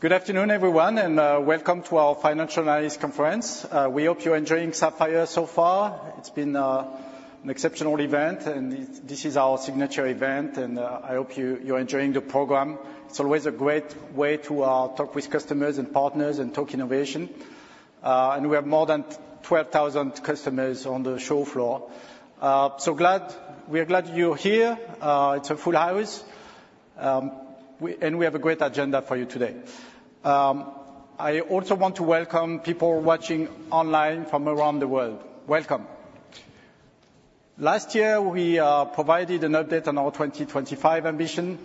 Good afternoon, everyone, and welcome to our Financial Analyst Conference. We hope you're enjoying Sapphire so far. It's been an exceptional event, and this is our signature event, and I hope you're enjoying the program. It's always a great way to talk with customers and partners and talk innovation. And we have more than 12,000 customers on the show floor. We are glad you're here. It's a full house, and we have a great agenda for you today. I also want to welcome people watching online from around the world. Welcome. Last year, we provided an update on our 2025 ambition,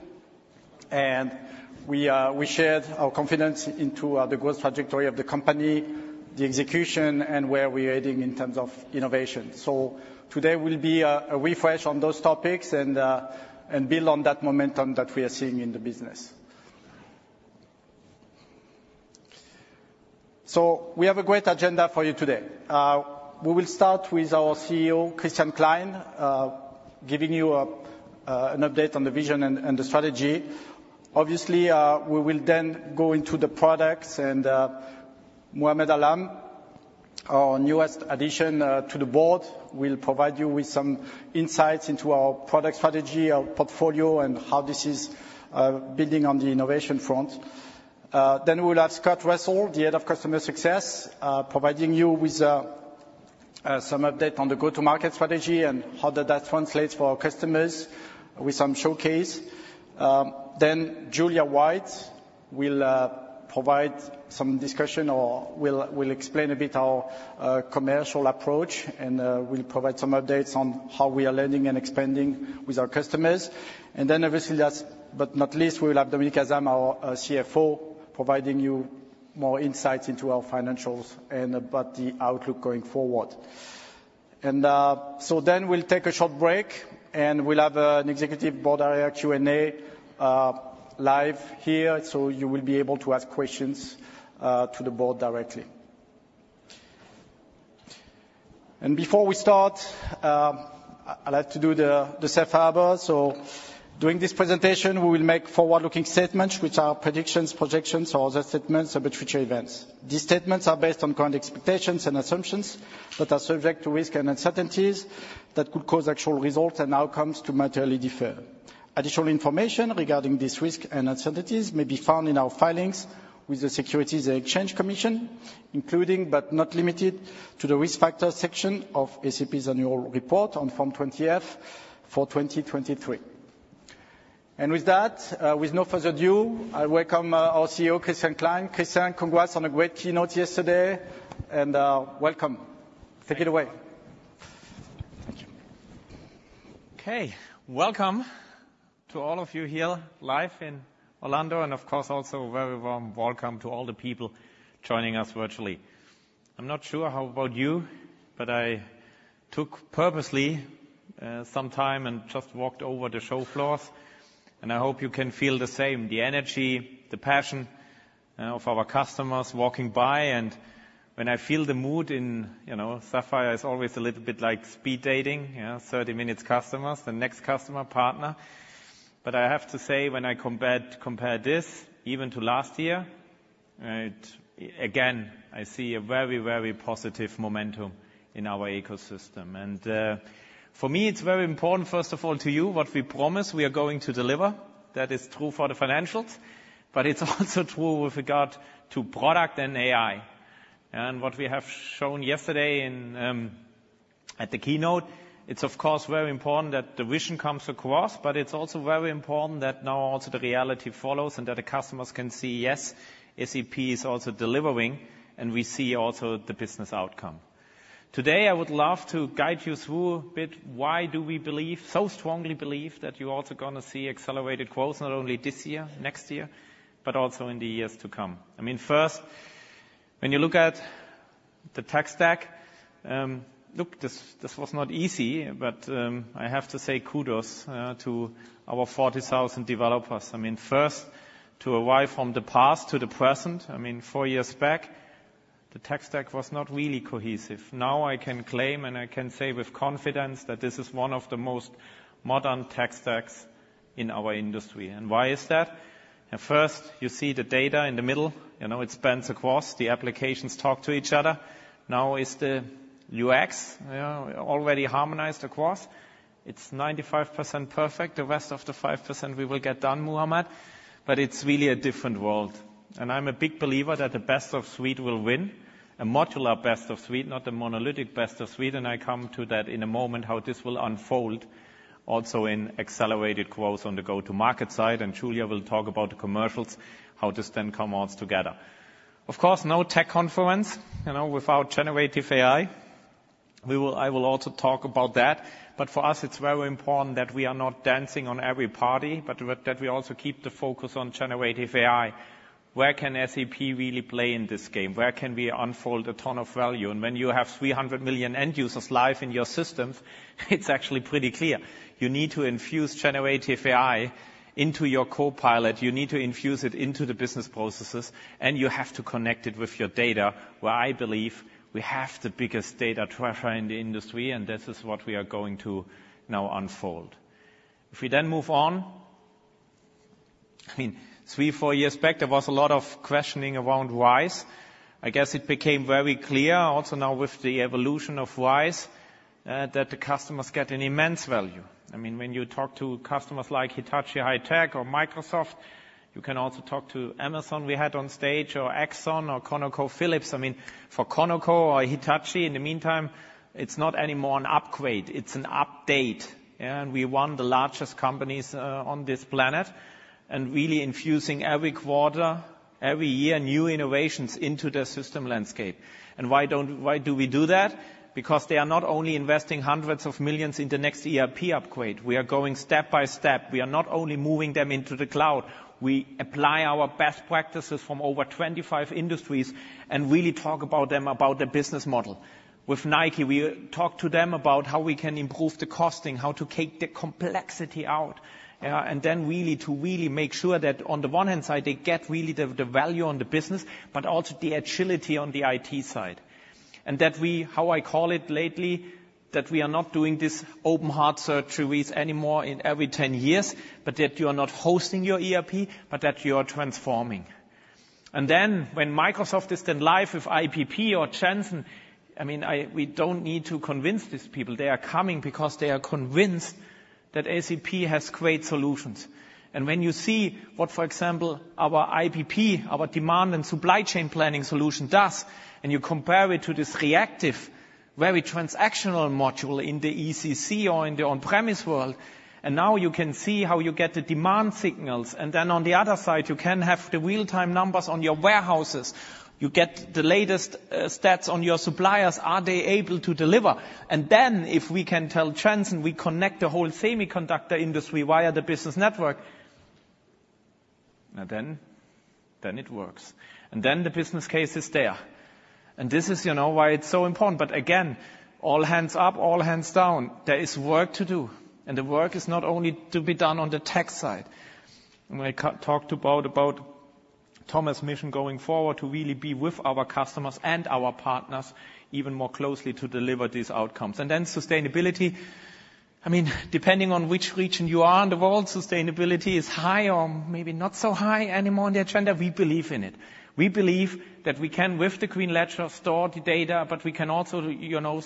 and we shared our confidence into the growth trajectory of the company, the execution, and where we're heading in terms of innovation. So today will be a refresh on those topics and build on that momentum that we are seeing in the business. So we have a great agenda for you today. We will start with our CEO, Christian Klein, giving you an update on the vision and the strategy. Obviously, we will then go into the products, and Muhammad Alam, our newest addition to the board, will provide you with some insights into our product strategy, our portfolio, and how this is building on the innovation front. Then we'll have Scott Russell, the Head of Customer Success, providing you with some update on the go-to-market strategy and how does that translate for our customers with some showcase. Then Julia White will provide some discussion or will explain a bit our commercial approach, and will provide some updates on how we are landing and expanding with our customers. Then obviously, last but not least, we will have Dominik Asam, our CFO, providing you more insights into our financials and about the outlook going forward. Then we'll take a short break, and we'll have an executive board Q&A live here, so you will be able to ask questions to the board directly. Before we start, I'd like to do the safe harbor. During this presentation, we will make forward-looking statements, which are predictions, projections, or other statements about future events. These statements are based on current expectations and assumptions but are subject to risks and uncertainties that could cause actual results and outcomes to materially differ. Additional information regarding these risks and uncertainties may be found in our filings with the Securities and Exchange Commission, including, but not limited to, the Risk Factors section of SAP's annual report on Form 20-F for 2023. And with that, with no further ado, I welcome our CEO, Christian Klein. Christian, congrats on a great keynote yesterday, and welcome. Take it away. Thank you. Okay, welcome to all of you here live in Orlando, and of course, also a very warm welcome to all the people joining us virtually. I'm not sure how about you, but I took purposely some time and just walked over the show floors, and I hope you can feel the same, the energy, the passion of our customers walking by. And when I feel the mood in... You know, Sapphire is always a little bit like speed dating, you know, 30 minutes customers, the next customer, partner. But I have to say, when I compare this even to last year, it, again, I see a very, very positive momentum in our ecosystem. And for me, it's very important, first of all, to you, what we promise, we are going to deliver. That is true for the financials, but it's also true with regard to product and AI. And what we have shown yesterday in at the keynote, it's of course very important that the vision comes across, but it's also very important that now also the reality follows, and that the customers can see, yes, SAP is also delivering, and we see also the business outcome. Today, I would love to guide you through a bit, why do we believe, so strongly believe, that you're also gonna see accelerated growth, not only this year, next year, but also in the years to come? I mean, first, when you look at the tech stack, look, this was not easy, but I have to say kudos to our 40,000 developers. I mean, first, to arrive from the past to the present, I mean, four years back, the tech stack was not really cohesive. Now, I can claim and I can say with confidence that this is one of the most modern tech stacks in our industry. And why is that? At first, you see the data in the middle, you know, it spans across. The applications talk to each other. Now, is the UX already harmonized across? It's 95% perfect. The rest of the 5%, we will get done, Muhammad, but it's really a different world. And I'm a big believer that the Best-of-Suite will win, a modular Best-of-Suite, not the monolithic Best-of-Suite, and I come to that in a moment, how this will unfold also in accelerated growth on the go-to-market side. Julia will talk about the commercials, how this then come all together. Of course, no tech conference, you know, without generative AI. We will, I will also talk about that, but for us, it's very important that we are not dancing on every party, but that we also keep the focus on generative AI. Where can SAP really play in this game? Where can we unfold a ton of value? And when you have 300 million end users live in your systems, it's actually pretty clear. You need to infuse generative AI into your copilot. You need to infuse it into the business processes, and you have to connect it with your data, where I believe we have the biggest data treasure in the industry, and this is what we are going to now unfold. If we then move on, I mean, three, four years back, there was a lot of questioning around RISE. I guess it became very clear, also now with the evolution of RISE, that the customers get an immense value. I mean, when you talk to customers like Hitachi High-Tech or Microsoft, you can also talk to Amazon, we had on stage, or Exxon or ConocoPhillips. I mean, for Conoco or Hitachi, in the meantime, it's not anymore an upgrade, it's an update, yeah? And we won the largest companies on this planet, and really infusing every quarter, every year, new innovations into their system landscape. Why do we do that? Because they are not only investing hundreds of millions EUR in the next ERP upgrade, we are going step by step. We are not only moving them into the cloud, we apply our best practices from over 25 industries, and really talk about them, about their business model. With Nike, we talk to them about how we can improve the costing, how to take the complexity out, and then really, to really make sure that on the one hand side, they get really the value on the business, but also the agility on the IT side. And that we, how I call it lately, that we are not doing this open heart surgeries anymore in every 10 years, but that you are not hosting your ERP, but that you are transforming. And then, when Microsoft is then live with IBP or Jensen, I mean, we don't need to convince these people. They are coming because they are convinced that SAP has great solutions. And when you see what, for example, our IBP, our demand and supply chain planning solution does, and you compare it to this reactive, very transactional module in the ECC or in the on-premise world, and now you can see how you get the demand signals. And then on the other side, you can have the real-time numbers on your warehouses. You get the latest stats on your suppliers, are they able to deliver? And then, if we can tell Jensen, we connect the whole semiconductor industry via the Business Network, and then, then it works, and then the business case is there. And this is, you know, why it's so important. But again, all hands up, all hands down, there is work to do, and the work is not only to be done on the tech side. When I talked about, about Thomas' mission going forward, to really be with our customers and our partners even more closely to deliver these outcomes. Then sustainability, I mean, depending on which region you are in the world, sustainability is high or maybe not so high anymore on the agenda. We believe in it. We believe that we can, with the Green Ledger, store the data, but we can also, you know,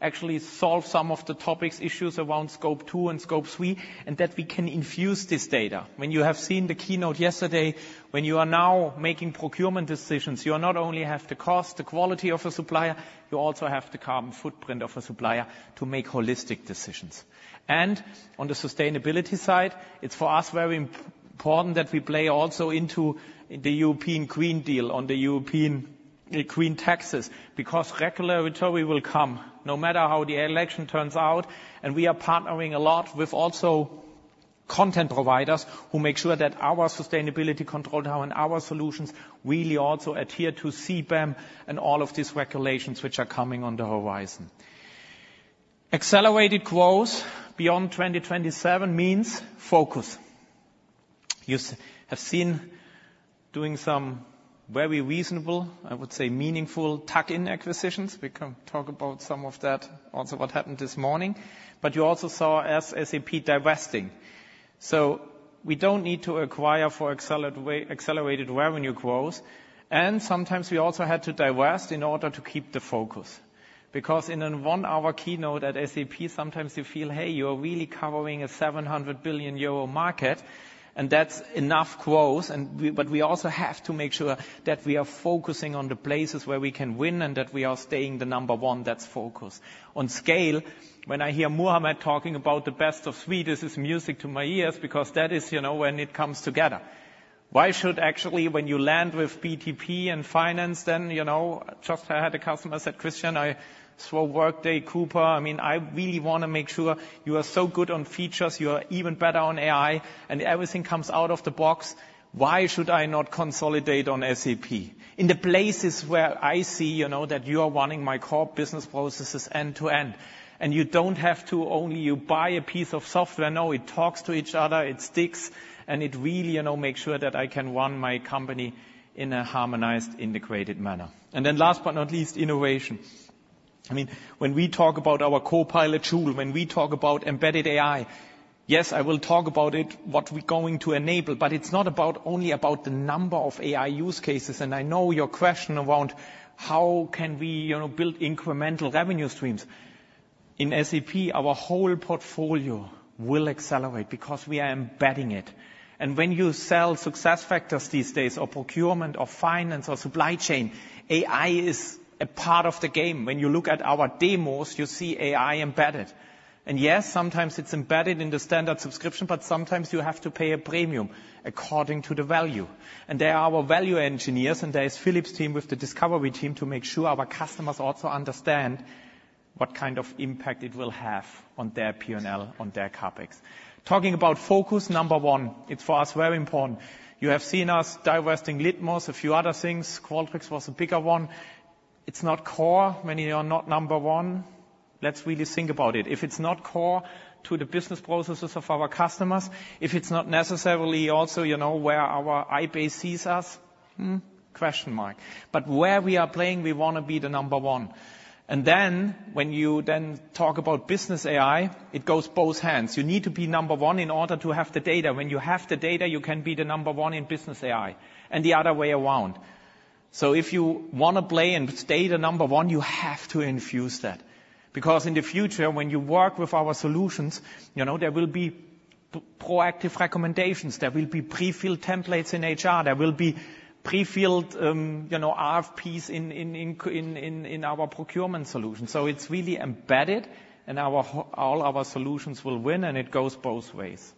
actually solve some of the topics, issues around Scope 2 and Scope 3, and that we can infuse this data. When you have seen the keynote yesterday, when you are now making procurement decisions, you are not only have the cost, the quality of a supplier, you also have the carbon footprint of a supplier to make holistic decisions. On the sustainability side, it's for us very important that we play also into the European Green Deal on the European green taxes, because regulatory will come, no matter how the election turns out. And we are partnering a lot with also content providers, who make sure that our Sustainability Control Tower and our solutions really also adhere to CBAM and all of these regulations, which are coming on the horizon. Accelerated growth beyond 2027 means focus. You've seen us doing some very reasonable, I would say, meaningful tuck-in acquisitions. We can talk about some of that, also what happened this morning. But you also saw SAP divesting. So we don't need to acquire for accelerated revenue growth, and sometimes we also had to divest in order to keep the focus. Because in a one-hour keynote at SAP, sometimes you feel, hey, you are really covering a 700 billion euro market, and that's enough growth, and we, but we also have to make sure that we are focusing on the places where we can win, and that we are staying the number one. That's focus. On scale, when I hear Muhammad talking about the Best-of-Suite, this is music to my ears, because that is, you know, when it comes together. Why should actually, when you land with BTP and finance, then, you know. Just I had a customer said, "Christian, I saw Workday, Coupa. I mean, I really want to make sure you are so good on features, you are even better on AI, and everything comes out of the box. Why should I not consolidate on SAP? In the places where I see, you know, that you are running my core business processes end to end, and you don't have to only you buy a piece of software. No, it talks to each other, it sticks, and it really, you know, makes sure that I can run my company in a harmonized, integrated manner." And then last but not least, innovation. I mean, when we talk about our copilot tool, when we talk about embedded AI, yes, I will talk about it, what we're going to enable, but it's not about only about the number of AI use cases. And I know your question around: How can we, you know, build incremental revenue streams? In SAP, our whole portfolio will accelerate because we are embedding it. When you sell SuccessFactors these days, or procurement, or finance, or supply chain, AI is a part of the game. When you look at our demos, you see AI embedded, and yes, sometimes it's embedded in the standard subscription, but sometimes you have to pay a premium according to the value. There are our value engineers, and there is Philipp's team with the discovery team, to make sure our customers also understand what kind of impact it will have on their P&L, on their CapEx. Talking about focus, number one, it's for us very important. You have seen us divesting Litmos, a few other things. Qualtrics was a bigger one. It's not core. Many are not number one. Let's really think about it. If it's not core to the business processes of our customers, if it's not necessarily also, you know, where our iBase sees us. Hmm, question mark. But where we are playing, we want to be the number one. And then when you then talk about business AI, it goes both hands. You need to be number one in order to have the data. When you have the data, you can be the number one in business AI, and the other way around. So if you want to play and stay the number one, you have to infuse that, because in the future, when you work with our solutions, you know, there will be proactive recommendations, there will be pre-filled templates in HR, there will be pre-filled, you know, RFPs in our procurement solution. So it's really embedded, and all our solutions will win, and it goes both ways.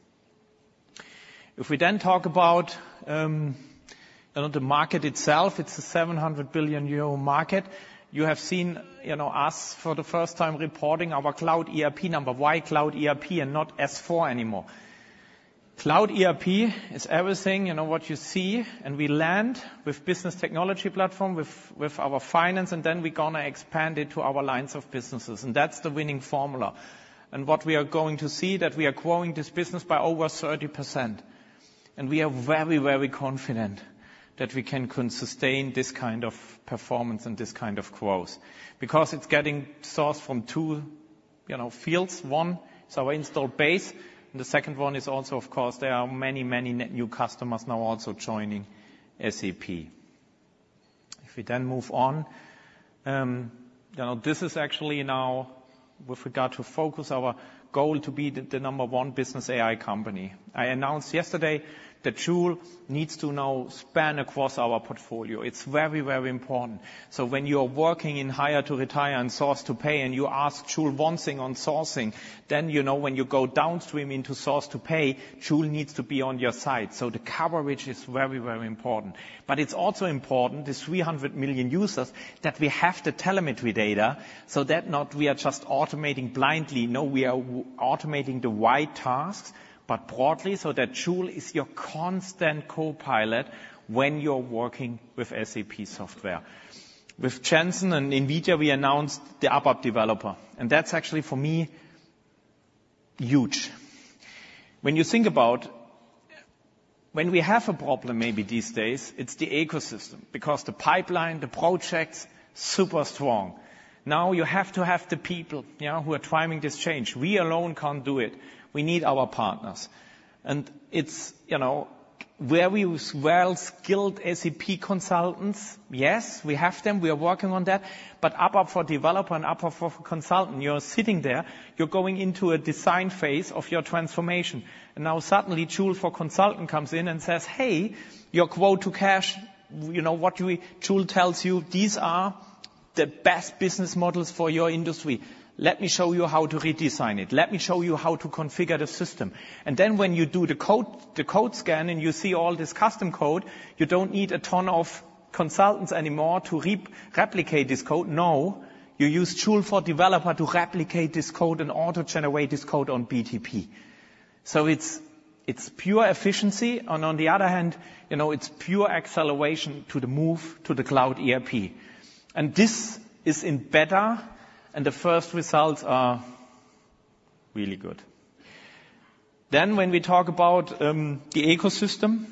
If we then talk about, you know, the market itself, it's a 700 billion euro market. You have seen, you know, us for the first time reporting our cloud ERP number. Why cloud ERP and not S/4 anymore? Cloud ERP is everything, you know, what you see, and we land with Business Technology Platform, with, with our finance, and then we're gonna expand it to our lines of businesses, and that's the winning formula. And what we are going to see, that we are growing this business by over 30%. And we are very, very confident that we can sustain this kind of performance and this kind of growth. Because it's getting sourced from two, you know, fields. One, is our install base, and the second one is also, of course, there are many, many new customers now also joining SAP. If we then move on, you know, this is actually now with regard to focus our goal to be the number one business AI company. I announced yesterday that Joule needs to now span across our portfolio. It's very, very important. So when you are working in Hire to Retire and Source to Pay, and you ask Joule one thing on sourcing, then, you know, when you go downstream into Source to Pay, Joule needs to be on your side. So the coverage is very, very important. But it's also important, the 300 million users, that we have the telemetry data, so that not we are just automating blindly. No, we are automating the wide tasks, but broadly, so that Joule is your constant co-pilot when you're working with SAP software. With Jensen and NVIDIA, we announced the ABAP developer, and that's actually, for me, huge. When you think about... When we have a problem, maybe these days, it's the ecosystem, because the pipeline, the projects, super strong. Now, you have to have the people, you know, who are driving this change. We alone can't do it. We need our partners. And it's, you know, where we use well-skilled SAP consultants, yes, we have them, we are working on that, but ABAP for developer and ABAP for consultant, you're sitting there, you're going into a design phase of your transformation. And now suddenly, Joule for consultant comes in and says, "Hey, your Quote to Cash, you know, what we-- Joule tells you these are the best business models for your industry. Let me show you how to redesign it. Let me show you how to configure the system." And then when you do the code, the code scan, and you see all this custom code, you don't need a ton of consultants anymore to replicate this code. No, you use Joule for developer to replicate this code and auto-generate this code on BTP. So it's, it's pure efficiency, and on the other hand, you know, it's pure acceleration to the move to the cloud ERP. And this is in beta, and the first results are really good. Then, when we talk about the ecosystem,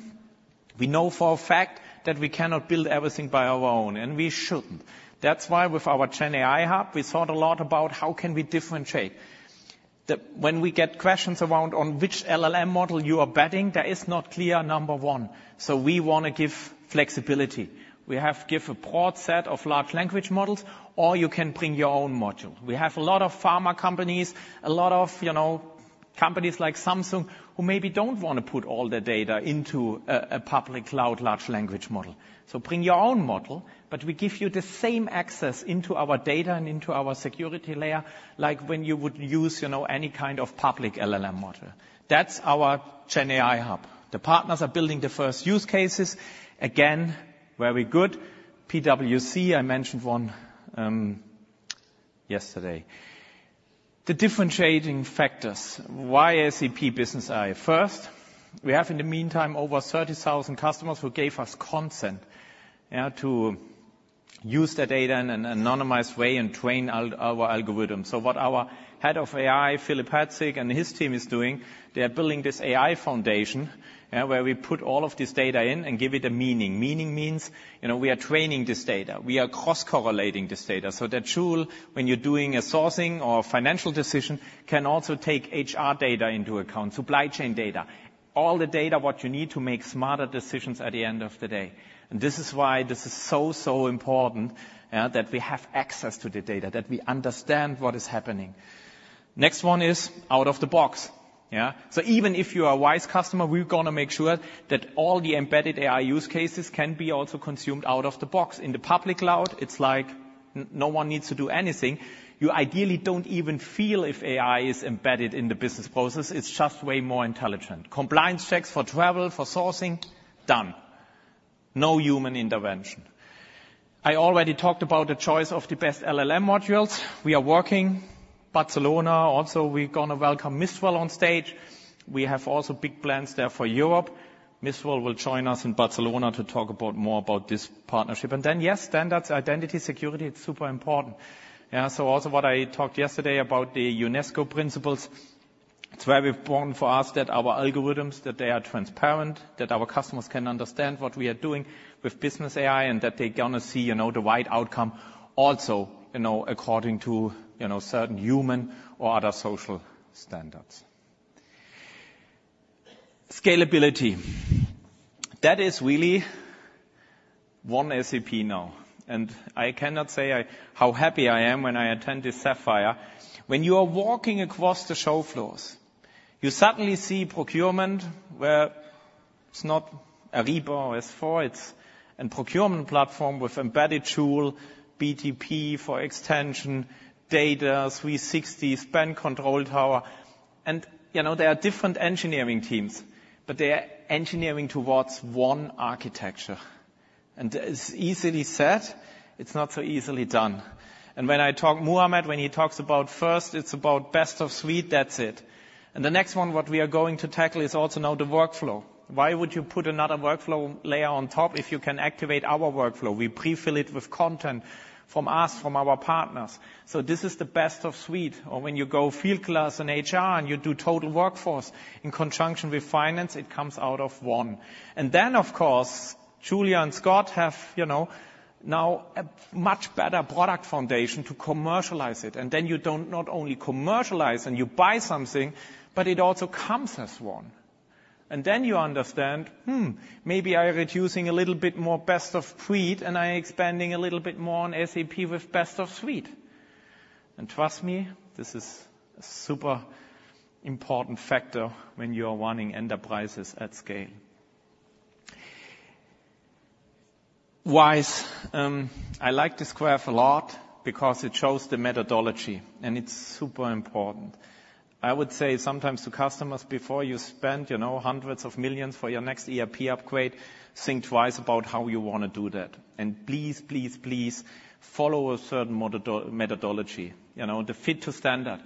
we know for a fact that we cannot build everything by our own, and we shouldn't. That's why with our GenAI Hub, we thought a lot about how can we differentiate. When we get questions around on which LLM model you are betting, there is not clear, number one, so we want to give flexibility. We have give a broad set of large language models, or you can bring your own model. We have a lot of pharma companies, a lot of, you know, companies like Samsung, who maybe don't want to put all their data into a, a public cloud large language model. So bring your own model, but we give you the same access into our data and into our security layer, like when you would use, you know, any kind of public LLM model. That's our GenAI Hub. The partners are building the first use cases. Again, very good. PwC, I mentioned one, yesterday. The differentiating factors, why SAP Business AI? First, we have, in the meantime, over 30,000 customers who gave us consent, yeah, to use their data in an anonymized way and train our algorithm. So what our head of AI, Philipp Herzig, and his team is doing, they are building this AI foundation, where we put all of this data in and give it a meaning. Meaning means, you know, we are training this data, we are cross-correlating this data, so that Joule, when you're doing a sourcing or financial decision, can also take HR data into account, supply chain data, all the data, what you need to make smarter decisions at the end of the day. And this is why this is so, so important, that we have access to the data, that we understand what is happening. Next one is out of the box, yeah? So even if you are a RISE customer, we're gonna make sure that all the embedded AI use cases can be also consumed out of the box. In the public cloud, it's like no one needs to do anything. You ideally don't even feel if AI is embedded in the business process. It's just way more intelligent. Compliance checks for travel, for sourcing, done. No human intervention. I already talked about the choice of the best LLM modules. We are working. Barcelona, also, we're gonna welcome Mistral on stage. We have also big plans there for Europe. Mistral will join us in Barcelona to talk about more about this partnership. And then, yes, standards, identity, security, it's super important. Yeah, so also what I talked yesterday about the UNESCO principles. It's very important for us that our algorithms, that they are transparent, that our customers can understand what we are doing with business AI, and that they're gonna see, you know, the right outcome also, you know, according to, you know, certain human or other social standards. Scalability. That is really One SAP now, and I cannot say how happy I am when I attend this Sapphire. When you are walking across the show floors, you suddenly see procurement, where it's not Ariba or S/4, it's a procurement platform with embedded Joule, BTP for extension, data 360, Spend Control Tower. And, you know, there are different engineering teams, but they are engineering towards one architecture. And it's easily said, it's not so easily done. And when I talk, Muhammad, when he talks about first, it's about Best-of-Suite, that's it. And the next one, what we are going to tackle, is also now the workflow. Why would you put another workflow layer on top if you can activate our workflow? We pre-fill it with content from us, from our partners. So this is the Best-of-Suite. Or when you go Fieldglass and HR, and you do total workforce in conjunction with finance, it comes out of one. And then, of course, Julia and Scott have, you know, now a much better product foundation to commercialize it. And then you don't not only commercialize and you buy something, but it also comes as one. And then you understand, "Hmm, maybe I am reducing a little bit more Best-of-Suite, and I am expanding a little bit more on SAP with Best-of-Suite." And trust me, this is a super important factor when you are running enterprises at scale. RISE, I like this graph a lot because it shows the methodology, and it's super important. I would say sometimes to customers, before you spend, you know, EUR hundreds of millions for your next ERP upgrade, think twice about how you want to do that. And please, please, please, follow a certain methodology, you know, the Fit-to-Standard.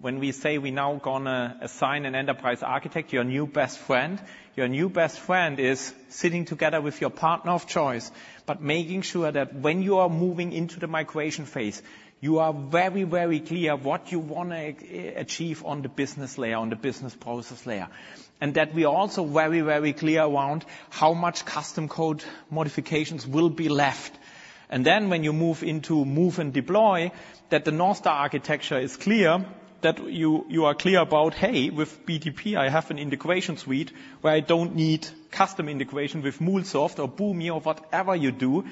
When we say we now gonna assign an enterprise architect, your new best friend, your new best friend is sitting together with your partner of choice, but making sure that when you are moving into the migration phase, you are very, very clear what you want to achieve on the business layer, on the business process layer. And that we are also very, very clear around how much custom code modifications will be left. And then when you move into move and deploy, that the North Star architecture is clear, that you, you are clear about, "Hey, with BTP, I have an integration suite where I don't need custom integration with MuleSoft or Boomi or whatever you do."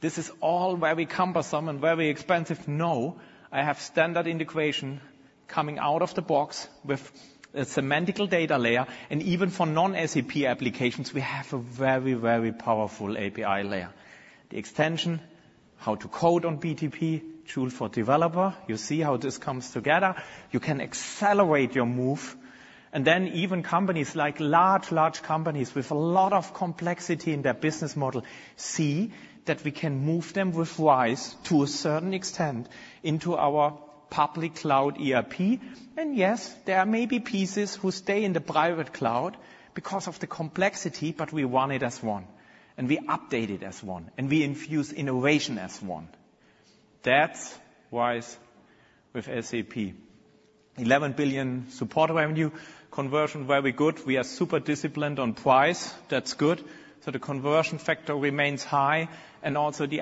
This is all very cumbersome and very expensive. No, I have standard integration coming out of the box with a semantic data layer, and even for non-SAP applications, we have a very, very powerful API layer. The extension, how to code on BTP, Joule for developer. You see how this comes together. You can accelerate your move, and then even companies like large, large companies with a lot of complexity in their business model, see that we can move them with RISE with SAP to a certain extent into our public cloud ERP. And yes, there may be pieces who stay in the private cloud because of the complexity, but we want it as one, and we update it as one, and we infuse innovation as one. That's RISE with SAP. 11 billion support revenue. Conversion, very good. We are super disciplined on price. That's good. So the conversion factor remains high, and also the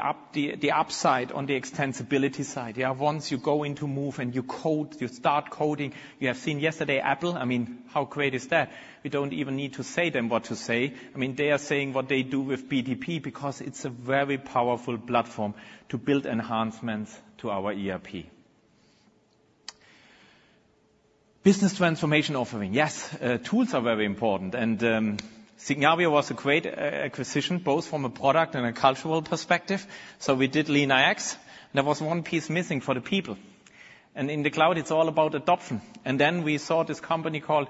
upside on the extensibility side. Yeah, once you go into move and you code, you start coding, you have seen yesterday Apple, I mean, how great is that? We don't even need to say them what to say. I mean, they are saying what they do with BTP because it's a very powerful platform to build enhancements to our ERP. Business transformation offering. Yes, tools are very important, and Signavio was a great acquisition, both from a product and a cultural perspective. So we did LeanIX, and there was one piece missing for the people. And in the cloud, it's all about adoption. And then we saw this company called,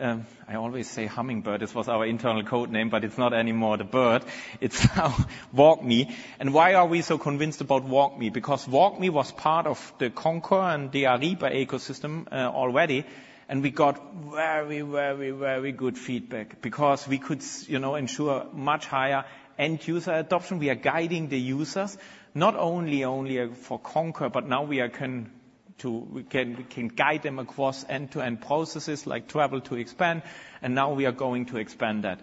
I always say Hummingbird. This was our internal code name, but it's not anymore the bird. It's now WalkMe. Why are we so convinced about WalkMe? Because WalkMe was part of the Concur and the Ariba ecosystem already, and we got very, very, very good feedback because we could you know, ensure much higher end-user adoption. We are guiding the users, not only, only for Concur, but now we can guide them across end-to-end processes like Travel to Expense, and now we are going to expand that.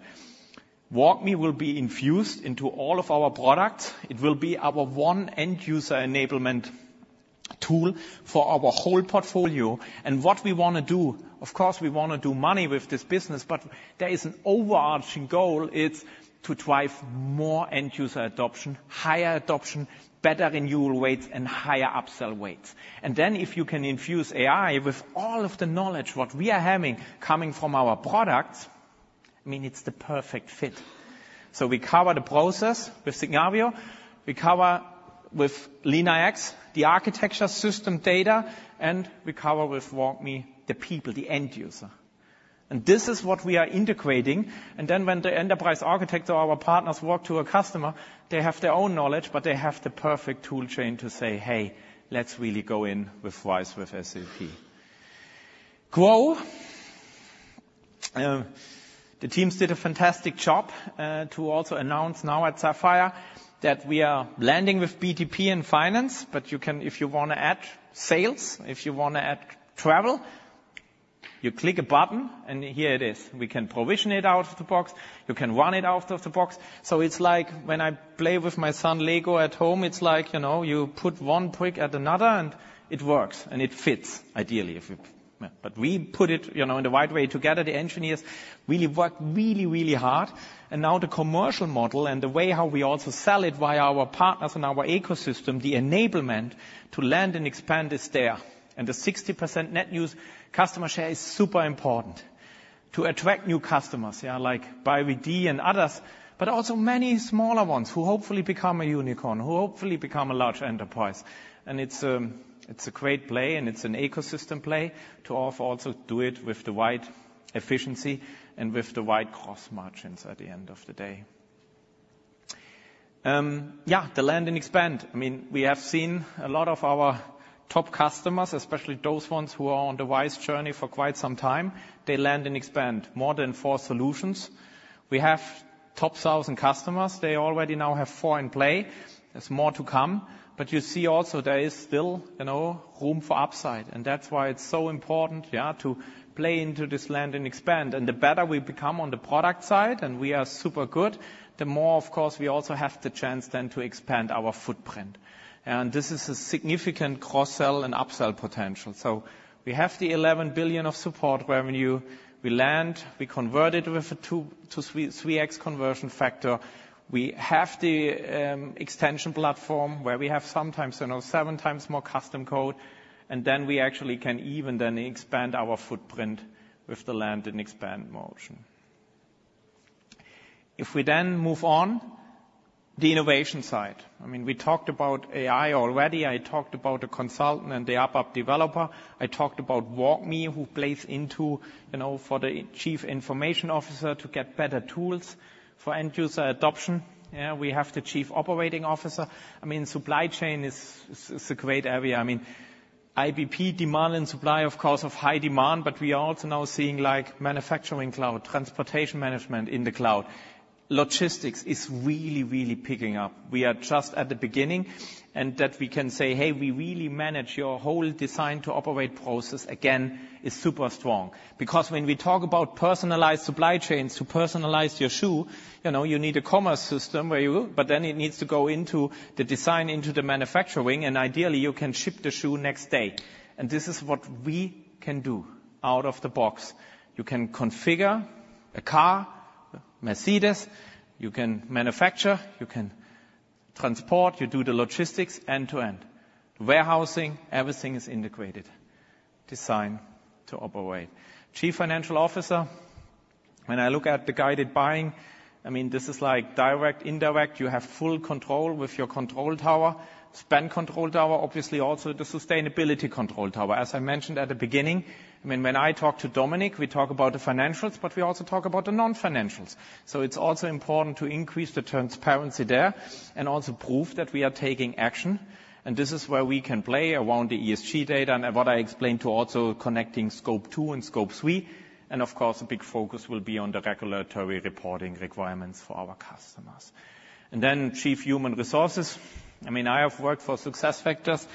WalkMe will be infused into all of our products. It will be our one end-user enablement tool for our whole portfolio. And what we want to do, of course, we want to make money with this business, but there is an overarching goal, it's to drive more end-user adoption, higher adoption, better annual rates, and higher upsell rates. And then if you can infuse AI with all of the knowledge, what we are having coming from our products, I mean, it's the perfect fit. So we cover the process with Signavio, we cover with LeanIX, the architecture system data, and we cover with WalkMe, the people, the end user. And this is what we are integrating, and then when the enterprise architect or our partners walk to a customer, they have their own knowledge, but they have the perfect tool chain to say, "Hey, let's really go in with RISE with SAP." The teams did a fantastic job to also announce now at Sapphire that we are landing with BTP and finance, but you can, if you wanna add sales, if you wanna add travel, you click a button, and here it is. We can provision it out of the box. You can run it out of the box. So it's like when I play with my son Lego at home, it's like, you know, you put one brick at another, and it works, and it fits ideally, if you... But we put it, you know, in the right way together. The engineers really worked really, really hard. And now the commercial model and the way how we also sell it via our partners and our ecosystem, the enablement to land and expand is there. And the 60% net new customer share is super important to attract new customers, yeah, like BYD and others, but also many smaller ones who hopefully become a unicorn, who hopefully become a large enterprise. And it's, it's a great play, and it's an ecosystem play to also do it with the right efficiency and with the right cost margins at the end of the day. Yeah, the land and expand. I mean, we have seen a lot of our top customers, especially those ones who are on the RISE journey for quite some time, they land and expand more than four solutions. We have top sales and customers. They already now have four in play. There's more to come, but you see also there is still, you know, room for upside, and that's why it's so important, yeah, to play into this land and expand. And the better we become on the product side, and we are super good, the more, of course, we also have the chance then to expand our footprint. This is a significant cross-sell and upsell potential. So we have the 11 billion of support revenue. We land, we convert it with a 2-3, 3x conversion factor. We have the extension platform, where we have sometimes, you know, seven times more custom code, and then we actually can even then expand our footprint with the land and expand motion. If we then move on, the innovation side. I mean, we talked about AI already. I talked about the consultant and the ABAP developer. I talked about WalkMe, who plays into, you know, for the chief information officer to get better tools for end user adoption. Yeah, we have the chief operating officer. I mean, supply chain is a great area. I mean, IBP, demand and supply, of course, of high demand, but we are also now seeing, like, Manufacturing Cloud, Transportation Management in the cloud. Logistics is really, really picking up. We are just at the beginning, and that we can say, "Hey, we really manage your whole Design to Operate process," again, is super strong. Because when we talk about personalized supply chains, to personalize your shoe, you know, you need a commerce system where you, but then it needs to go into the design, into the manufacturing, and ideally, you can ship the shoe next day. And this is what we can do out of the box. You can configure a car, Mercedes, you can manufacture, you can transport, you do the logistics end-to-end. Warehousing, everything is integrated, Design to Operate. Chief Financial Officer, when I look at the guided buying, I mean, this is like direct, indirect. You have full control with your control tower, Spend Control Tower, obviously, also the Sustainability Control Tower. As I mentioned at the beginning, I mean, when I talk to Dominik, we talk about the financials, but we also talk about the non-financials. So it's also important to increase the transparency there and also prove that we are taking action. And this is where we can play around the ESG data and what I explained to also connecting Scope 2 and Scope 3. And of course, a big focus will be on the regulatory reporting requirements for our customers. And then Chief Human Resources. I mean, I have worked for SuccessFactors,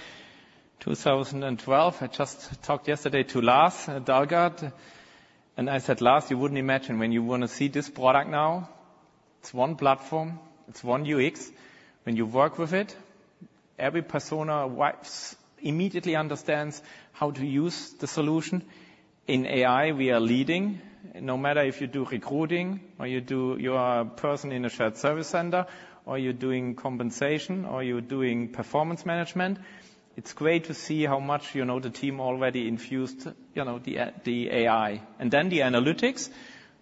2012. I just talked yesterday to Lars Dalgaard, and I said, "Lars, you wouldn't imagine when you wanna see this product now, it's one platform, it's one UX. When you work with it, every persona immediately understands how to use the solution." In AI, we are leading. No matter if you do recruiting or you are a person in a shared service center, or you're doing compensation, or you're doing performance management, it's great to see how much, you know, the team already infused, you know, the, the AI. Then the analytics,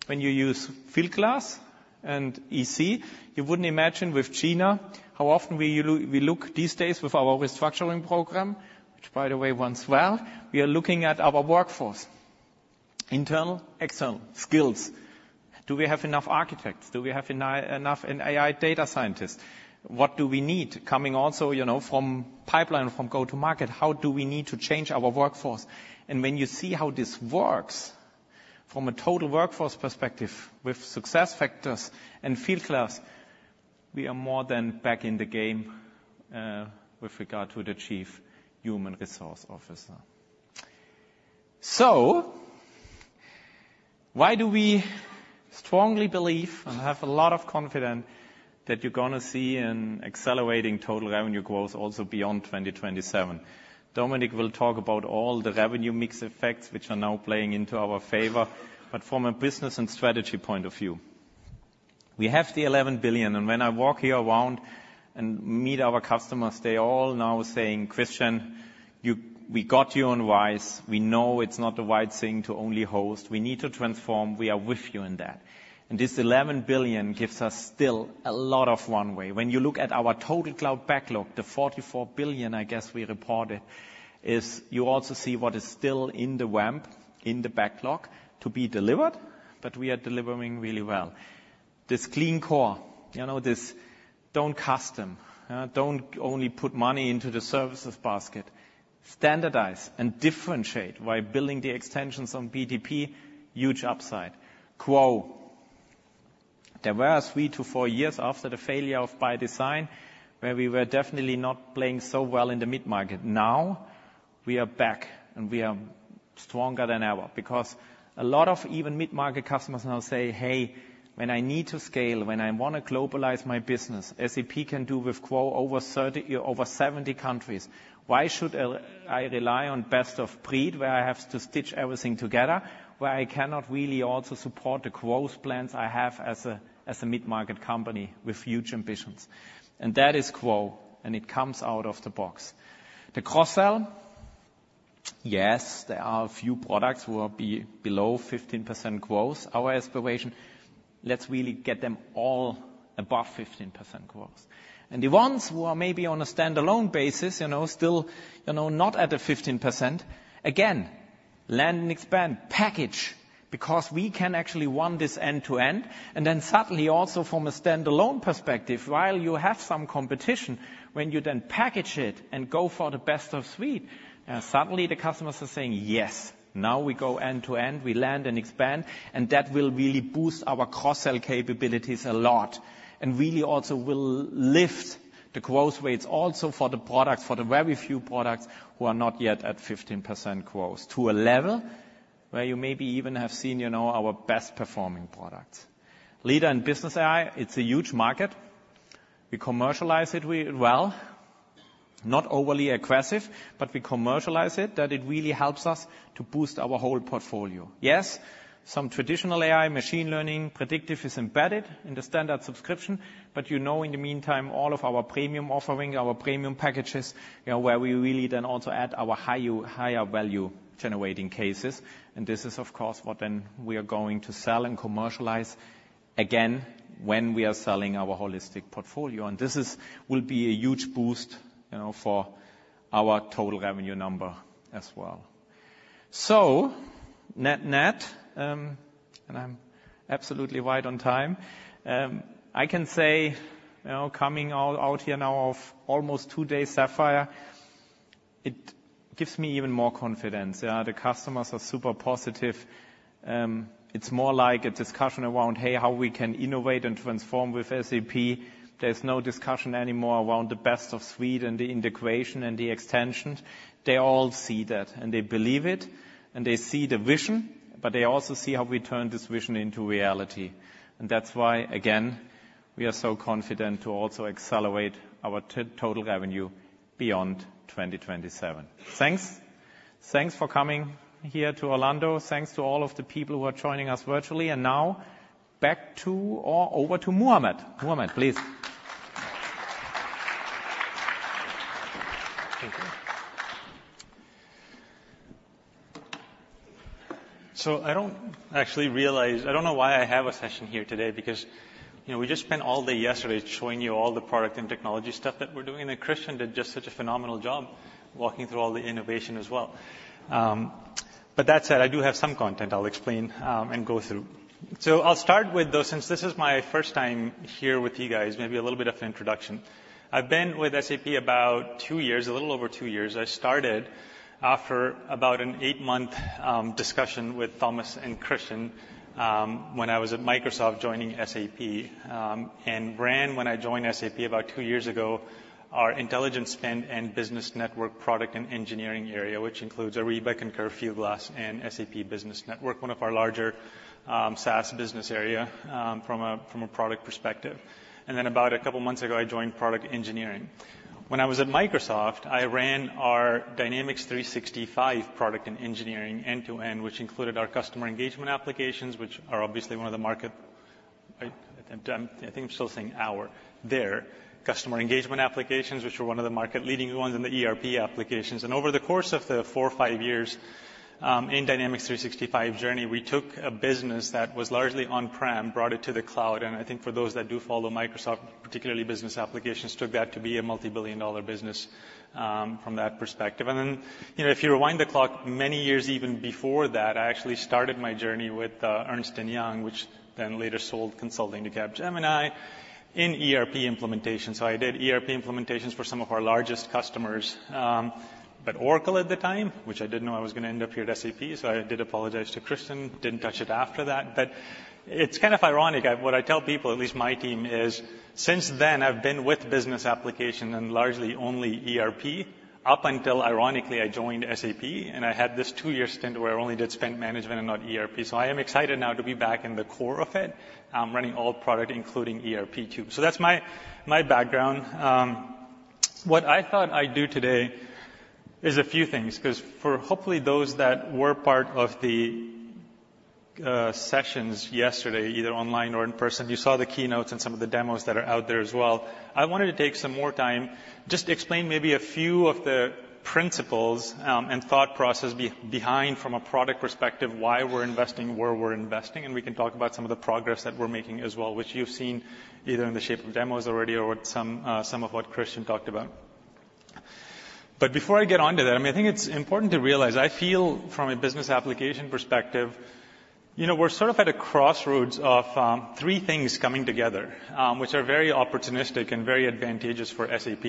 when you use Fieldglass and EC, you wouldn't imagine with Gina, how often we look these days with our restructuring program, which, by the way, runs well. We are looking at our workforce, internal, external, skills. Do we have enough architects? Do we have enough AI data scientists? What do we need coming also, you know, from pipeline, from go-to-market? How do we need to change our workforce? When you see how this works from a total workforce perspective with SuccessFactors and Fieldglass, we are more than back in the game with regard to the chief human resource officer. So why do we strongly believe and have a lot of confidence that you're gonna see an accelerating total revenue growth also beyond 2027? Dominik will talk about all the revenue mix effects, which are now playing into our favor. But from a business and strategy point of view, we have the 11 billion, and when I walk here around and meet our customers, they all now saying, "Christian, you—we got you on RISE. We know it's not the right thing to only host. We need to transform. We are with you in that." And this 11 billion gives us still a lot of runway. When you look at our total cloud backlog, the 44 billion, I guess we reported, is you also see what is still in the ramp, in the backlog to be delivered, but we are delivering really well. This Clean Core, you know, this don't customize, don't only put money into the services basket.... standardize and differentiate by building the extensions on BTP, huge upside. GROW, there were 3-4 years after the failure of ByDesign, where we were definitely not playing so well in the mid-market. Now, we are back, and we are stronger than ever, because a lot of even mid-market customers now say, "Hey, when I need to scale, when I want to globalize my business, SAP can do with GROW over 30, over 70 countries. Why should I rely on Best-of-Breed, where I have to stitch everything together, where I cannot really also support the growth plans I have as a mid-market company with huge ambitions?" And that is GROW, and it comes out of the box. The cross-sell, yes, there are a few products who are below 15% growth. Our aspiration, let's really get them all above 15% growth. And the ones who are maybe on a standalone basis, you know, still, you know, not at the 15%, again, land and expand, package, because we can actually run this end to end. And then suddenly, also from a standalone perspective, while you have some competition, when you then package it and go for the Best-of-Suite, suddenly the customers are saying, "Yes, now we go end to end. We land and expand," and that will really boost our cross-sell capabilities a lot, and really also will lift the growth rates also for the products, for the very few products who are not yet at 15% growth, to a level where you maybe even have seen, you know, our best performing products. Leader in business AI, it's a huge market. We commercialize it well, not overly aggressive, but we commercialize it that it really helps us to boost our whole portfolio. Yes, some traditional AI, machine learning, predictive is embedded in the standard subscription, but you know, in the meantime, all of our premium offering, our premium packages, you know, where we really then also add our higher value-generating cases. This is, of course, what then we are going to sell and commercialize again when we are selling our holistic portfolio, and this will be a huge boost, you know, for our total revenue number as well. So net-net, and I'm absolutely right on time. I can say, you know, coming out here now of almost two days Sapphire, it gives me even more confidence. The customers are super positive. It's more like a discussion around, hey, how we can innovate and transform with SAP. There's no discussion anymore around the Best-of-Suite and the integration and the extensions. They all see that, and they believe it, and they see the vision, but they also see how we turn this vision into reality. That's why, again, we are so confident to also accelerate our total revenue beyond 2027. Thanks. Thanks for coming here to Orlando. Thanks to all of the people who are joining us virtually, and now back to or over to Muhammad. Muhammad, please. Thank you. So I don't know why I have a session here today, because, you know, we just spent all day yesterday showing you all the product and technology stuff that we're doing, and Christian did just such a phenomenal job walking through all the innovation as well. But that said, I do have some content I'll explain and go through. So I'll start with, though, since this is my first time here with you guys, maybe a little bit of an introduction. I've been with SAP about two years, a little over two years. I started after about an eight-month discussion with Thomas and Christian, when I was at Microsoft, joining SAP. And ran, when I joined SAP about two years ago, our Intelligent Spend and Business Network product and engineering area, which includes Ariba and Fieldglass and SAP Business Network, one of our larger, SaaS business area, from a, from a product perspective. And then, about a couple months ago, I joined product engineering. When I was at Microsoft, I ran our Dynamics 365 product and engineering end-to-end, which included our customer engagement applications, which are obviously one of the market, I, I think I'm still saying our, their customer engagement applications, which were one of the market-leading ones in the ERP applications. Over the course of the 4 or 5 years in Dynamics 365 journey, we took a business that was largely on-prem, brought it to the cloud, and I think for those that do follow Microsoft, particularly business applications, took that to be a multi-billion-dollar business from that perspective. Then, you know, if you rewind the clock many years even before that, I actually started my journey with Ernst & Young, which then later sold consulting to Capgemini in ERP implementation. So I did ERP implementations for some of our largest customers, but Oracle at the time, which I didn't know I was gonna end up here at SAP, so I did apologize to Christian, didn't touch it after that. But it's kind of ironic, what I tell people, at least my team, is since then, I've been with business application and largely only ERP, up until, ironically, I joined SAP, and I had this two-year stint where I only did Spend Management and not ERP. So I am excited now to be back in the core of it, running all product, including ERP, too. So that's my, my background. What I thought I'd do today is a few things, 'cause for, hopefully, those that were part of the sessions yesterday, either online or in person, you saw the keynotes and some of the demos that are out there as well. I wanted to take some more time just to explain maybe a few of the principles and thought process behind, from a product perspective, why we're investing where we're investing, and we can talk about some of the progress that we're making as well, which you've seen either in the shape of demos already or some of what Christian talked about. But before I get onto that, I mean, I think it's important to realize, I feel from a business application perspective. You know, we're sort of at a crossroads of three things coming together, which are very opportunistic and very advantageous for SAP.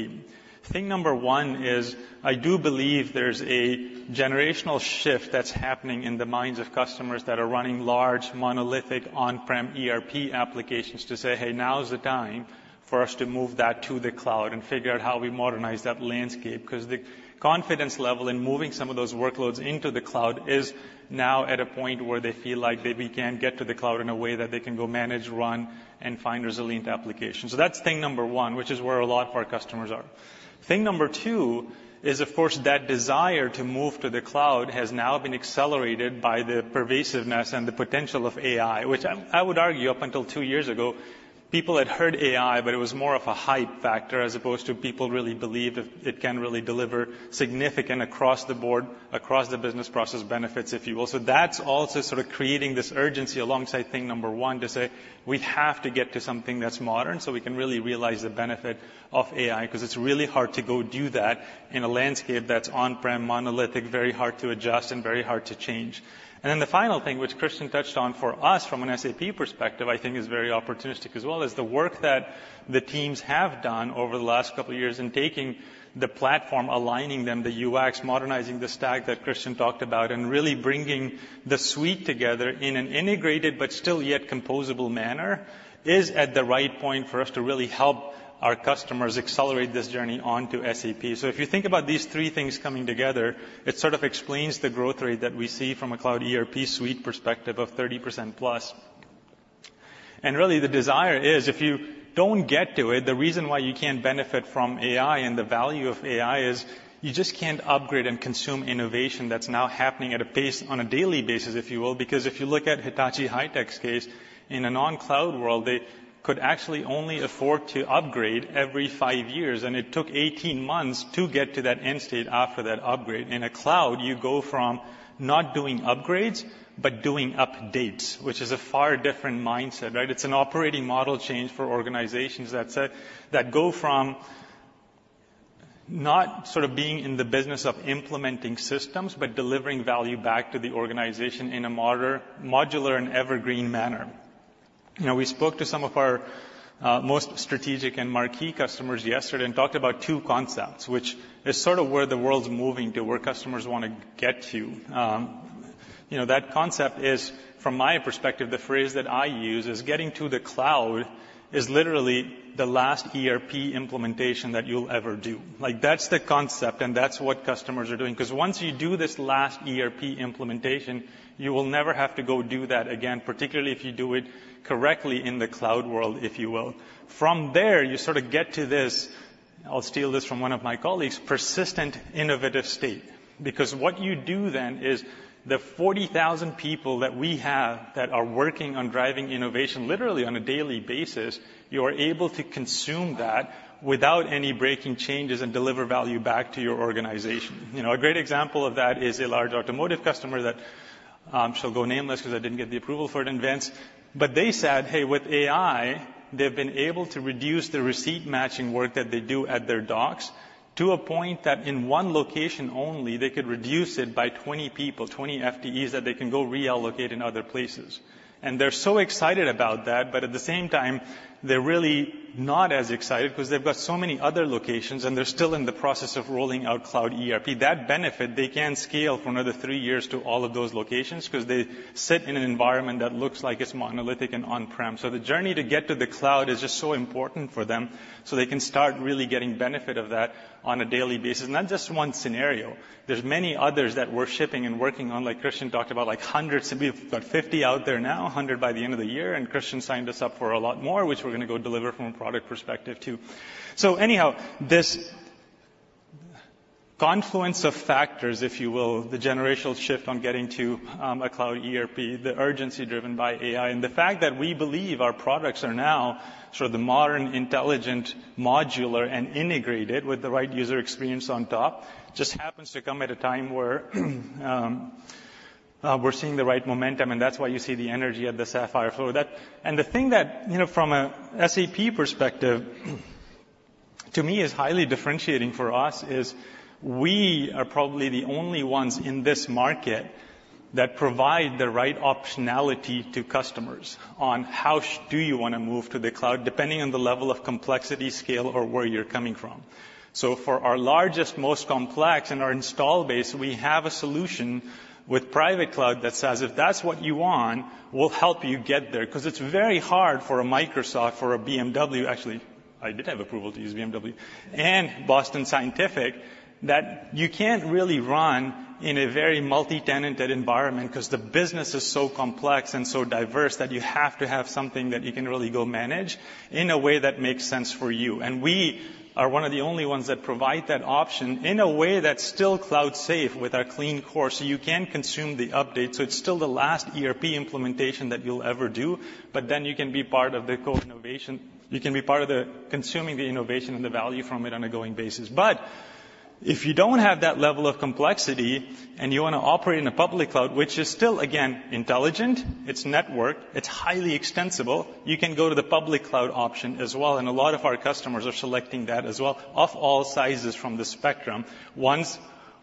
Thing number one is, I do believe there's a generational shift that's happening in the minds of customers that are running large, monolithic, on-prem ERP applications to say, "Hey, now is the time for us to move that to the cloud and figure out how we modernize that landscape." Because the confidence level in moving some of those workloads into the cloud is now at a point where they feel like they can get to the cloud in a way that they can go manage, run, and find resilient applications. So that's thing number one, which is where a lot of our customers are. Thing number two is, of course, that desire to move to the cloud has now been accelerated by the pervasiveness and the potential of AI, which I, I would argue, up until two years ago, people had heard AI, but it was more of a hype factor, as opposed to people really believe it, it can really deliver significant across-the-board, across-the-business process benefits, if you will. So that's also sort of creating this urgency alongside thing number one, to say, "We have to get to something that's modern, so we can really realize the benefit of AI," 'cause it's really hard to go do that in a landscape that's on-prem, monolithic, very hard to adjust and very hard to change. And then the final thing, which Christian touched on, for us, from an SAP perspective, I think is very opportunistic as well, is the work that the teams have done over the last couple of years in taking the platform, aligning them, the UX, modernizing the stack that Christian talked about, and really bringing the suite together in an integrated, but still yet composable manner, is at the right point for us to really help our customers accelerate this journey onto SAP. So if you think about these three things coming together, it sort of explains the growth rate that we see from a Cloud ERP Suite perspective of 30%+. And really, the desire is, if you don't get to it, the reason why you can't benefit from AI and the value of AI is you just can't upgrade and consume innovation that's now happening at a pace on a daily basis, if you will, because if you look at Hitachi High-Tech's case, in a non-cloud world, they could actually only afford to upgrade every 5 years, and it took 18 months to get to that end state after that upgrade. In a cloud, you go from not doing upgrades, but doing updates, which is a far different mindset, right? It's an operating model change for organizations that say—that go from not sort of being in the business of implementing systems, but delivering value back to the organization in a modular and evergreen manner. You know, we spoke to some of our most strategic and marquee customers yesterday and talked about two concepts, which is sort of where the world's moving to, where customers want to get to. You know, that concept is, from my perspective, the phrase that I use is, getting to the cloud is literally the last ERP implementation that you'll ever do. Like, that's the concept, and that's what customers are doing, 'cause once you do this last ERP implementation, you will never have to go do that again, particularly if you do it correctly in the cloud world, if you will. From there, you sort of get to this, I'll steal this from one of my colleagues, persistent, innovative state. Because what you do then is, the 40,000 people that we have that are working on driving innovation, literally on a daily basis, you are able to consume that without any breaking changes and deliver value back to your organization. You know, a great example of that is a large automotive customer that shall go nameless 'cause I didn't get the approval for it in advance, but they said, hey, with AI, they've been able to reduce the receipt matching work that they do at their docks to a point that in one location only, they could reduce it by 20 people, 20 FTEs, that they can go reallocate in other places. And they're so excited about that, but at the same time, they're really not as excited because they've got so many other locations, and they're still in the process of rolling out cloud ERP. That benefit, they can't scale for another three years to all of those locations 'cause they sit in an environment that looks like it's monolithic and on-prem. So the journey to get to the cloud is just so important for them, so they can start really getting benefit of that on a daily basis. Not just one scenario. There's many others that we're shipping and working on, like Christian talked about, like hundreds, so we've got 50 out there now, 100 by the end of the year, and Christian signed us up for a lot more, which we're gonna go deliver from a product perspective, too. So anyhow, this confluence of factors, if you will, the generational shift on getting to a cloud ERP, the urgency driven by AI, and the fact that we believe our products are now sort of the modern, intelligent, modular, and integrated with the right user experience on top, just happens to come at a time where we're seeing the right momentum, and that's why you see the energy at the Sapphire floor. And the thing that, you know, from an SAP perspective, to me, is highly differentiating for us, is we are probably the only ones in this market that provide the right optionality to customers on how do you want to move to the cloud, depending on the level of complexity, scale, or where you're coming from. So for our largest, most complex in our installed base, we have a solution with private cloud that says, "If that's what you want, we'll help you get there," 'cause it's very hard for a Microsoft or a BMW, actually, I did have approval to use BMW, and Boston Scientific, that you can't really run in a very multi-tenanted environment 'cause the business is so complex and so diverse that you have to have something that you can really go manage in a way that makes sense for you. And we are one of the only ones that provide that option in a way that's still cloud safe with our Clean Core, so you can consume the update. So it's still the last ERP implementation that you'll ever do, but then you can be part of the co-innovation. You can be part of the consuming the innovation and the value from it on a going basis. But if you don't have that level of complexity and you want to operate in a public cloud, which is still, again, intelligent, it's networked, it's highly extensible, you can go to the public cloud option as well, and a lot of our customers are selecting that as well, of all sizes from the spectrum. Ones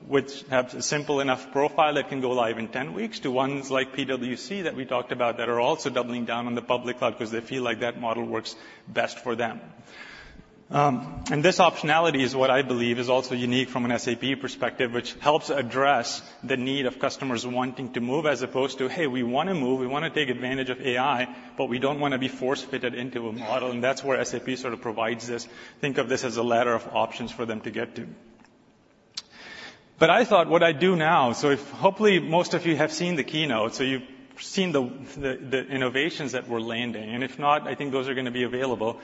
which have a simple enough profile that can go live in 10 weeks, to ones like PwC that we talked about, that are also doubling down on the public cloud because they feel like that model works best for them. And this optionality is what I believe is also unique from an SAP perspective, which helps address the need of customers wanting to move, as opposed to, "Hey, we want to move, we want to take advantage of AI, but we don't want to be force-fitted into a model." And that's where SAP sort of provides this. Think of this as a ladder of options for them to get to. But I thought what I'd do now. So if hopefully, most of you have seen the keynote, so you've seen the innovations that we're landing, and if not, I think those are going to be available.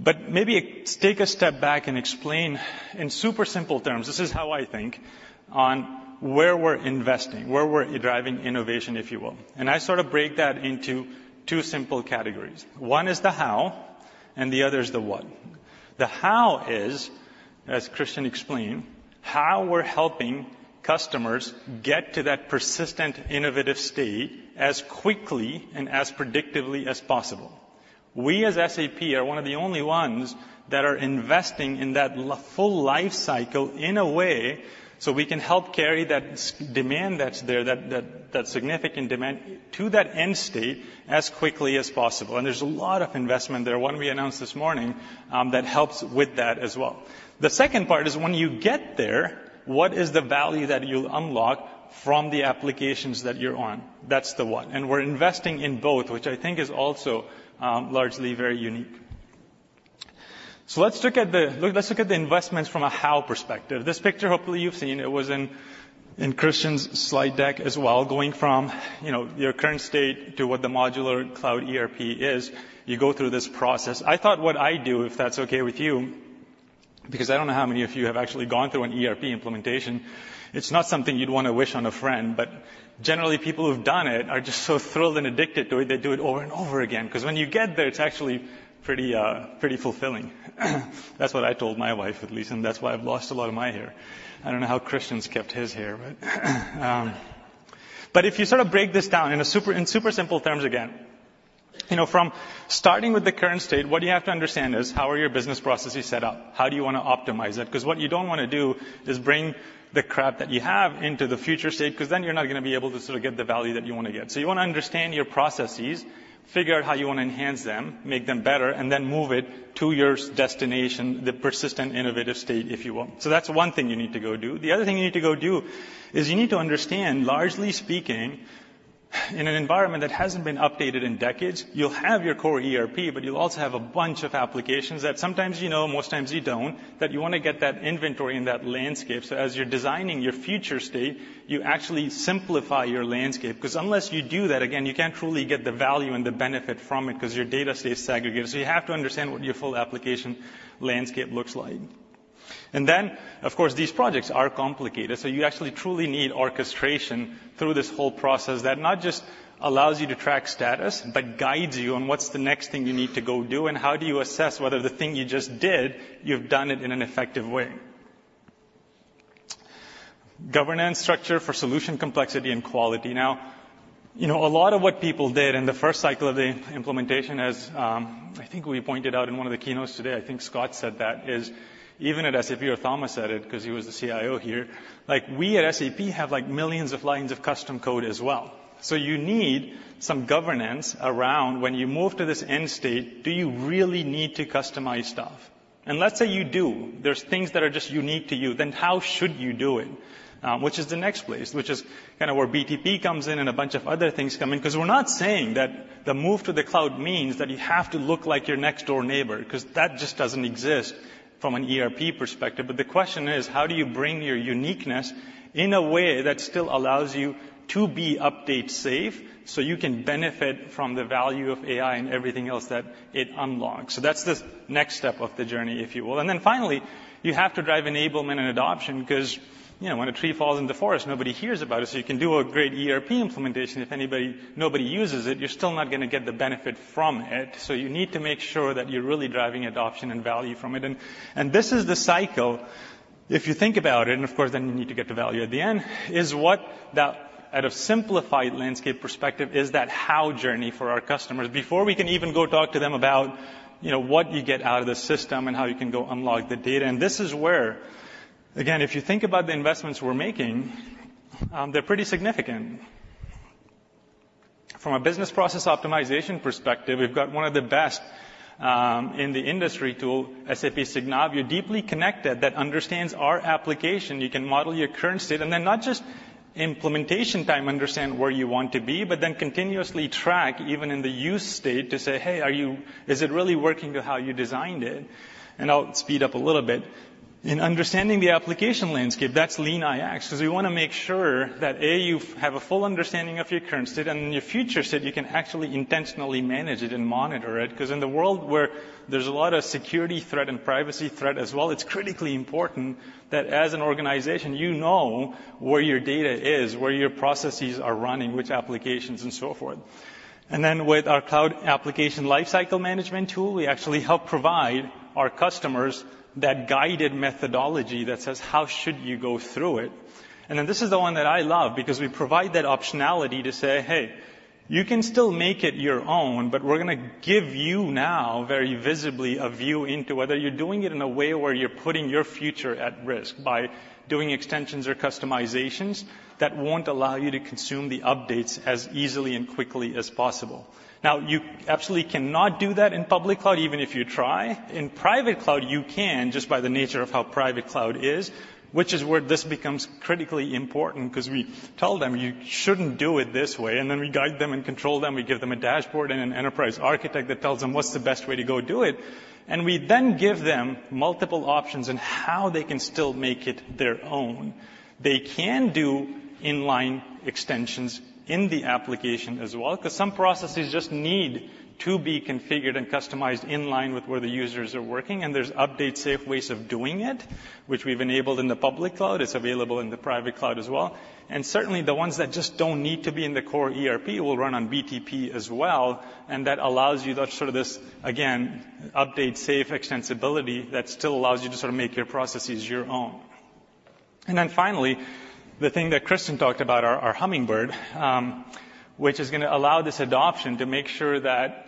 But maybe take a step back and explain in super simple terms, this is how I think, on where we're investing, where we're driving innovation, if you will. And I sort of break that into two simple categories. One is the how, and the other is the what. The how is, as Christian explained, how we're helping customers get to that persistent, innovative state as quickly and as predictively as possible. We, as SAP, are one of the only ones that are investing in that full life cycle in a way so we can help carry that significant demand that's there to that end state as quickly as possible. And there's a lot of investment there, one we announced this morning, that helps with that as well. The second part is when you get there, what is the value that you'll unlock from the applications that you're on? That's the what. And we're investing in both, which I think is also largely very unique. So let's look at the... Let's look at the investments from a how perspective. This picture, hopefully, you've seen. It was in Christian's slide deck as well, going from, you know, your current state to what the modular cloud ERP is. You go through this process. I thought what I'd do, if that's okay with you, because I don't know how many of you have actually gone through an ERP implementation. It's not something you'd want to wish on a friend, but generally, people who've done it are just so thrilled and addicted to it, they do it over and over again, because when you get there, it's actually pretty fulfilling. That's what I told my wife, at least, and that's why I've lost a lot of my hair. I don't know how Christian's kept his hair, but... But if you sort of break this down in super simple terms again, you know, from starting with the current state, what you have to understand is: how are your business processes set up? How do you want to optimize it? Because what you don't want to do is bring the crap that you have into the future state, because then you're not going to be able to sort of get the value that you want to get. So you want to understand your processes, figure out how you want to enhance them, make them better, and then move it to your destination, the persistent, innovative state, if you will. So that's one thing you need to go do. The other thing you need to go do is you need to understand, largely speaking, in an environment that hasn't been updated in decades, you'll have your core ERP, but you'll also have a bunch of applications that sometimes you know, most times you don't, that you want to get that inventory in that landscape. So as you're designing your future state, you actually simplify your landscape, because unless you do that, again, you can't truly get the value and the benefit from it because your data stays segregated. So you have to understand what your full application landscape looks like. And then, of course, these projects are complicated, so you actually truly need orchestration through this whole process that not just allows you to track status, but guides you on what's the next thing you need to go do, and how do you assess whether the thing you just did, you've done it in an effective way. Governance structure for solution, complexity, and quality. Now, you know, a lot of what people did in the first cycle of the implementation, as, I think we pointed out in one of the keynotes today, I think Scott said that, is even at SAP, or Thomas said it, because he was the CIO here, like, we at SAP have, like, millions of lines of custom code as well. So you need some governance around when you move to this end state, do you really need to customize stuff? Let's say you do. There's things that are just unique to you, then how should you do it? Which is the next place, which is kind of where BTP comes in and a bunch of other things come in. Because we're not saying that the move to the cloud means that you have to look like your next-door neighbor, because that just doesn't exist from an ERP perspective. But the question is: how do you bring your uniqueness in a way that still allows you to be update-safe, so you can benefit from the value of AI and everything else that it unlocks? So that's the next step of the journey, if you will. And then finally, you have to drive enablement and adoption, because, you know, when a tree falls in the forest, nobody hears about it. So you can do a great ERP implementation. If anybody, nobody uses it, you're still not going to get the benefit from it. So you need to make sure that you're really driving adoption and value from it. And this is the cycle. If you think about it, and of course, then you need to get the value at the end, is what that, at a simplified landscape perspective, is that how journey for our customers before we can even go talk to them about, you know, what you get out of the system and how you can go unlock the data. And this is where, again, if you think about the investments we're making, they're pretty significant. From a business process optimization perspective, we've got one of the best in the industry tool, SAP Signavio, deeply connected, that understands our application. You can model your current state, and then not just implementation time, understand where you want to be, but then continuously track even in the use state to say, "Hey, are you, is it really working to how you designed it?" And I'll speed up a little bit. In understanding the application landscape, that's LeanIX, because we want to make sure that, A, you have a full understanding of your current state, and in your future state, you can actually intentionally manage it and monitor it. Because in the world where there's a lot of security threat and privacy threat as well, it's critically important that as an organization, you know where your data is, where your processes are running, which applications, and so forth. And then with our Cloud Application Lifecycle Management tool, we actually help provide our customers that guided methodology that says, "How should you go through it?" And then this is the one that I love, because we provide that optionality to say, "Hey, you can still make it your own, but we're gonna give you now, very visibly, a view into whether you're doing it in a way where you're putting your future at risk by doing extensions or customizations that won't allow you to consume the updates as easily and quickly as possible." Now, you absolutely cannot do that in public cloud, even if you try. In private cloud, you can, just by the nature of how private cloud is, which is where this becomes critically important, 'cause we tell them, "You shouldn't do it this way," and then we guide them and control them. We give them a dashboard and an enterprise architect that tells them what's the best way to go do it. We then give them multiple options on how they can still make it their own. They can do inline extensions in the application as well, 'cause some processes just need to be configured and customized in line with where the users are working, and there's update-safe ways of doing it, which we've enabled in the public cloud. It's available in the private cloud as well. Certainly, the ones that just don't need to be in the core ERP will run on BTP as well, and that allows you that sort of this, again, update-safe extensibility that still allows you to sort of make your processes your own. And then finally, the thing that Christian talked about, our, our Hummingbird, which is gonna allow this adoption to make sure that,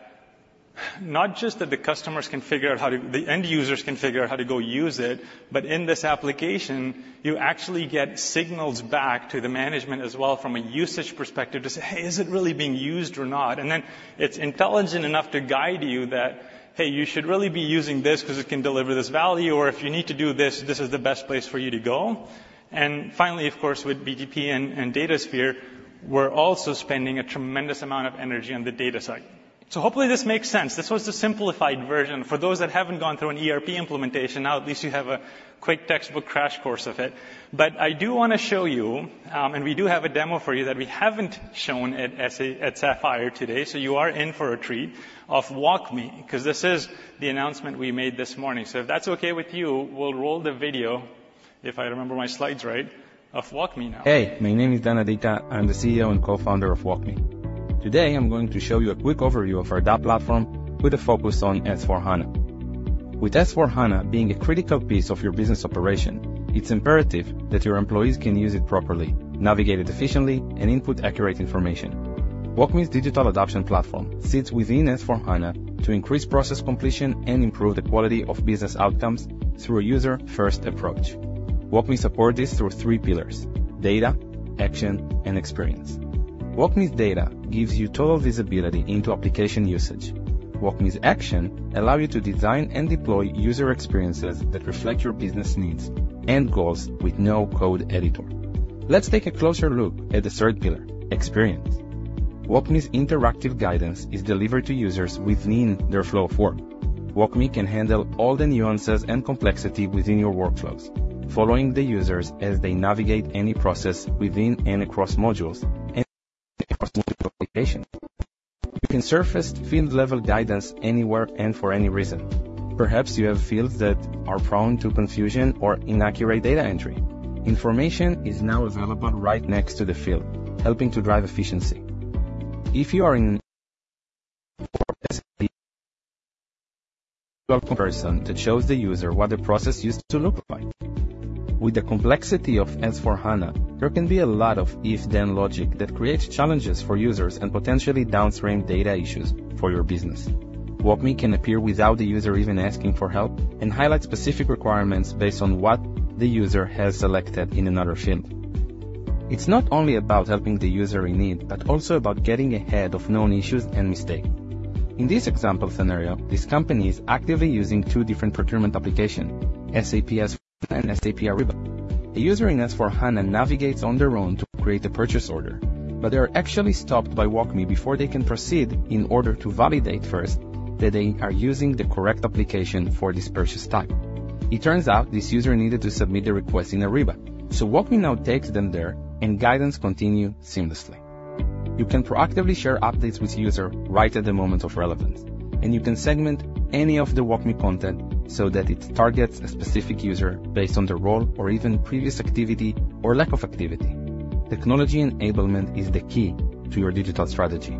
not just that the customers can figure out how to... The end users can figure out how to go use it, but in this application, you actually get signals back to the management as well from a usage perspective to say, "Hey, is it really being used or not?" And then it's intelligent enough to guide you that, "Hey, you should really be using this 'cause it can deliver this value," or, "If you need to do this, this is the best place for you to go." And finally, of course, with BTP and, and Datasphere, we're also spending a tremendous amount of energy on the data side. So hopefully this makes sense. This was the simplified version. For those that haven't gone through an ERP implementation, now at least you have a quick textbook crash course of it. But I do want to show you, and we do have a demo for you that we haven't shown at Sapphire today, so you are in for a treat, of WalkMe, 'cause this is the announcement we made this morning. So if that's okay with you, we'll roll the video, if I remember my slides right, of WalkMe now. Hey, my name is Dan Adika. I'm the CEO and cofounder of WalkMe. Today, I'm going to show you a quick overview of our DAP platform with a focus on S/4HANA. With S/4HANA being a critical piece of your business operation, it's imperative that your employees can use it properly, navigate it efficiently, and input accurate information. WalkMe's digital adoption platform sits within S/4HANA to increase process completion and improve the quality of business outcomes through a user-first approach. WalkMe support this through three pillars: Data, Action, and Experience. WalkMe's Data gives you total visibility into application usage. WalkMe's Action allow you to design and deploy user experiences that reflect your business needs and goals with no code editor. Let's take a closer look at the third pillar, Experience. WalkMe's interactive guidance is delivered to users within their flow of work. WalkMe can handle all the nuances and complexity within your workflows, following the users as they navigate any process within and across modules and applications. You can surface field-level guidance anywhere and for any reason. Perhaps you have fields that are prone to confusion or inaccurate data entry. Information is now available right next to the field, helping to drive efficiency. If you are in a position that shows the user what the process used to look like. With the complexity of S/4HANA, there can be a lot of if/then logic that creates challenges for users and potentially downstream data issues for your business. WalkMe can appear without the user even asking for help and highlight specific requirements based on what the user has selected in another field. It's not only about helping the user in need, but also about getting ahead of known issues and mistakes. In this example scenario, this company is actively using two different procurement applications, SAP S/4HANA and SAP Ariba. A user in S/4HANA navigates on their own to create a purchase order, but they are actually stopped by WalkMe before they can proceed, in order to validate first that they are using the correct application for this purchase type. It turns out this user needed to submit a request in Ariba, so WalkMe now takes them there, and guidance continues seamlessly. You can proactively share updates with users right at the moment of relevance, and you can segment any of the WalkMe content so that it targets a specific user based on their role or even previous activity or lack of activity. Technology enablement is the key to your digital strategy.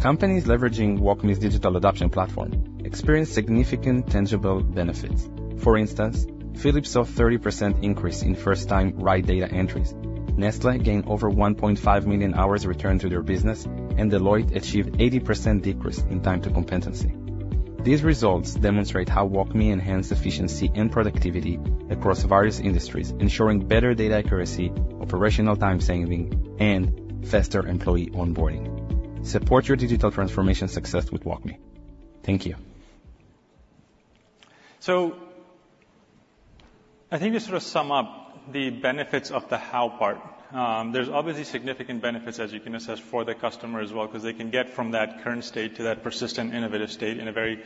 Companies leveraging WalkMe's digital adoption platform experience significant tangible benefits. For instance, Philips saw 30% increase in first-time right data entries. Nestlé gained over 1.5 million hours returned to their business, and Deloitte achieved 80% decrease in time to competency. These results demonstrate how WalkMe enhance efficiency and productivity across various industries, ensuring better data accuracy, operational time saving, and faster employee onboarding. Support your digital transformation success with WalkMe. Thank you. So I think to sort of sum up the benefits of the how part, there's obviously significant benefits, as you can assess, for the customer as well, 'cause they can get from that current state to that persistent innovative state in a very,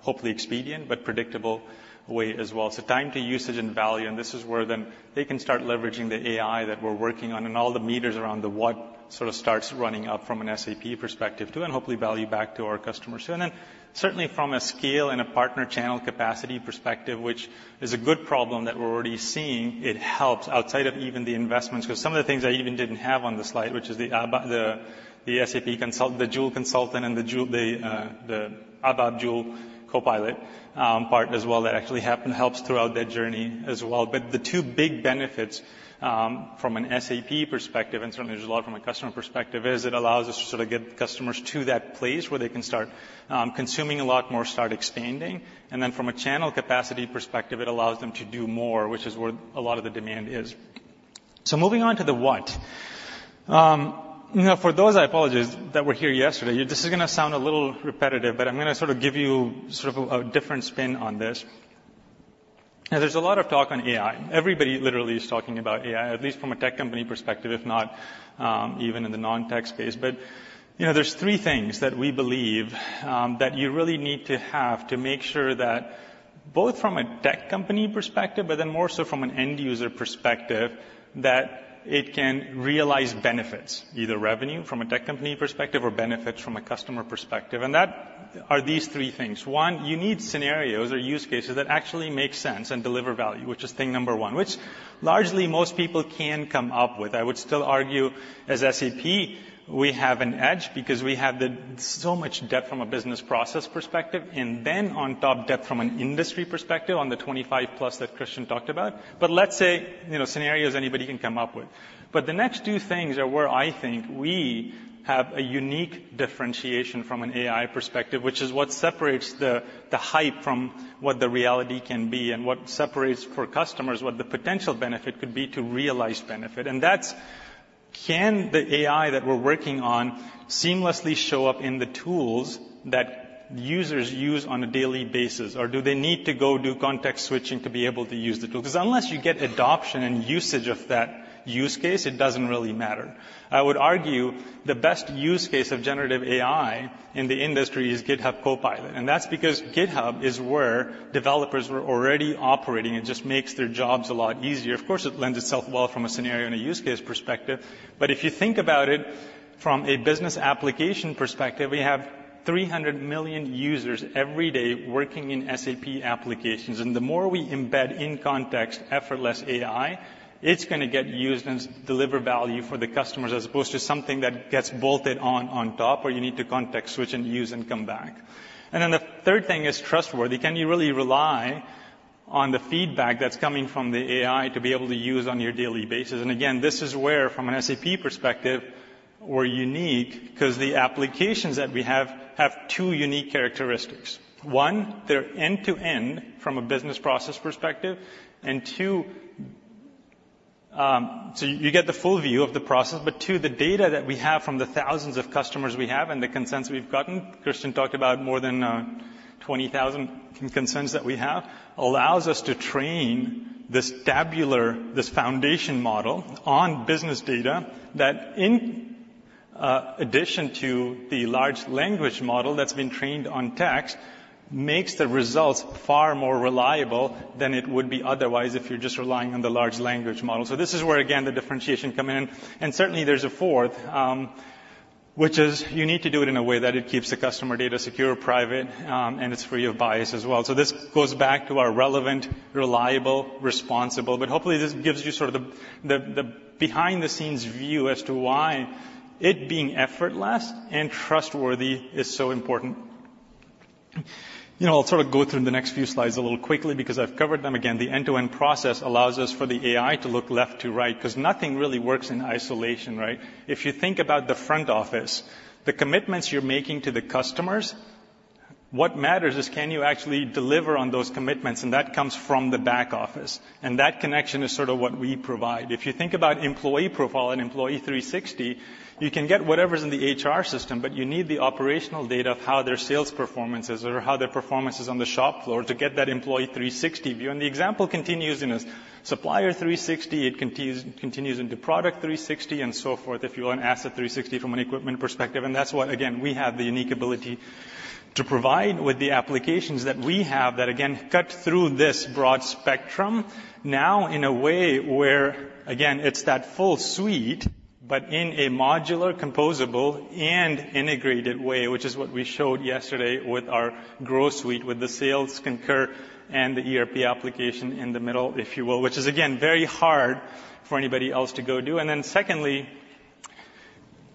hopefully expedient, but predictable way as well. So time to usage and value, and this is where then they can start leveraging the AI that we're working on, and all the metrics around the what sort of starts running up from an SAP perspective, too, and hopefully value back to our customers. So then, certainly from a scale and a partner channel capacity perspective, which is a good problem that we're already seeing, it helps outside of even the investments. 'Cause some of the things I even didn't have on the slide, which is the ABAP, the SAP consultant, the Joule consultant, and the ABAP Joule copilot part as well, that actually happen helps throughout that journey as well. But the two big benefits from an SAP perspective, and certainly there's a lot from a customer perspective, is it allows us to sort of get customers to that place where they can start consuming a lot more, start expanding. And then from a channel capacity perspective, it allows them to do more, which is where a lot of the demand is. So moving on to the what. You know, for those, I apologize, that were here yesterday, this is going to sound a little repetitive, but I'm going to sort of give you sort of a different spin on this. Now, there's a lot of talk on AI. Everybody literally is talking about AI, at least from a tech company perspective, if not even in the non-tech space. But, you know, there's three things that we believe that you really need to have to make sure that both from a tech company perspective, but then more so from an end user perspective, that it can realize benefits, either revenue from a tech company perspective or benefits from a customer perspective, and that are these three things. One, you need scenarios or use cases that actually make sense and deliver value, which is thing number one, which largely most people can come up with. I would still argue, as SAP, we have an edge because we have the, so much depth from a business process perspective, and then on top, depth from an industry perspective on the 25+ that Christian talked about. But let's say, you know, scenarios anybody can come up with. But the next two things are where I think we have a unique differentiation from an AI perspective, which is what separates the, the hype from what the reality can be and what separates, for customers, what the potential benefit could be to realize benefit. And that's, can the AI that we're working on seamlessly show up in the tools that users use on a daily basis? Or do they need to go do context switching to be able to use the tool? Because unless you get adoption and usage of that use case, it doesn't really matter. I would argue the best use case of generative AI in the industry is GitHub Copilot, and that's because GitHub is where developers were already operating. It just makes their jobs a lot easier. Of course, it lends itself well from a scenario and a use case perspective, but if you think about it from a business application perspective, we have 300 million users every day working in SAP applications, and the more we embed in context, effortless AI, it's gonna get used and deliver value for the customers, as opposed to something that gets bolted on on top, or you need to context switch and use and come back. And then the third thing is trustworthy. Can you really rely on the feedback that's coming from the AI to be able to use on your daily basis? And again, this is where, from an SAP perspective, we're unique because the applications that we have have two unique characteristics. One, they're end-to-end from a business process perspective, and two, So you get the full view of the process, but two, the data that we have from the thousands of customers we have and the consents we've gotten, Christian talked about more than 20,000 consents that we have, allows us to train this tabular, this foundation model on business data that in, addition to the large language model that's been trained on text, makes the results far more reliable than it would be otherwise if you're just relying on the large language model. So this is where, again, the differentiation come in. Certainly, there's a fourth, which is you need to do it in a way that it keeps the customer data secure, private, and it's free of bias as well. So this goes back to our relevant, reliable, responsible, but hopefully, this gives you sort of the behind-the-scenes view as to why it being effortless and trustworthy is so important. You know, I'll sort of go through the next few slides a little quickly because I've covered them. Again, the end-to-end process allows us for the AI to look left to right, because nothing really works in isolation, right? If you think about the front office, the commitments you're making to the customers, what matters is, can you actually deliver on those commitments? And that comes from the back office, and that connection is sort of what we provide. If you think about employee profile and Employee 360, you can get whatever's in the HR system, but you need the operational data of how their sales performance is or how their performance is on the shop floor to get that Employee 360 view. The example continues in a Supplier 360. It continues, continues into Product 360, and so forth, if you want Asset 360 from an equipment perspective, and that's what, again, we have the unique ability to provide with the applications that we have, that, again, cut through this broad spectrum now in a way where, again, it's that full suite, but in a modular, composable, and integrated way, which is what we showed yesterday with our growth suite, with the Sales, Concur and the ERP application in the middle, if you will, which is, again, very hard for anybody else to go do. And then secondly,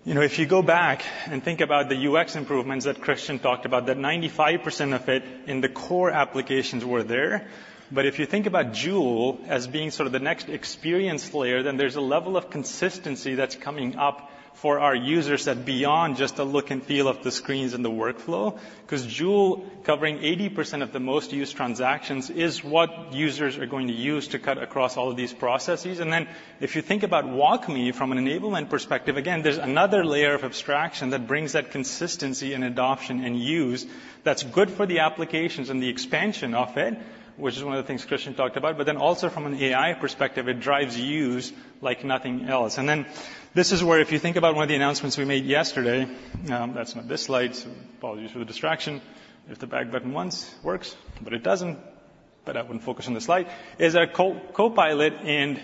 you know, if you go back and think about the UX improvements that Christian talked about, that 95% of it in the core applications were there. But if you think about Joule as being sort of the next experience layer, then there's a level of consistency that's coming up for our users that beyond just the look and feel of the screens and the workflow, because Joule, covering 80% of the most used transactions, is what users are going to use to cut across all of these processes. And then, if you think about WalkMe from an enablement perspective, again, there's another layer of abstraction that brings that consistency and adoption and use that's good for the applications and the expansion of it, which is one of the things Christian talked about. But then also from an AI perspective, it drives use like nothing else. And then this is where if you think about one of the announcements we made yesterday, that's not this slide. Apologies for the distraction. Hit the back button once. Works, but it doesn't. But I wouldn't focus on this slide, is our Copilot and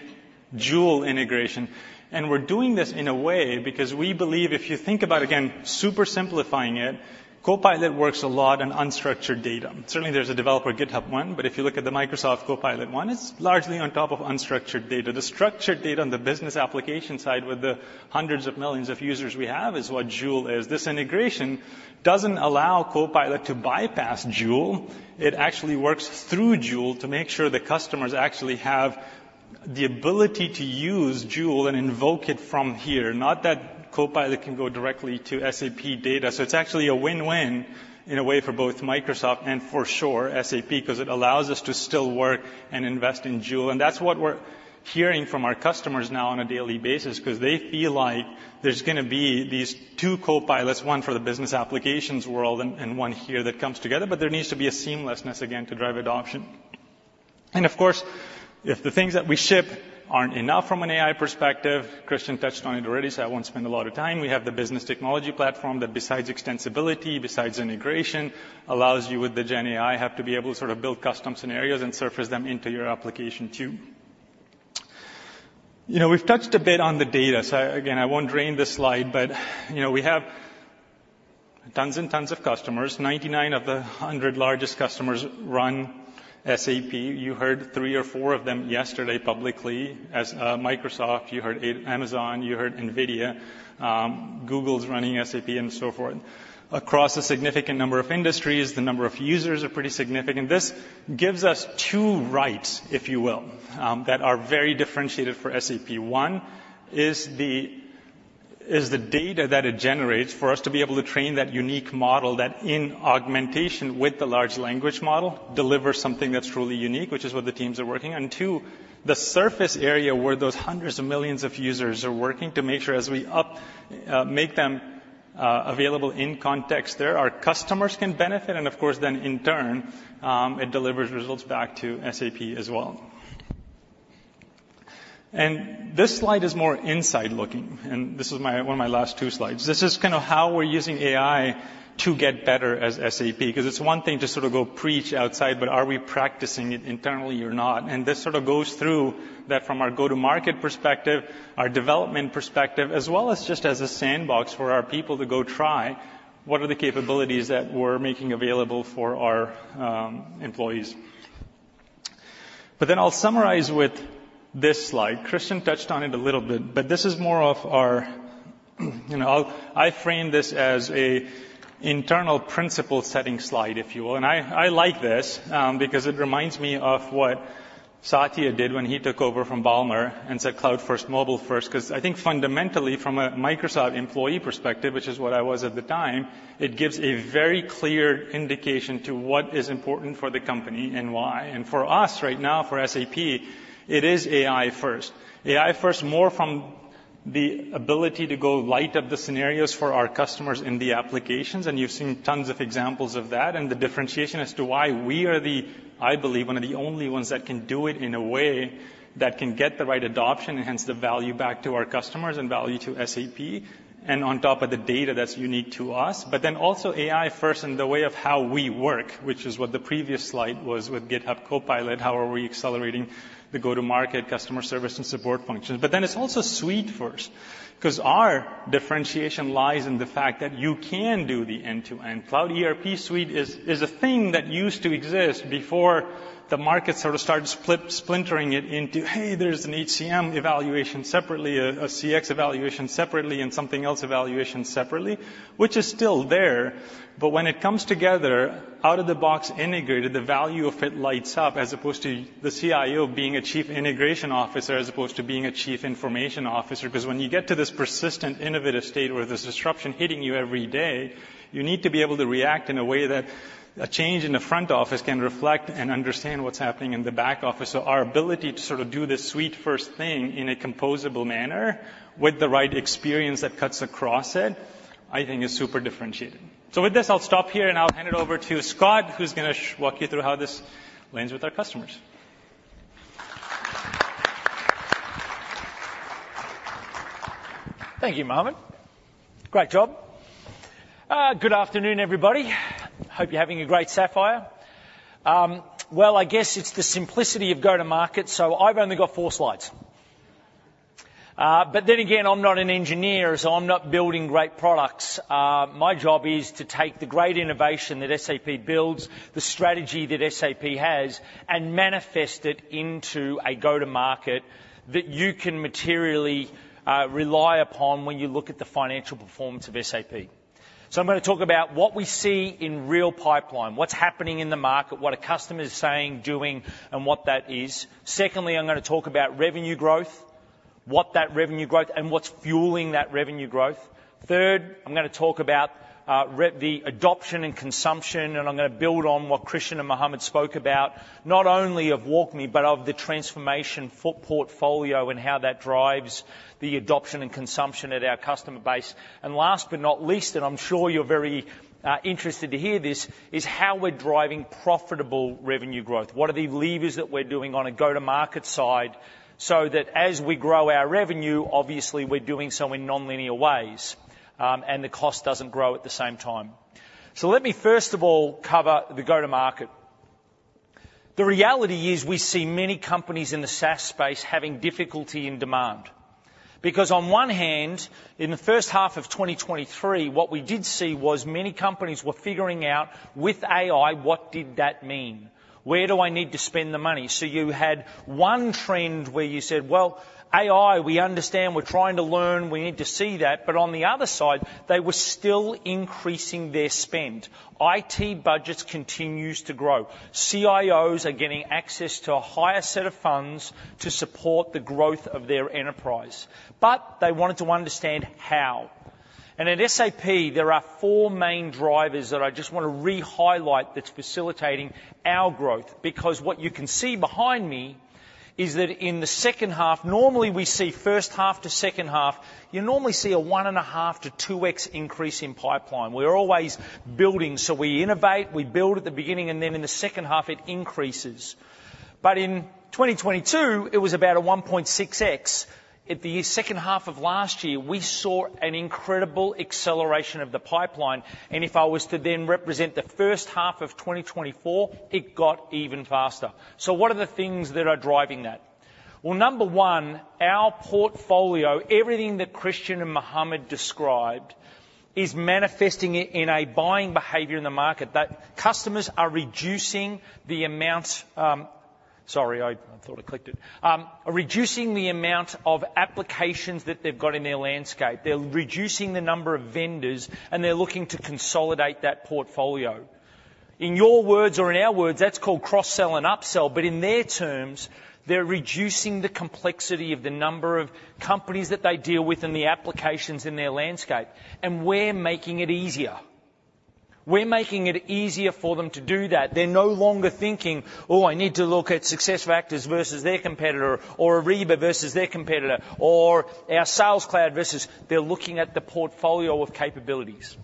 Joule integration, and we're doing this in a way because we believe if you think about, again, super simplifying it, Copilot works a lot on unstructured data. Certainly, there's a developer, GitHub one, but if you look at the Microsoft Copilot one, it's largely on top of unstructured data. The structured data on the business application side, with the hundreds of millions of users we have, is what Joule is. This integration doesn't allow Copilot to bypass Joule. It actually works through Joule to make sure the customers actually have-... The ability to use Joule and invoke it from here, not that Copilot can go directly to SAP data. So it's actually a win-win in a way, for both Microsoft and for sure, SAP, because it allows us to still work and invest in Joule. And that's what we're hearing from our customers now on a daily basis, because they feel like there's going to be these two copilots, one for the business applications world and, and one here that comes together. But there needs to be a seamlessness, again, to drive adoption. And of course, if the things that we ship aren't enough from an AI perspective, Christian touched on it already, so I won't spend a lot of time. We have the Business Technology Platform that, besides extensibility, besides integration, allows you, with the Gen AI, have to be able to sort of build custom scenarios and surface them into your application, too. You know, we've touched a bit on the data, so again, I won't dwell on this slide, but, you know, we have tons and tons of customers. 99 of the 100 largest customers run SAP. You heard three or four of them yesterday, publicly, as Microsoft, you heard Amazon, you heard NVIDIA, Google's running SAP, and so forth. Across a significant number of industries, the number of users are pretty significant. This gives us two rights, if you will, that are very differentiated for SAP. One is the data that it generates for us to be able to train that unique model, that in augmentation with the large language model, delivers something that's truly unique, which is what the teams are working. And two, the surface area where those hundreds of millions of users are working to make sure as we make them available in context, there our customers can benefit, and of course, then in turn, it delivers results back to SAP as well. And this slide is more inside looking, and this is my one of my last two slides. This is kind of how we're using AI to get better as SAP, because it's one thing to sort of go preach outside, but are we practicing it internally or not? This sort of goes through that from our go-to-market perspective, our development perspective, as well as just as a sandbox for our people to go try what are the capabilities that we're making available for our employees. But then I'll summarize with this slide. Christian touched on it a little bit, but this is more of our— You know, I, I frame this as an internal principle-setting slide, if you will. And I, I like this because it reminds me of what Satya did when he took over from Ballmer and said, "Cloud first, mobile first." Because I think fundamentally, from a Microsoft employee perspective, which is what I was at the time, it gives a very clear indication to what is important for the company and why. And for us, right now, for SAP, it is AI first. AI first, more from the ability to go light up the scenarios for our customers in the applications. And you've seen tons of examples of that, and the differentiation as to why we are the, I believe, one of the only ones that can do it in a way that can get the right adoption, enhance the value back to our customers and value to SAP, and on top of the data that's unique to us. But then also AI first in the way of how we work, which is what the previous slide was with GitHub Copilot. How are we accelerating the go-to-market customer service and support functions? But then it's also Suite First, 'cause our differentiation lies in the fact that you can do the end-to-end. Cloud ERP Suite is a thing that used to exist before the market sort of started splintering it into, "Hey, there's an HCM evaluation separately, a CX evaluation separately, and something else evaluation separately," which is still there. But when it comes together, out-of-the-box integrated, the value of it lights up, as opposed to the CIO being a chief integration officer, as opposed to being a chief information officer. Because when you get to this persistent, innovative state where there's disruption hitting you every day, you need to be able to react in a way that a change in the front office can reflect and understand what's happening in the back office. So our ability to sort of do this suite-first thing in a composable manner, with the right experience that cuts across it, I think is super differentiating. With this, I'll stop here, and I'll hand it over to Scott, who's gonna walk you through how this lands with our customers. Thank you, Muhammad. Great job. Good afternoon, everybody. Hope you're having a great Sapphire. Well, I guess it's the simplicity of go-to-market, so I've only got four slides. But then again, I'm not an engineer, so I'm not building great products. My job is to take the great innovation that SAP builds, the strategy that SAP has, and manifest it into a go-to-market that you can materially rely upon when you look at the financial performance of SAP. So I'm gonna talk about what we see in real pipeline, what's happening in the market, what a customer is saying, doing, and what that is. Secondly, I'm gonna talk about revenue growth, what that revenue growth, and what's fueling that revenue growth. Third, I'm gonna talk about the adoption and consumption, and I'm gonna build on what Christian and Muhammad spoke about, not only of WalkMe, but of the transformation full portfolio and how that drives the adoption and consumption at our customer base. And last but not least, and I'm sure you're very interested to hear this, is how we're driving profitable revenue growth. What are the levers that we're doing on a go-to-market side so that as we grow our revenue, obviously we're doing so in nonlinear ways, and the cost doesn't grow at the same time. So let me, first of all, cover the go-to-market. The reality is, we see many companies in the SaaS space having difficulty in demand. Because on one hand, in the first half of 2023, what we did see was many companies were figuring out, with AI, what did that mean? Where do I need to spend the money? So you had one trend where you said: Well, AI, we understand. We're trying to learn. We need to see that. But on the other side, they were still increasing their spend. IT budgets continues to grow. CIOs are getting access to a higher set of funds to support the growth of their enterprise, but they wanted to understand how. And at SAP, there are four main drivers that I just want to re-highlight that's facilitating our growth, because what you can see behind me is that in the second half, normally we see first half to second half, you normally see a 1.5-2x increase in pipeline. We're always building, so we innovate, we build at the beginning, and then in the second half it increases. But in 2022, it was about a 1.6x. At the second half of last year, we saw an incredible acceleration of the pipeline, and if I was to then represent the first half of 2024, it got even faster. So what are the things that are driving that? Well, number one, our portfolio, everything that Christian and Muhammad described, is manifesting it in a buying behavior in the market, that customers are reducing the amount of applications that they've got in their landscape. They're reducing the number of vendors, and they're looking to consolidate that portfolio. In your words or in our words, that's called cross-sell and upsell, but in their terms, they're reducing the complexity of the number of companies that they deal with and the applications in their landscape. And we're making it easier. We're making it easier for them to do that. They're no longer thinking, "Oh, I need to look at SuccessFactors versus their competitor, or Ariba versus their competitor, or our Sales Cloud versus..." They're looking at the portfolio of capabilities.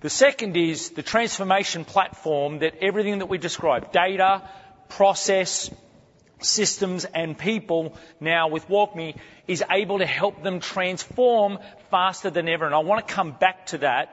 The second is the transformation platform that everything that we described, data, process, systems, and people, now with WalkMe, is able to help them transform faster than ever. And I want to come back to that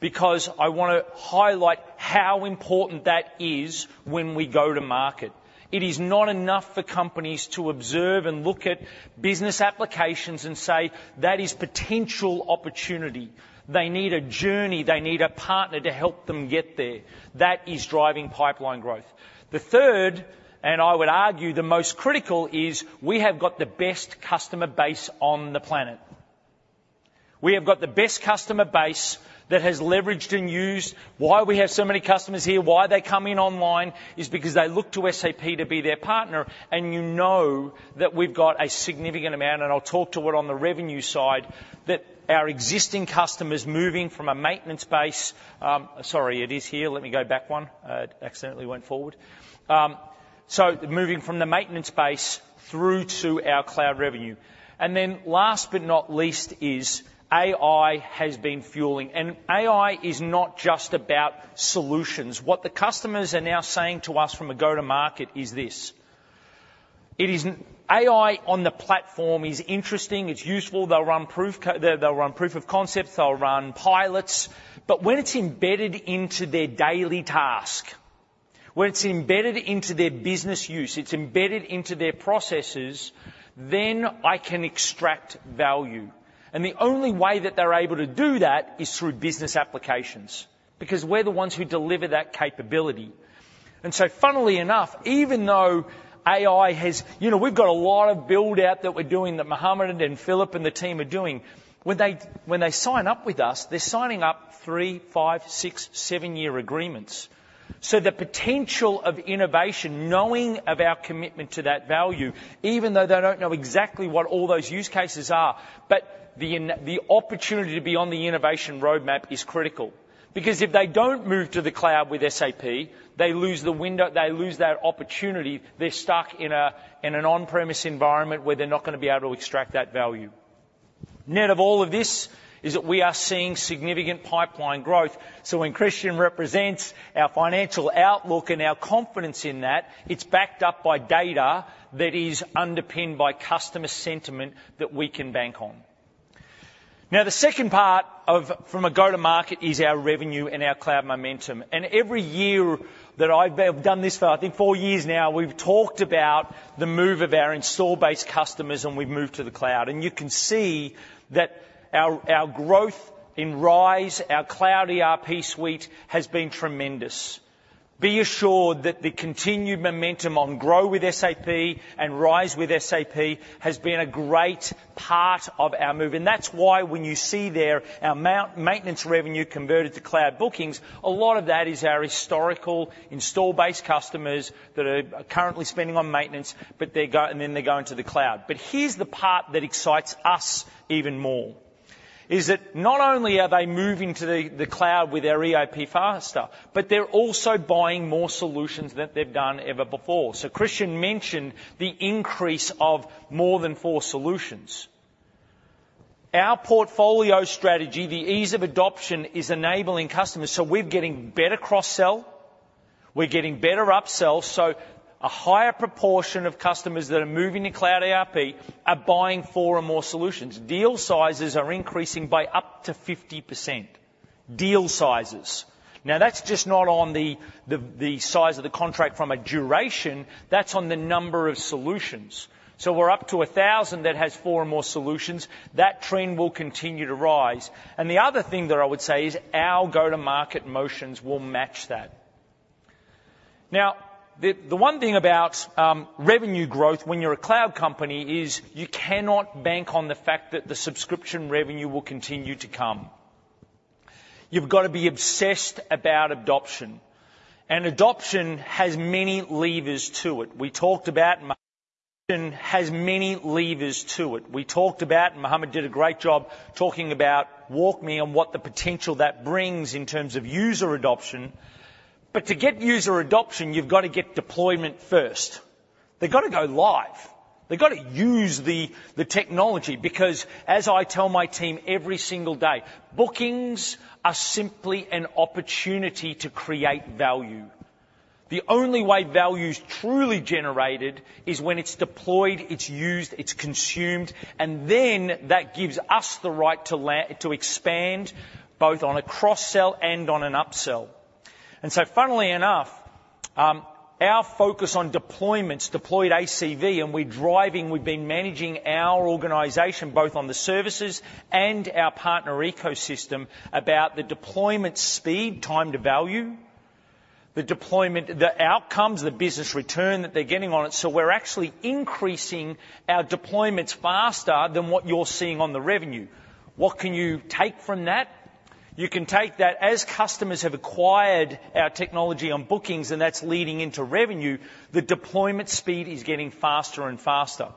because I want to highlight how important that is when we go to market. It is not enough for companies to observe and look at business applications and say, "That is potential opportunity." They need a journey. They need a partner to help them get there. That is driving pipeline growth. The third, and I would argue the most critical, is we have got the best customer base on the planet. We have got the best customer base that has leveraged and used. Why we have so many customers here, why they come in online, is because they look to SAP to be their partner, and you know that we've got a significant amount, and I'll talk to it on the revenue side, that our existing customers moving from a maintenance base. Sorry, it is here. Let me go back one. I accidentally went forward. So moving from the maintenance base through to our cloud revenue. And then last but not least is AI has been fueling. And AI is not just about solutions. What the customers are now saying to us from a go-to-market is this, it is, "AI on the platform is interesting, it's useful. They'll run proof of concepts, they'll run pilots, but when it's embedded into their daily task, when it's embedded into their business use, it's embedded into their processes, then I can extract value." And the only way that they're able to do that is through business applications, because we're the ones who deliver that capability. And so, funnily enough, even though AI has... You know, we've got a lot of build-out that we're doing, that Muhammad and Philipp and the team are doing. When they, when they sign up with us, they're signing up 3-, 5-, 6-, 7-year agreements. So the potential of innovation, knowing of our commitment to that value, even though they don't know exactly what all those use cases are, but the opportunity to be on the innovation roadmap is critical. Because if they don't move to the cloud with SAP, they lose the window, they lose that opportunity. They're stuck in an on-premise environment where they're not gonna be able to extract that value. Net of all of this is that we are seeing significant pipeline growth. So when Christian represents our financial outlook and our confidence in that, it's backed up by data that is underpinned by customer sentiment that we can bank on. Now, the second part of, from a go-to-market is our revenue and our cloud momentum. Every year that I've done this for, I think four years now, we've talked about the move of our installed-base customers, and we've moved to the cloud. You can see that our growth in RISE, our Cloud ERP Suite, has been tremendous. Be assured that the continued momentum on GROW with SAP and RISE with SAP has been a great part of our move. That's why when you see there our maintenance revenue converted to cloud bookings, a lot of that is our historical installed base customers that are currently spending on maintenance, but they're going to the cloud. But here's the part that excites us even more, is that not only are they moving to the cloud with our ERP faster, but they're also buying more solutions than they've done ever before. So Christian mentioned the increase of more than four solutions. Our portfolio strategy, the ease of adoption, is enabling customers, so we're getting better cross-sell, we're getting better upsell, so a higher proportion of customers that are moving to cloud ERP are buying four or more solutions. Deal sizes are increasing by up to 50%. Deal sizes. Now, that's just not on the size of the contract from a duration, that's on the number of solutions. So we're up to 1,000 that has four or more solutions. That trend will continue to rise. And the other thing that I would say is our go-to-market motions will match that. Now, the one thing about revenue growth when you're a cloud company is you cannot bank on the fact that the subscription revenue will continue to come.... You've got to be obsessed about adoption, and adoption has many levers to it, and Muhammad did a great job talking about WalkMe and what the potential that brings in terms of user adoption. But to get user adoption, you've got to get deployment first. They've got to go live. They've got to use the technology, because as I tell my team every single day, bookings are simply an opportunity to create value. The only way value is truly generated is when it's deployed, it's used, it's consumed, and then that gives us the right to land to expand, both on a cross-sell and on an upsell. So funnily enough, our focus on deployments, deployed ACV, and we're driving, we've been managing our organization, both on the services and our partner ecosystem, about the deployment speed, time to value, the deployment, the outcomes, the business return that they're getting on it. So we're actually increasing our deployments faster than what you're seeing on the revenue. What can you take from that? You can take that as customers have acquired our technology on bookings, and that's leading into revenue, the deployment speed is getting faster and faster.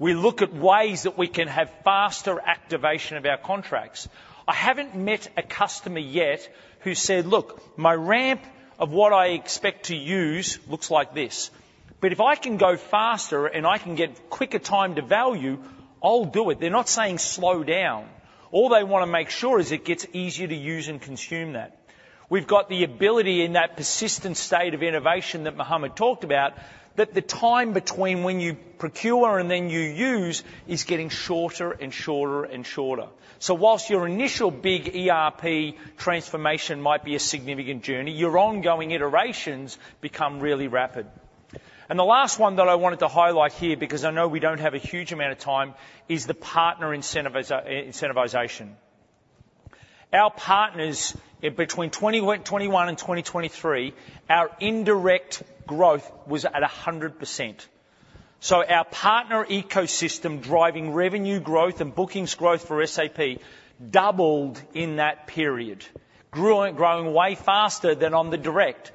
We look at ways that we can have faster activation of our contracts. I haven't met a customer yet who said, "Look, my ramp of what I expect to use looks like this, but if I can go faster and I can get quicker time to value, I'll do it." They're not saying slow down. All they want to make sure is it gets easier to use and consume that. We've got the ability in that persistent state of innovation that Muhammad talked about, that the time between when you procure and then you use is getting shorter and shorter and shorter. So while your initial big ERP transformation might be a significant journey, your ongoing iterations become really rapid. And the last one that I wanted to highlight here, because I know we don't have a huge amount of time, is the partner incentivization. Our partners, between 2021 and 2023, our indirect growth was at 100%. So our partner ecosystem, driving revenue growth and bookings growth for SAP, doubled in that period, grew, growing way faster than on the direct.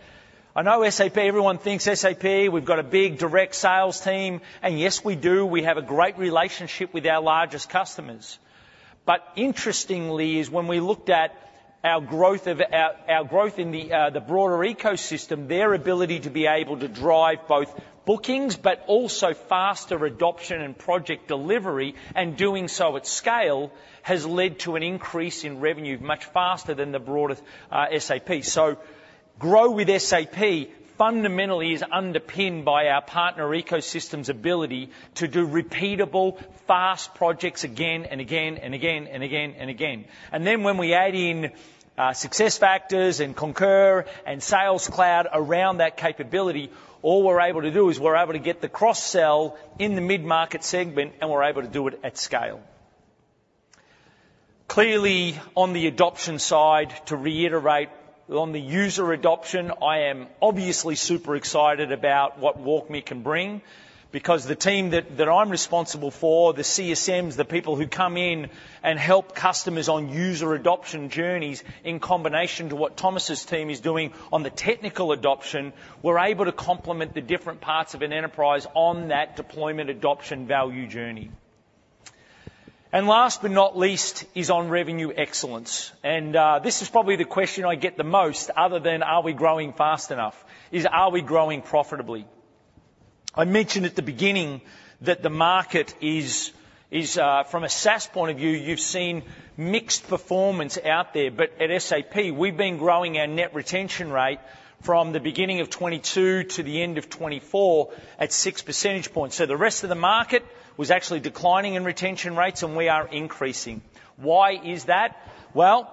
I know SAP, everyone thinks SAP, we've got a big direct sales team, and yes, we do. We have a great relationship with our largest customers. But interestingly is when we looked at our growth in the broader ecosystem, their ability to be able to drive both bookings but also faster adoption and project delivery, and doing so at scale, has led to an increase in revenue much faster than the broader SAP. So GROW with SAP fundamentally is underpinned by our partner ecosystem's ability to do repeatable, fast projects again and again and again and again and again. And then when we add in SuccessFactors and Concur and Sales Cloud around that capability, all we're able to do is we're able to get the cross-sell in the mid-market segment, and we're able to do it at scale. Clearly, on the adoption side, to reiterate, on the user adoption, I am obviously super excited about what WalkMe can bring, because the team that I'm responsible for, the CSMs, the people who come in and help customers on user adoption journeys, in combination to what Thomas's team is doing on the technical adoption, we're able to complement the different parts of an enterprise on that deployment adoption value journey. And last but not least is on revenue excellence, and this is probably the question I get the most other than, "Are we growing fast enough?" is, "Are we growing profitably?" I mentioned at the beginning that the market is from a SaaS point of view, you've seen mixed performance out there. But at SAP, we've been growing our net retention rate from the beginning of 2022 to the end of 2024 at six percentage points. So the rest of the market was actually declining in retention rates, and we are increasing. Why is that? Well,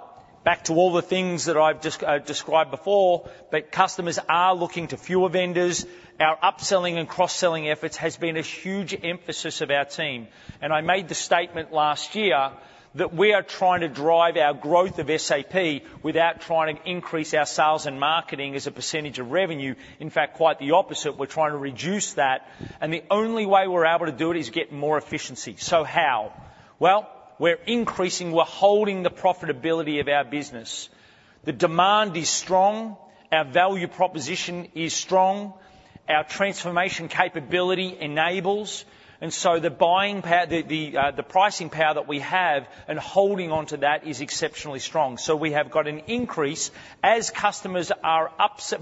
back to all the things that I've described before, but customers are looking to fewer vendors. Our upselling and cross-selling efforts has been a huge emphasis of our team. And I made the statement last year that we are trying to drive our growth of SAP without trying to increase our sales and marketing as a percentage of revenue. In fact, quite the opposite. We're trying to reduce that, and the only way we're able to do it is get more efficiency. So how? Well, we're increasing. We're holding the profitability of our business. The demand is strong, our value proposition is strong, our transformation capability enables, and so the buying power, the pricing power that we have and holding on to that is exceptionally strong. So we have got an increase. As customers are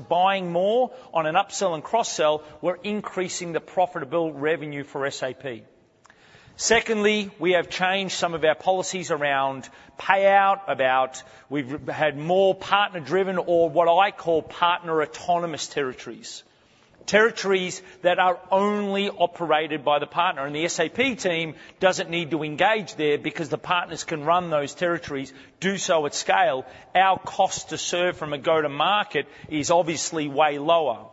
buying more on an upsell and cross-sell, we're increasing the profitable revenue for SAP. Secondly, we have changed some of our policies around payout, about we've had more partner-driven or what I call partner autonomous territories. Territories that are only operated by the partner, and the SAP team doesn't need to engage there because the partners can run those territories, do so at scale. Our cost to serve from a go-to-market is obviously way lower.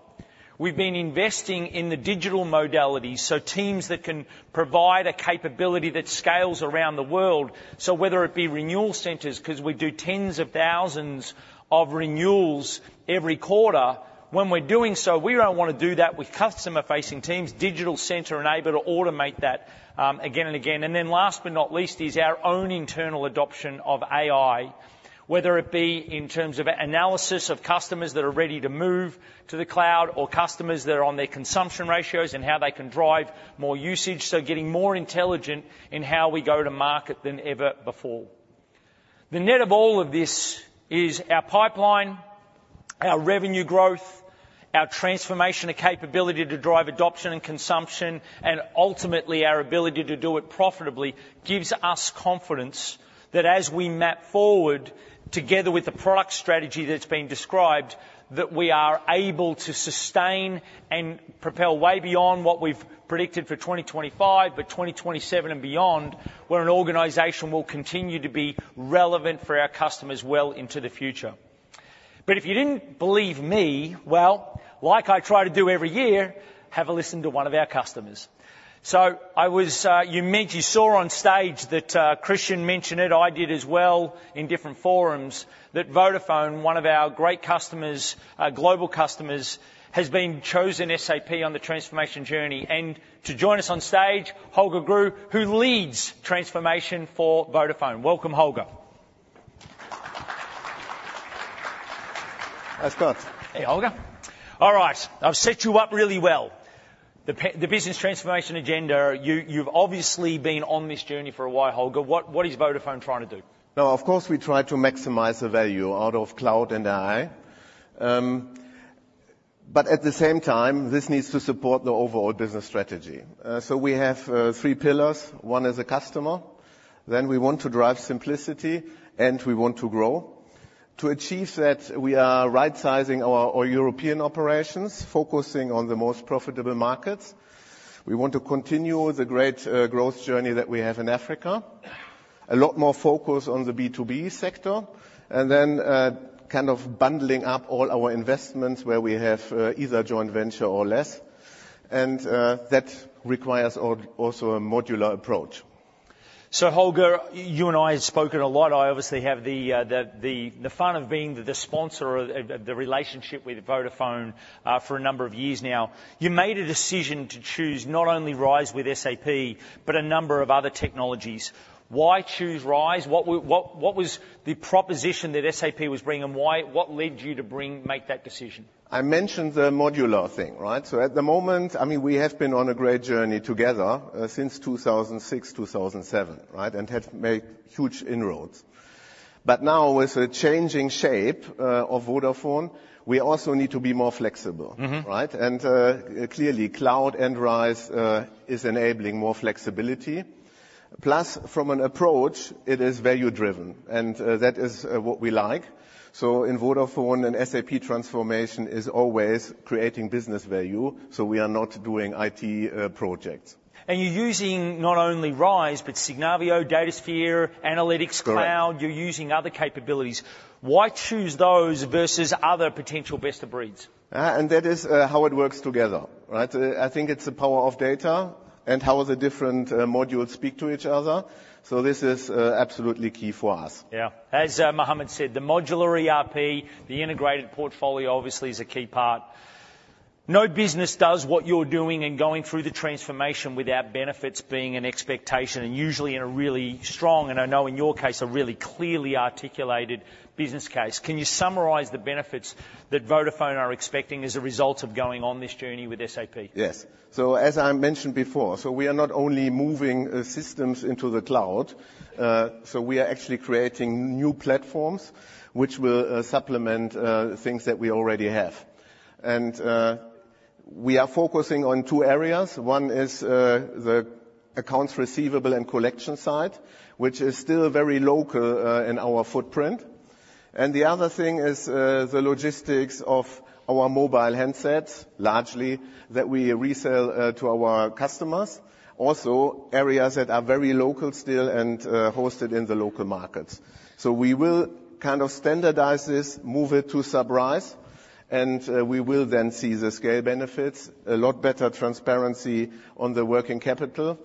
We've been investing in the digital modalities, so teams that can provide a capability that scales around the world. So whether it be renewal centers, because we do tens of thousands of renewals every quarter. When we're doing so, we don't want to do that with customer-facing teams. Digital center enabled to automate that, again and again. And then last but not least is our own internal adoption of AI, whether it be in terms of analysis of customers that are ready to move to the cloud or customers that are on their consumption ratios and how they can drive more usage. So getting more intelligent in how we go to market than ever before. The net of all of this is our pipeline, our revenue growth, our transformation and capability to drive adoption and consumption, and ultimately, our ability to do it profitably, gives us confidence that as we map forward, together with the product strategy that's been described, that we are able to sustain and propel way beyond what we've predicted for 2025, but 2027 and beyond, we're an organization will continue to be relevant for our customers well into the future. But if you didn't believe me, well, like I try to do every year, have a listen to one of our customers. So I was, you saw on stage that Christian mentioned it, I did as well in different forums, that Vodafone, one of our great customers, global customers, has chosen SAP on the transformation journey. To join us on stage, Holger Grewe, who leads transformation for Vodafone. Welcome, Holger. Hi, Scott. Hey, Holger. All right, I've set you up really well. The business transformation agenda, you've obviously been on this journey for a while, Holger. What is Vodafone trying to do? Now, of course, we try to maximize the value out of cloud and AI. But at the same time, this needs to support the overall business strategy. So we have three pillars. One is the customer, then we want to drive simplicity, and we want to grow. To achieve that, we are right-sizing our European operations, focusing on the most profitable markets. We want to continue the great growth journey that we have in Africa. A lot more focus on the B2B sector, and then kind of bundling up all our investments where we have either joint venture or less, and that requires also a modular approach. So, Holger, you and I have spoken a lot. I obviously have the fun of being the sponsor of the relationship with Vodafone for a number of years now. You made a decision to choose not only RISE with SAP, but a number of other technologies. Why choose RISE? What was the proposition that SAP was bringing, and why what led you to make that decision? I mentioned the modular thing, right? So at the moment, I mean, we have been on a great journey together since 2006, 2007, right? And have made huge inroads. But now, with the changing shape of Vodafone, we also need to be more flexible. Mm-hmm. Right? And, clearly, cloud and RISE is enabling more flexibility. Plus, from an approach, it is value-driven, and, that is, what we like. So in Vodafone, an SAP transformation is always creating business value, so we are not doing IT projects. You're using not only RISE, but Signavio, Datasphere, Analytics Cloud- Correct You're using other capabilities. Why choose those versus other potential Best-of-Breed? And that is how it works together, right? I think it's the power of data and how the different modules speak to each other, so this is absolutely key for us. Yeah. As Muhammad said, the modular ERP, the integrated portfolio obviously is a key part. No business does what you're doing and going through the transformation without benefits being an expectation, and usually in a really strong, and I know in your case, a really clearly articulated business case. Can you summarize the benefits that Vodafone are expecting as a result of going on this journey with SAP? Yes. So as I mentioned before, so we are not only moving systems into the cloud, so we are actually creating new platforms which will supplement things that we already have. And we are focusing on two areas. One is the accounts receivable and collection side, which is still very local in our footprint. And the other thing is the logistics of our mobile handsets, largely, that we resell to our customers. Also, areas that are very local still and hosted in the local markets. So we will kind of standardize this, move it to SAP RISE, and we will then see the scale benefits, a lot better transparency on the working capital,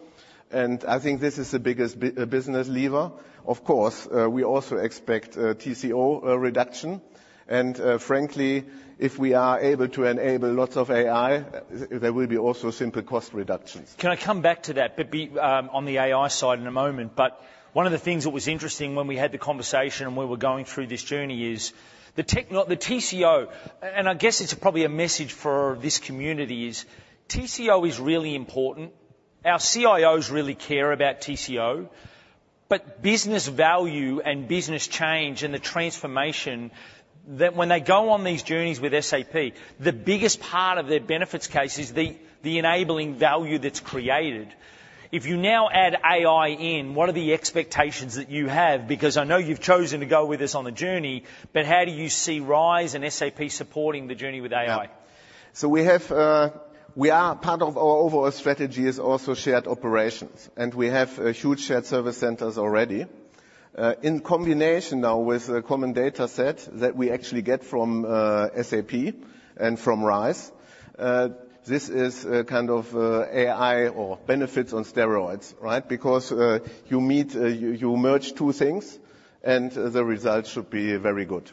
and I think this is the biggest business lever. Of course, we also expect TCO reduction, and frankly, if we are able to enable lots of AI, there will be also simple cost reductions. Can I come back to that, but be on the AI side in a moment? But one of the things that was interesting when we had the conversation and we were going through this journey is, the TCO, and I guess it's probably a message for this community, is TCO is really important. Our CIOs really care about TCO, but business value and business change and the transformation, that when they go on these journeys with SAP, the biggest part of their benefits case is the enabling value that's created. If you now add AI in, what are the expectations that you have? Because I know you've chosen to go with us on the journey, but how do you see RISE and SAP supporting the journey with AI? Yeah. So we have, we are part of our overall strategy is also shared operations, and we have huge shared service centers already. In combination now with the common data set that we actually get from SAP and from RISE, this is kind of AI or benefits on steroids, right? Because you meet, you merge two things, and the results should be very good.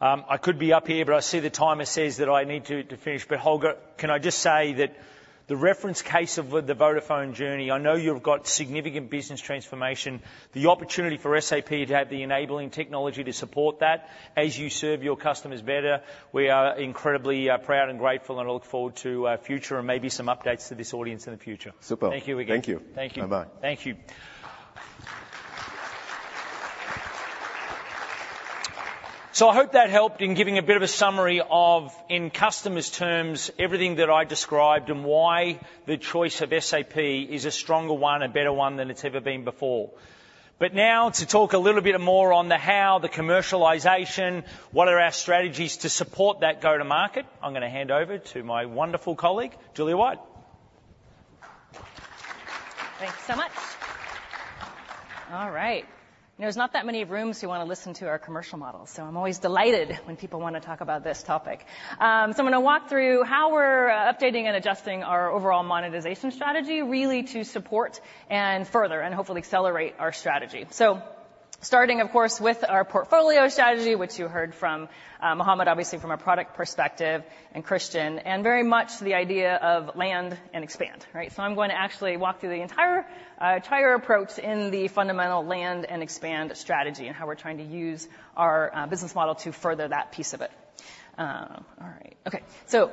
I could be up here, but I see the timer says that I need to finish. But Holger, can I just say that the reference case of the Vodafone journey, I know you've got significant business transformation. The opportunity for SAP to have the enabling technology to support that as you serve your customers better, we are incredibly proud and grateful and look forward to future and maybe some updates to this audience in the future. Super. Thank you again. Thank you. Thank you. Bye-bye. Thank you. So I hope that helped in giving a bit of a summary of, in customers' terms, everything that I described and why the choice of SAP is a stronger one, a better one than it's ever been before. But now to talk a little bit more on the how, the commercialization, what are our strategies to support that go-to-market, I'm gonna hand over to my wonderful colleague, Julia White. Thanks so much. All right. You know, there's not that many rooms who want to listen to our commercial model, so I'm always delighted when people want to talk about this topic. So I'm gonna walk through how we're updating and adjusting our overall monetization strategy, really to support and further, and hopefully accelerate our strategy. So starting, of course, with our portfolio strategy, which you heard from Muhammad, obviously from a product perspective, and Christian, and very much the idea of land and expand, right? So I'm going to actually walk through the entire entire approach in the fundamental land and expand strategy, and how we're trying to use our business model to further that piece of it. All right. Okay, so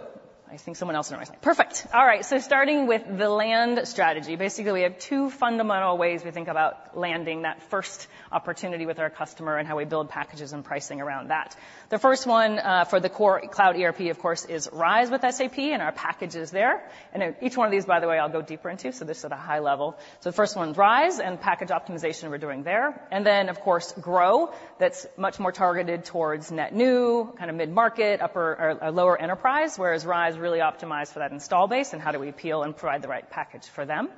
Perfect. All right, so starting with the land strategy. Basically, we have two fundamental ways we think about landing that first opportunity with our customer and how we build packages and pricing around that. The first one, for the core Cloud ERP, of course, is RISE with SAP and our packages there. And each one of these, by the way, I'll go deeper into, so this is at a high level. So the first one is RISE and package optimization we're doing there. And then, of course, GROW with SAP, that's much more targeted towards net new, kind of mid-market, upper... lower enterprise, whereas RISE really optimized for that installed base and how do we appeal and provide the right package for them.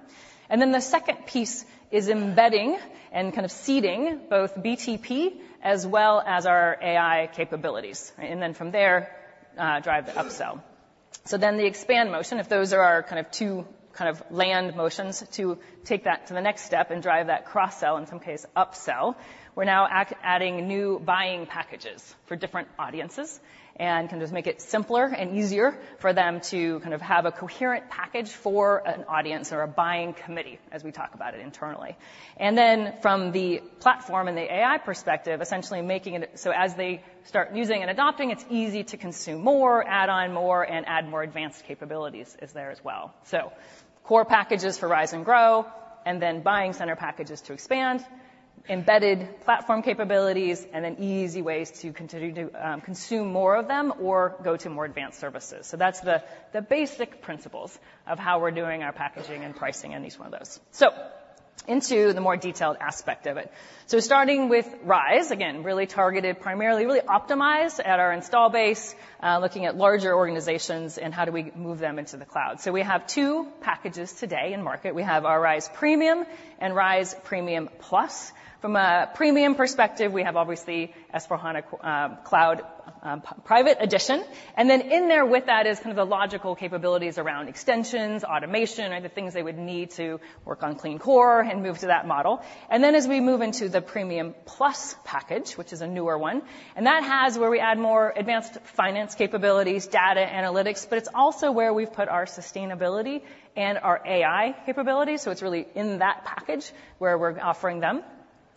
And then the second piece is embedding and kind of seeding both BTP as well as our AI capabilities, and then from there, drive the upsell. So then the expand motion, if those are our kind of two kind of land motions, to take that to the next step and drive that cross-sell, in some cases, upsell, we're now adding new buying packages for different audiences, and can just make it simpler and easier for them to kind of have a coherent package for an audience or a buying committee, as we talk about it internally. And then from the platform and the AI perspective, essentially making it so as they start using and adopting, it's easy to consume more, add on more, and add more advanced capabilities is there as well. So core packages for RISE and GROW, and then buying center packages to expand, embedded platform capabilities, and then easy ways to continue to consume more of them or go to more advanced services. So that's the, the basic principles of how we're doing our packaging and pricing on each one of those. So into the more detailed aspect of it. So starting with RISE, again, really targeted, primarily, really optimized at our install base, looking at larger organizations and how do we move them into the cloud. So we have two packages today in market. We have our RISE Premium and RISE Premium Plus. From a Premium perspective, we have obviously S/4HANA, Cloud, Private Edition. And then in there with that is kind of the logical capabilities around extensions, automation, and the things they would need to work on Clean Core and move to that model. And then as we move into the Premium Plus package, which is a newer one, and that has where we add more advanced finance capabilities, data analytics, but it's also where we've put our sustainability and our AI capabilities. So it's really in that package where we're offering them.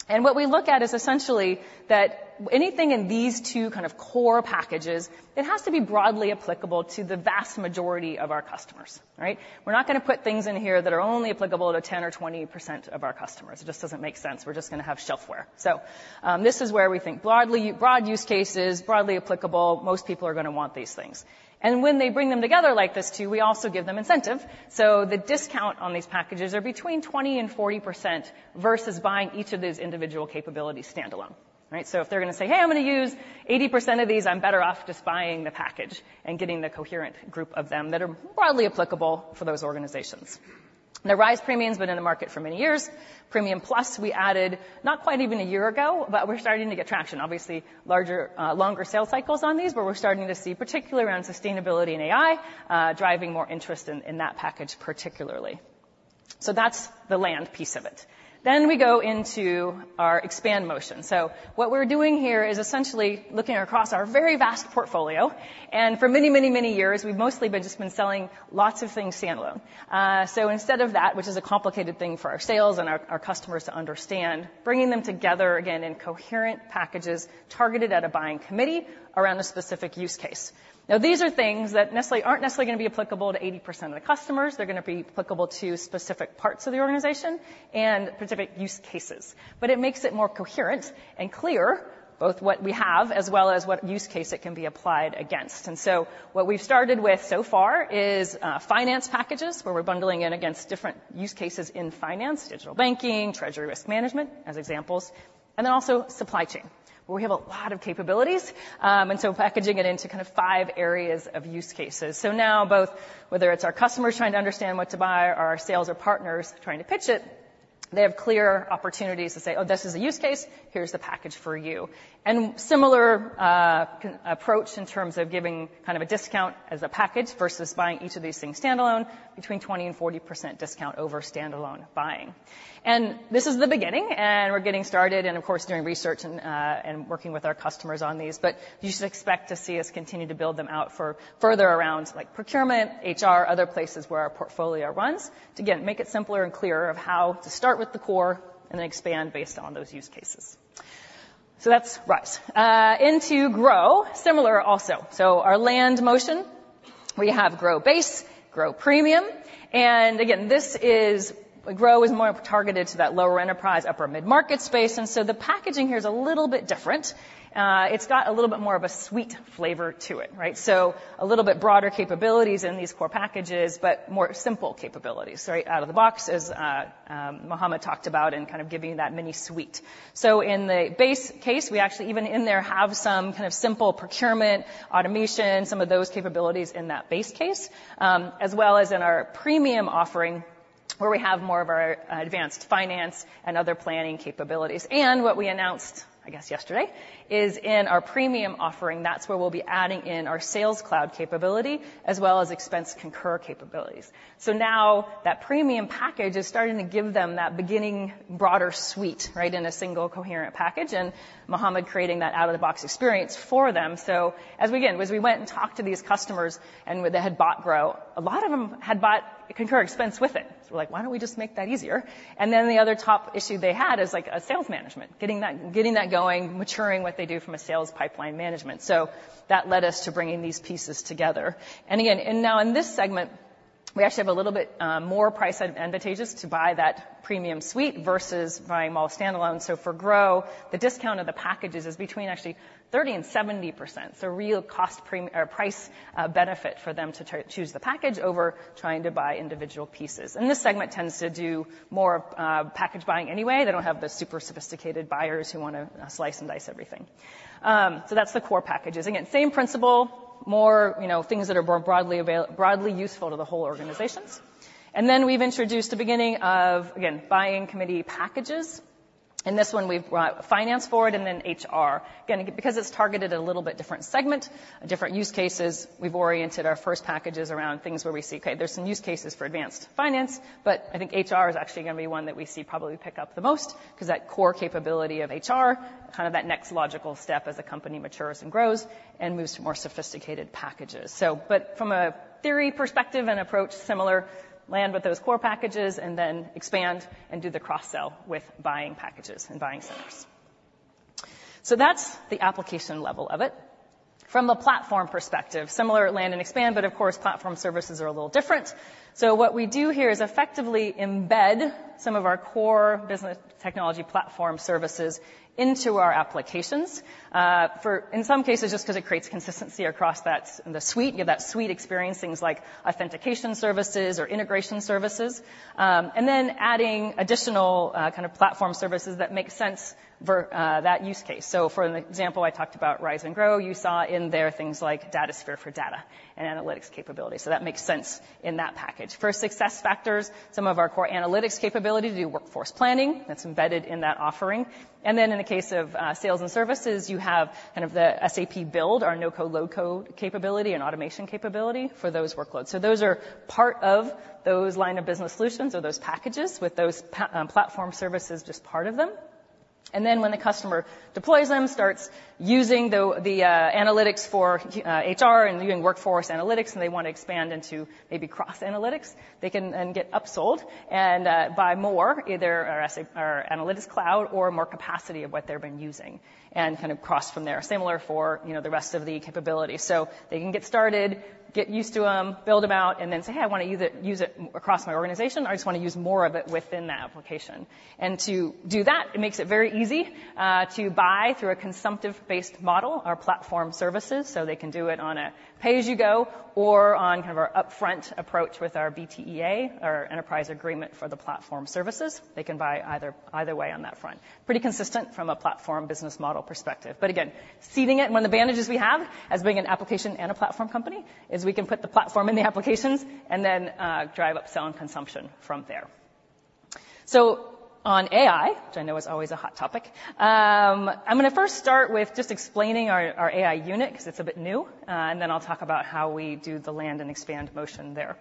And what we look at is essentially that anything in these two kind of core packages, it has to be broadly applicable to the vast majority of our customers, right? We're not gonna put things in here that are only applicable to 10% or 20% of our customers. It just doesn't make sense. We're just gonna have shelfware. So, this is where we think broadly, broad use cases, broadly applicable, most people are gonna want these things. And when they bring them together like this, too, we also give them incentive. So the discount on these packages are between 20% and 40% versus buying each of these individual capabilities standalone, right? So if they're gonna say, "Hey, I'm gonna use 80% of these, I'm better off just buying the package," and getting the coherent group of them that are broadly applicable for those organizations. The RISE Premium's been in the market for many years. Premium Plus, we added not quite even a year ago, but we're starting to get traction. Obviously, larger, longer sales cycles on these, but we're starting to see, particularly around sustainability and AI, driving more interest in, in that package, particularly. So that's the land piece of it. Then we go into our expand motion. So what we're doing here is essentially looking across our very vast portfolio, and for many, many, many years, we've mostly been selling lots of things standalone. So instead of that, which is a complicated thing for our sales and our customers to understand, bringing them together, again, in coherent packages, targeted at a buying committee around a specific use case. Now, these are things that necessarily aren't necessarily gonna be applicable to 80% of the customers. They're gonna be applicable to specific parts of the organization and specific use cases. But it makes it more coherent and clear, both what we have as well as what use case it can be applied against. And so what we've started with so far is finance packages, where we're bundling in against different use cases in finance, digital banking, treasury risk management, as examples, and then also supply chain, where we have a lot of capabilities, and so packaging it into kind of five areas of use cases. So now both, whether it's our customers trying to understand what to buy, or our sales or partners trying to pitch it, they have clear opportunities to say, "Oh, this is a use case, here's the package for you." And similar approach in terms of giving kind of a discount as a package versus buying each of these things standalone, between 20%-40% discount over standalone buying. This is the beginning, and we're getting started, and of course, doing research and working with our customers on these, but you should expect to see us continue to build them out for further around, like procurement, HR, other places where our portfolio runs. To, again, make it simpler and clearer of how to start with the core and then expand based on those use cases. So that's RISE. Into GROW, similar also. So our land motion. We have GROW Base, GROW Premium, and again, this is. GROW is more targeted to that lower enterprise, upper mid-market space, and so the packaging here is a little bit different. It's got a little bit more of a suite flavor to it, right? So a little bit broader capabilities in these core packages, but more simple capabilities, right out-of-the-box, as Muhammad talked about, and kind of giving you that mini suite. So in the base case, we actually even in there have some kind of simple procurement, automation, some of those capabilities in that base case, as well as in our premium offering, where we have more of our advanced finance and other planning capabilities. And what we announced, I guess, yesterday, is in our premium offering, that's where we'll be adding in our Sales Cloud capability as well as expense Concur capabilities. So now that premium package is starting to give them that beginning, broader suite, right, in a single coherent package, and Muhammad creating that out-of-the-box experience for them. So as, again, as we went and talked to these customers and they had bought GROW, a lot of them had bought a Concur Expense with it. So we're like, "Why don't we just make that easier?" And then the other top issue they had is, like, a sales management, getting that, getting that going, maturing what they do from a sales pipeline management. So that led us to bringing these pieces together. And again, and now in this segment, we actually have a little bit more price advantageous to buy that premium suite versus buying them all standalone. So for GROW, the discount of the packages is between actually 30% and 70%. So real cost or price benefit for them to choose the package over trying to buy individual pieces. And this segment tends to do more package buying anyway. They don't have the super sophisticated buyers who wanna slice and dice everything. So that's the core packages. Again, same principle, more, you know, things that are more broadly available, broadly useful to the whole organizations. And then we've introduced the beginning of, again, buying committee packages. In this one, we've brought finance forward and then HR. Again, because it's targeted a little bit different segment, different use cases, we've oriented our first packages around things where we see, okay, there's some use cases for advanced finance, but I think HR is actually gonna be one that we see probably pick up the most, 'cause that core capability of HR, kind of that next logical step as a company matures and grows and moves to more sophisticated packages. So but from a theory perspective and approach, similar land with those core packages and then expand and do the cross-sell with buying packages and buying centers. So that's the application level of it. From a platform perspective, similar land and expand, but of course, platform services are a little different. So what we do here is effectively embed some of our core Business Technology Platform services into our applications, in some cases, just 'cause it creates consistency across that, the suite. You have that suite experience, things like authentication services or integration services, and then adding additional, kind of platform services that make sense for, that use case. So for an example, I talked about RISE and GROW. You saw in there things like Datasphere for data and analytics capability. So that makes sense in that package. For SuccessFactors, some of our core analytics capability to do workforce planning, that's embedded in that offering. And then in the case of sales and services, you have kind of the SAP Build, our no-code, low-code capability and automation capability for those workloads. So those are part of those line of business solutions or those packages with those platform services, just part of them. And then when the customer deploys them, starts using the analytics for HR and doing workforce analytics, and they want to expand into maybe cross analytics, they can then get upsold and buy more, either our Analytics Cloud or more capacity of what they've been using, and kind of cross from there. Similar for, you know, the rest of the capability. So they can get started, get used to them, build them out, and then say, "Hey, I wanna use it, use it across my organization," or, "I just wanna use more of it within that application." And to do that, it makes it very easy to buy through a consumptive-based model, our platform services, so they can do it on a pay-as-you-go or on kind of our upfront approach with our BTP EA, our enterprise agreement for the platform services. They can buy either, either way on that front. Pretty consistent from a platform business model perspective. But again, seeding it, one of the advantages we have as being an application and a platform company, is we can put the platform in the applications and then drive upsell and "upsell" from there. So on AI, which I know is always a hot topic, I'm gonna first start with just explaining our, our AI Unit, 'cause it's a bit new, and then I'll talk about how we do the land and expand motion there.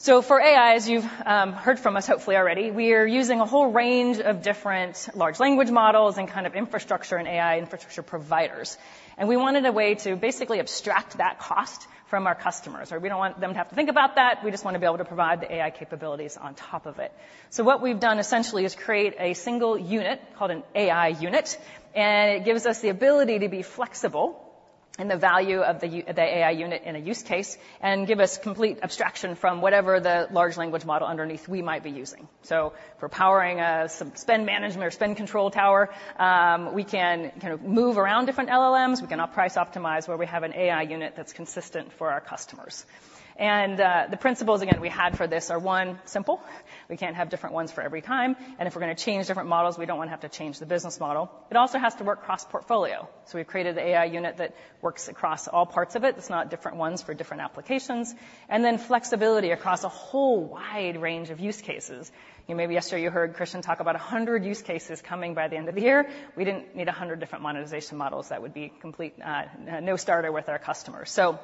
So for AI, as you've heard from us, hopefully already, we are using a whole range of different large language models and kind of infrastructure and AI infrastructure providers. And we wanted a way to basically abstract that cost from our customers. So we don't want them to have to think about that. We just wanna be able to provide the AI capabilities on top of it. So what we've done essentially is create a single unit called an AI Unit, and it gives us the ability to be flexible in the value of the AI Unit in a use case and give us complete abstraction from whatever the large language model underneath we might be using. So for powering some Spend Management or Spend Control Tower, we can kind of move around different LLMs. We can now price optimize where we have an AI Unit that's consistent for our customers. And the principles, again, we had for this are, one, simple. We can't have different ones for every time, and if we're gonna change different models, we don't wanna have to change the business model. It also has to work cross-portfolio. So we've created an AI Unit that works across all parts of it. It's not different ones for different applications. And then flexibility across a whole wide range of use cases. You know, maybe yesterday, you heard Christian talk about 100 use cases coming by the end of the year. We didn't need 100 different monetization models. That would be complete nonstarter with our customers. So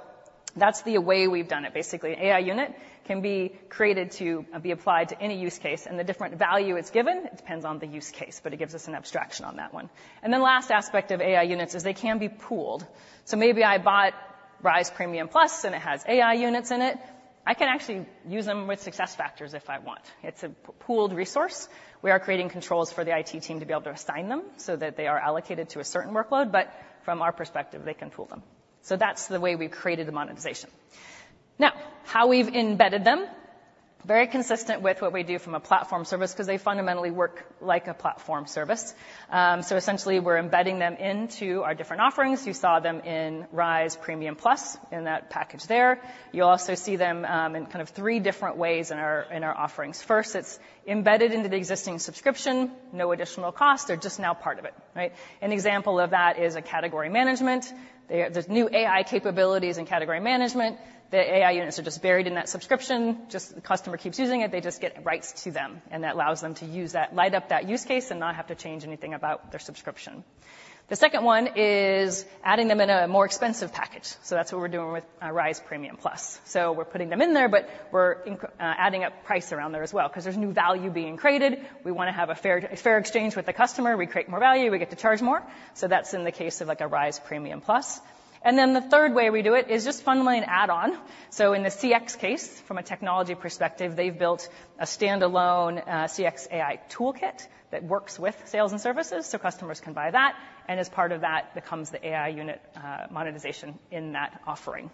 that's the way we've done it. Basically, AI Unit can be created to be applied to any use case, and the different value it's given, it depends on the use case, but it gives us an abstraction on that one. And then last aspect of AI Units is they can be pooled. So maybe I bought RISE Premium Plus, and it has AI Units in it... I can actually use them with SuccessFactors if I want. It's a pooled resource. We are creating controls for the IT team to be able to assign them, so that they are allocated to a certain workload, but from our perspective, they can pool them. So that's the way we've created the monetization. Now, how we've embedded them, very consistent with what we do from a platform service, 'cause they fundamentally work like a platform service. So essentially, we're embedding them into our different offerings. You saw them in RISE Premium Plus, in that package there. You'll also see them in kind of three different ways in our offerings. First, it's embedded into the existing subscription, no additional cost, they're just now part of it, right? An example of that is a Category Management. There, there's new AI capabilities in Category Management. The AI Units are just buried in that subscription, just the customer keeps using it, they just get rights to them, and that allows them to use that, light up that use case and not have to change anything about their subscription. The second one is adding them in a more expensive package, so that's what we're doing with RISE Premium Plus. So we're putting them in there, but we're adding up price around there as well, 'cause there's new value being created. We wanna have a fair, fair exchange with the customer. We create more value, we get to charge more, so that's in the case of, like, a RISE Premium Plus. And then the third way we do it is just fundamentally an add-on. So in the CX case, from a technology perspective, they've built a standalone, CX AI Toolkit that works with sales and services, so customers can buy that, and as part of that becomes the AI Unit, monetization in that offering.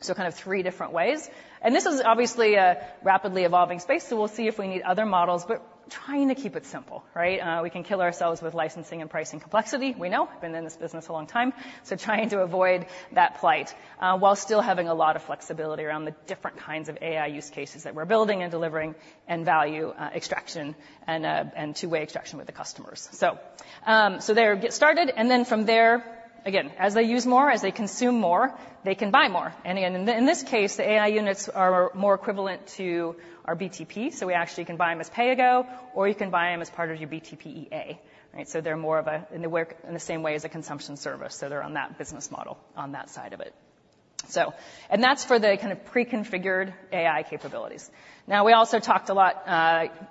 So kind of three different ways. And this is obviously a rapidly evolving space, so we'll see if we need other models, but trying to keep it simple, right? We can kill ourselves with licensing and pricing complexity. We know, been in this business a long time, so trying to avoid that plight, while still having a lot of flexibility around the different kinds of AI use cases that we're building and delivering, and value, extraction and, and two-way extraction with the customers. So, to get started, and then from there, again, as they use more, as they consume more, they can buy more. And again, in this case, the AI Units are more equivalent to our BTP, so we actually can buy them as pay as you go, or you can buy them as part of your BTP EA. Right, so they're more of a... And they work in the same way as a consumption service, so they're on that business model on that side of it. So, and that's for the kind of pre-configured AI capabilities. Now, we also talked a lot,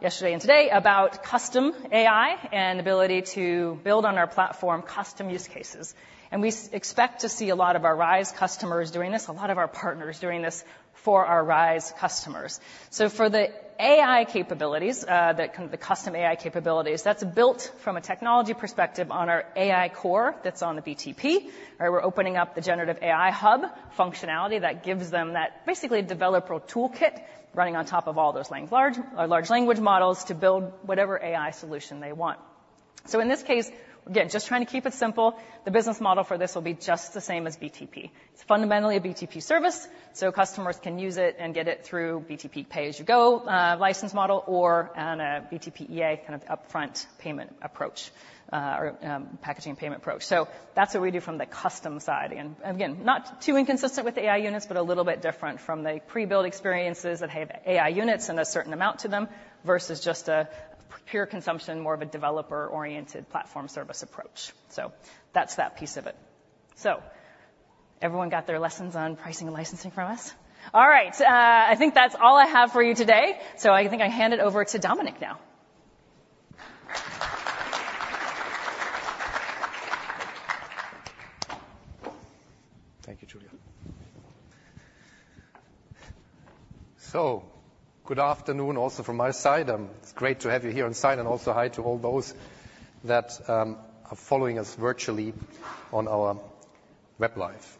yesterday and today about custom AI and ability to build on our platform custom use cases. And we expect to see a lot of our RISE customers doing this, a lot of our partners doing this for our RISE customers. So for the AI capabilities, that kind, the custom AI capabilities, that's built from a technology perspective on our AI Core that's on the BTP. We're opening up the Generative AI Hub functionality that gives them that basically developer toolkit running on top of all those large language models to build whatever AI solution they want. So in this case, again, just trying to keep it simple, the business model for this will be just the same as BTP. It's fundamentally a BTP service, so customers can use it and get it through BTP pay-as-you-go license model or on a BTP EA kind of upfront payment approach, or packaging payment approach. So that's what we do from the custom side. Again, not too inconsistent with the AI Units, but a little bit different from the pre-built experiences that have AI Units and a certain amount to them, versus just a pure consumption, more of a developer-oriented platform service approach. So that's that piece of it. So everyone got their lessons on pricing and licensing from us? All right, I think that's all I have for you today, so I think I hand it over to Dominik now. Thank you, Julia. Good afternoon also from my side. It's great to have you here on site, and also hi to all those that are following us virtually on our web live.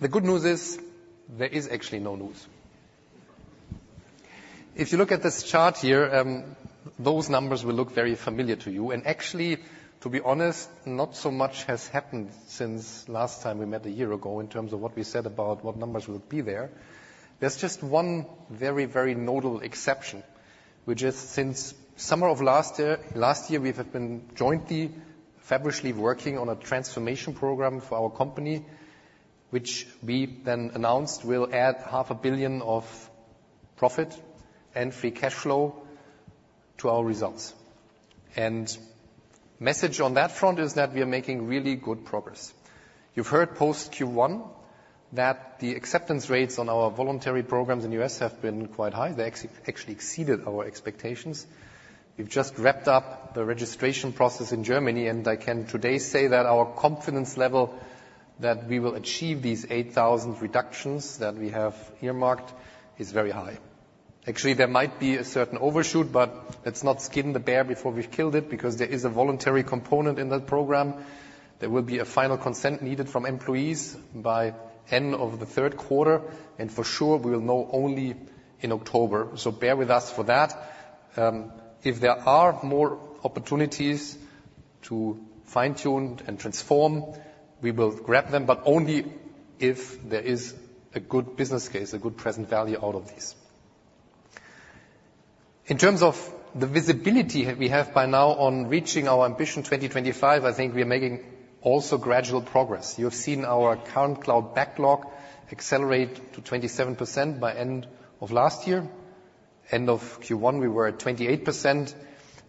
The good news is, there is actually no news. If you look at this chart here, those numbers will look very familiar to you. Actually, to be honest, not so much has happened since last time we met a year ago in terms of what we said about what numbers would be there. There's just one very, very notable exception, which is since summer of last year, last year, we have been jointly, fabulously working on a transformation program for our company, which we then announced will add 500 million of profit and free cash flow to our results. Message on that front is that we are making really good progress. You've heard post Q1 that the acceptance rates on our voluntary programs in the U.S. have been quite high. They actually exceeded our expectations. We've just wrapped up the registration process in Germany, and I can today say that our confidence level that we will achieve these 8,000 reductions that we have earmarked is very high. Actually, there might be a certain overshoot, but let's not skin the bear before we've killed it, because there is a voluntary component in that program. There will be a final consent needed from employees by end of the third quarter, and for sure we will know only in October, so bear with us for that. If there are more opportunities to fine-tune and transform, we will grab them, but only if there is a good business case, a good present value out of this. In terms of the visibility we have by now on reaching our ambition 2025, I think we are making also gradual progress. You have seen our current cloud backlog accelerate to 27% by end of last year. End of Q1, we were at 28%.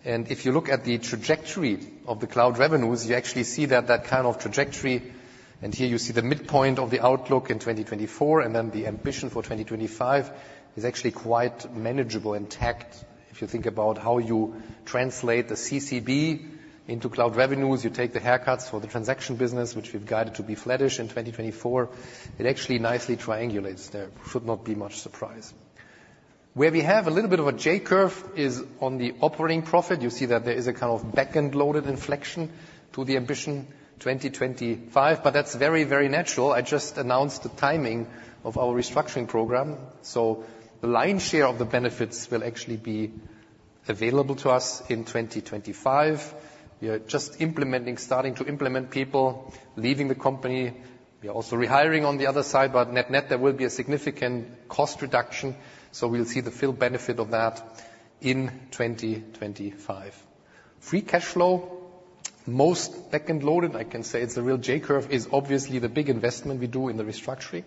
And if you look at the trajectory of the cloud revenues, you actually see that, that kind of trajectory, and here you see the midpoint of the outlook in 2024, and then the ambition for 2025, is actually quite manageable intact. If you think about how you translate the CCB-... Into cloud revenues, you take the haircuts for the transaction business, which we've guided to be flattish in 2024. It actually nicely triangulates there. Should not be much surprise. Where we have a little bit of a J-curve is on the operating profit. You see that there is a kind of back-end loaded inflection to the Ambition 2025, but that's very, very natural. I just announced the timing of our restructuring program, so the lion's share of the benefits will actually be available to us in 2025. We are just implementing, starting to implement people leaving the company. We are also rehiring on the other side, but net-net, there will be a significant cost reduction, so we'll see the full benefit of that in 2025. Free cash flow, most back-end loaded, I can say it's a real J-curve, is obviously the big investment we do in the restructuring.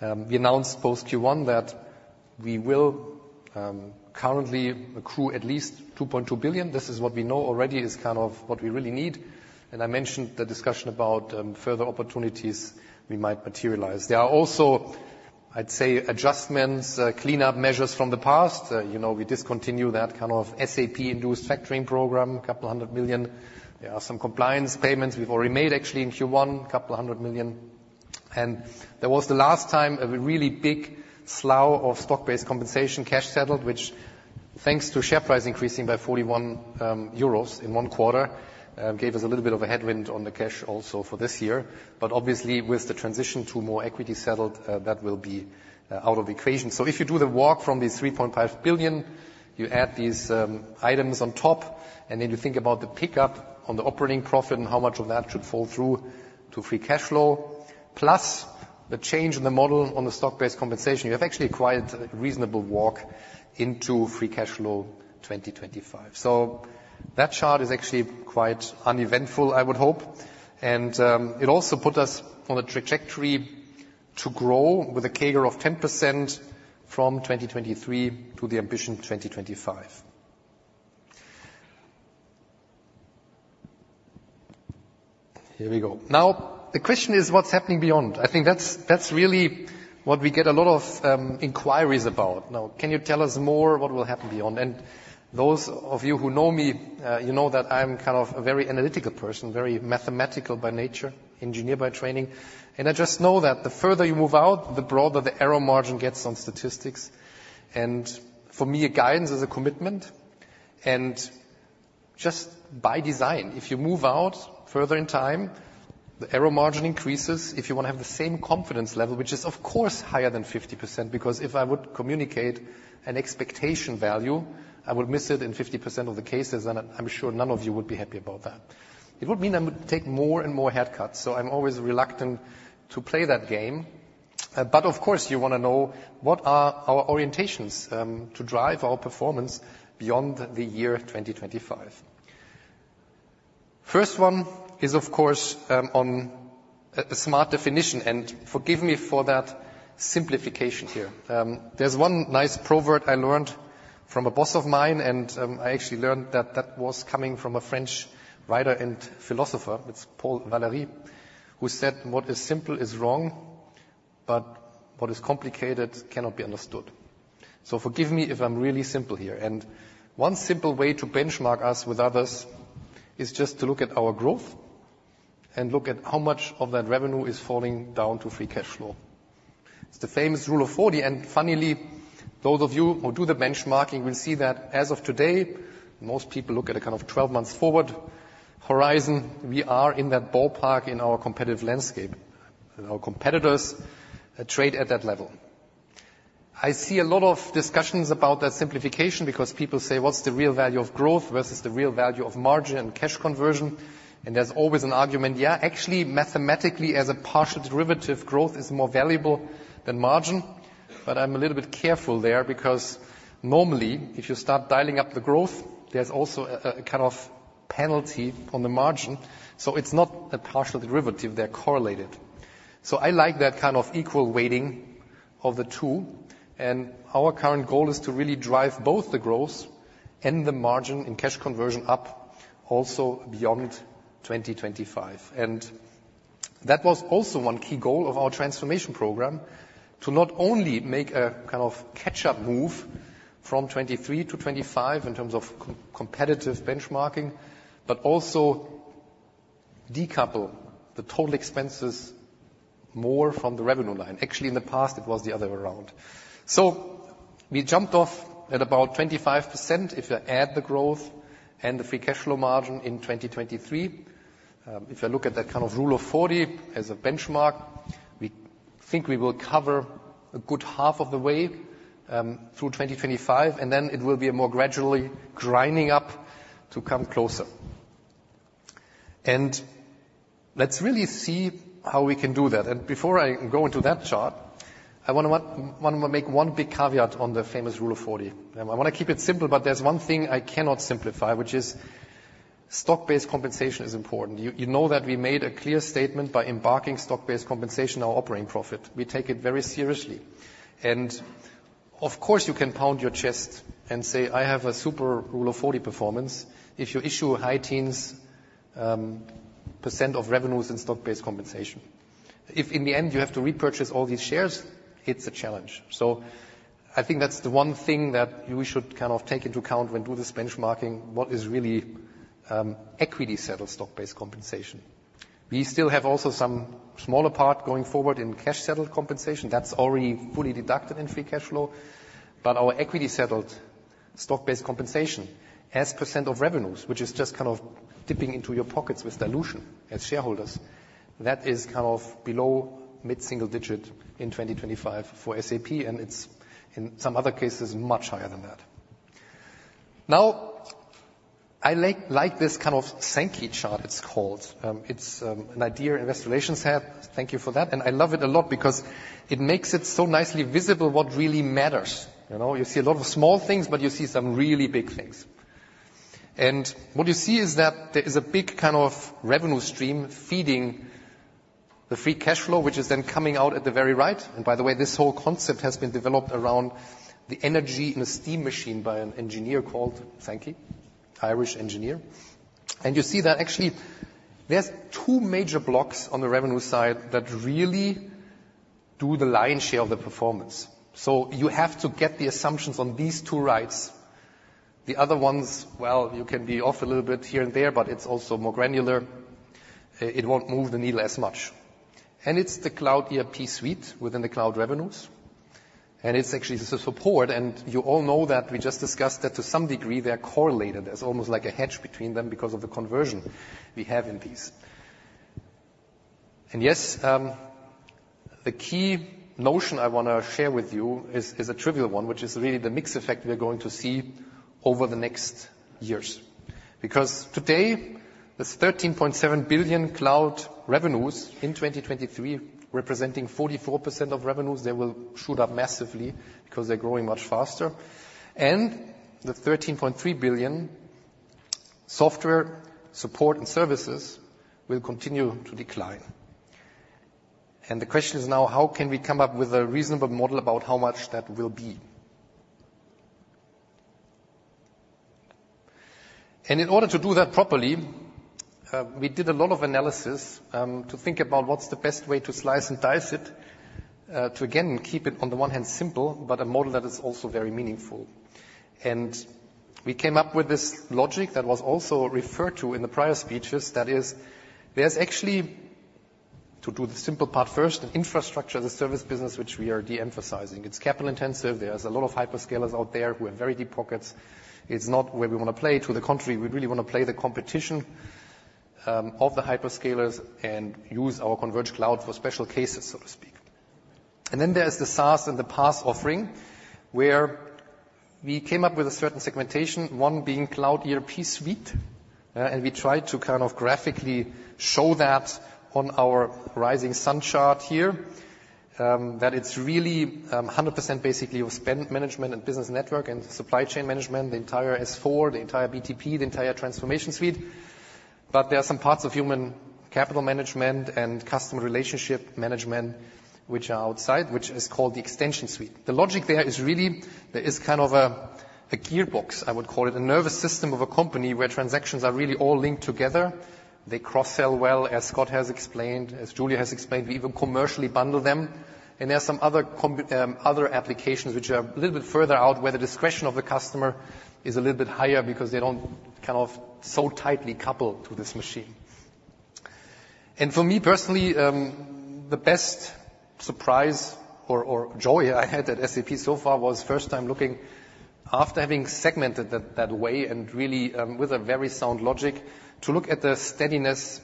We announced post Q1 that we will currently accrue at least 2.2 billion. This is what we know already is kind of what we really need. I mentioned the discussion about further opportunities we might materialize. There are also, I'd say, adjustments, cleanup measures from the past. You know, we discontinue that kind of SAP-induced factoring program, EUR a couple of hundred million. There are some compliance payments we've already made, actually, in Q1, EUR a couple of hundred million. There was the last time a really big slug of stock-based compensation, cash settled, which, thanks to share price increasing by 41 euros in one quarter, gave us a little bit of a headwind on the cash also for this year. Obviously with the transition to more equity settled, that will be out of the equation. So if you do the walk from the 3.5 billion, you add these items on top, and then you think about the pickup on the operating profit and how much of that should fall through to free cash flow, plus the change in the model on the stock-based compensation, you have actually quite a reasonable walk into free cash flow 2025. So that chart is actually quite uneventful, I would hope. It also put us on a trajectory to grow with a CAGR of 10% from 2023 to the Ambition 2025. Here we go. Now, the question is what's happening beyond? I think that's, that's really what we get a lot of inquiries about. Now, can you tell us more what will happen beyond? And those of you who know me, you know that I'm kind of a very analytical person, very mathematical by nature, engineer by training. And I just know that the further you move out, the broader the error margin gets on statistics. And for me, a guidance is a commitment, and just by design, if you move out further in time, the error margin increases. If you want to have the same confidence level, which is of course higher than 50%, because if I would communicate an expectation value, I would miss it in 50% of the cases, and I'm sure none of you would be happy about that. It would mean I would take more and more head cuts, so I'm always reluctant to play that game. But of course, you want to know what are our orientations, to drive our performance beyond the year 2025. First one is, of course, on a smart definition, and forgive me for that simplification here. There's one nice proverb I learned from a boss of mine, and I actually learned that that was coming from a French writer and philosopher. It's Paul Valéry, who said, "What is simple is wrong, but what is complicated cannot be understood." So forgive me if I'm really simple here. One simple way to benchmark us with others is just to look at our growth and look at how much of that revenue is falling down to free cash flow. It's the famous Rule of 40, and funnily, those of you who do the benchmarking will see that as of today, most people look at a kind of 12 months forward horizon. We are in that ballpark in our competitive landscape, and our competitors trade at that level. I see a lot of discussions about that simplification because people say: What's the real value of growth versus the real value of margin and cash conversion? And there's always an argument, yeah, actually, mathematically, as a partial derivative, growth is more valuable than margin, but I'm a little bit careful there, because normally, if you start dialing up the growth, there's also a kind of penalty on the margin, so it's not a partial derivative, they're correlated. So I like that kind of equal weighting of the two. And our current goal is to really drive both the growth and the margin in cash conversion up also beyond 2025. And that was also one key goal of our transformation program, to not only make a kind of catch-up move from 2023 to 2025 in terms of competitive benchmarking, but also decouple the total expenses more from the revenue line. Actually, in the past, it was the other way around. So we jumped off at about 25% if you add the growth and the free cash flow margin in 2023. If you look at that kind of Rule of 40 as a benchmark, we think we will cover a good half of the way through 2025, and then it will be a more gradually grinding up to come closer. And let's really see how we can do that. And before I go into that chart, I want to make one big caveat on the famous Rule of 40. I want to keep it simple, but there's one thing I cannot simplify, which is stock-based compensation is important. You know that we made a clear statement by embedding stock-based compensation, our operating profit. We take it very seriously. Of course, you can pound your chest and say, "I have a super Rule of 40 performance," if you issue high teens percent of revenues in stock-based compensation. If in the end you have to repurchase all these shares, it's a challenge. So I think that's the one thing that you should kind of take into account when doing this benchmarking, what is really equity settled stock-based compensation. We still have also some smaller part going forward in cash settled compensation that's already fully deducted in free cash flow. But our equity settled stock-based compensation as percent of revenues, which is just kind of dipping into your pockets with dilution as shareholders, that is kind of below mid-single digit in 2025 for SAP, and it's in some other cases, much higher than that. Now, I like, like this kind of Sankey chart, it's called. It's an idea, Investor Relations had. Thank you for that. And I love it a lot because it makes it so nicely visible what really matters, you know? You see a lot of small things, but you see some really big things. And what you see is that there is a big kind of revenue stream feeding the free cash flow, which is then coming out at the very right. And by the way, this whole concept has been developed around the energy in a steam machine by an engineer called Sankey, Irish engineer. And you see that actually there's two major blocks on the revenue side that really do the lion's share of the performance. So you have to get the assumptions on these two rights. The other ones, well, you can be off a little bit here and there, but it's also more granular. It won't move the needle as much. And it's the Cloud ERP Suite within the cloud revenues, and it's actually the support. And you all know that we just discussed that to some degree they're correlated. There's almost like a hedge between them because of the conversion we have in these. And yes, the key notion I want to share with you is a trivial one, which is really the mix effect we're going to see over the next years. Because today, there's 13.7 billion cloud revenues in 2023, representing 44% of revenues. They will shoot up massively because they're growing much faster. And the 13.3 billion software support and services will continue to decline. And the question is now: how can we come up with a reasonable model about how much that will be? In order to do that properly, we did a lot of analysis to think about what's the best way to slice and dice it, to again, keep it, on the one hand, simple, but a model that is also very meaningful. And we came up with this logic that was also referred to in the prior speeches. That is, there's actually, to do the simple part first, Infrastructure as a Service business, which we are de-emphasizing. It's capital intensive. There's a lot of hyperscalers out there who have very deep pockets. It's not where we want to play. To the contrary, we really want to play the competition of the hyperscalers and use our converged cloud for special cases, so to speak. And then there's the SaaS and the PaaS offering, where we came up with a certain segmentation, one being Cloud ERP Suite. And we tried to kind of graphically show that on our rising sun chart here, that it's really 100% basically of Spend Management and Business Network and Supply Chain Management, the entire S/4, the entire BTP, the entire Transformation Suite. But there are some parts of Human Capital Management and Customer Relationship Management which are outside, which is called the Extension Suite. The logic there is really, there is kind of a, a gearbox, I would call it, a nervous system of a company where transactions are really all linked together. They cross-sell well, as Scott has explained, as Julia has explained, we even commercially bundle them. And there are some other applications which are a little bit further out, where the discretion of the customer is a little bit higher because they don't kind of so tightly couple to this machine. For me personally, the best surprise or, or joy I had at SAP so far was first time looking after having segmented that, that way and really, with a very sound logic, to look at the steadiness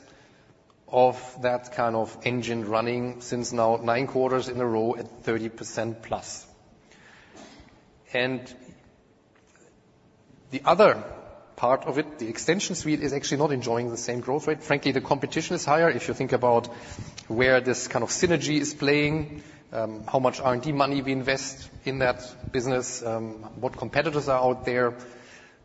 of that kind of engine running since now 9 quarters in a row at 30%+. The other part of it, the Extension Suite, is actually not enjoying the same growth rate. Frankly, the competition is higher. If you think about where this kind of synergy is playing, how much R&D money we invest in that business, what competitors are out there.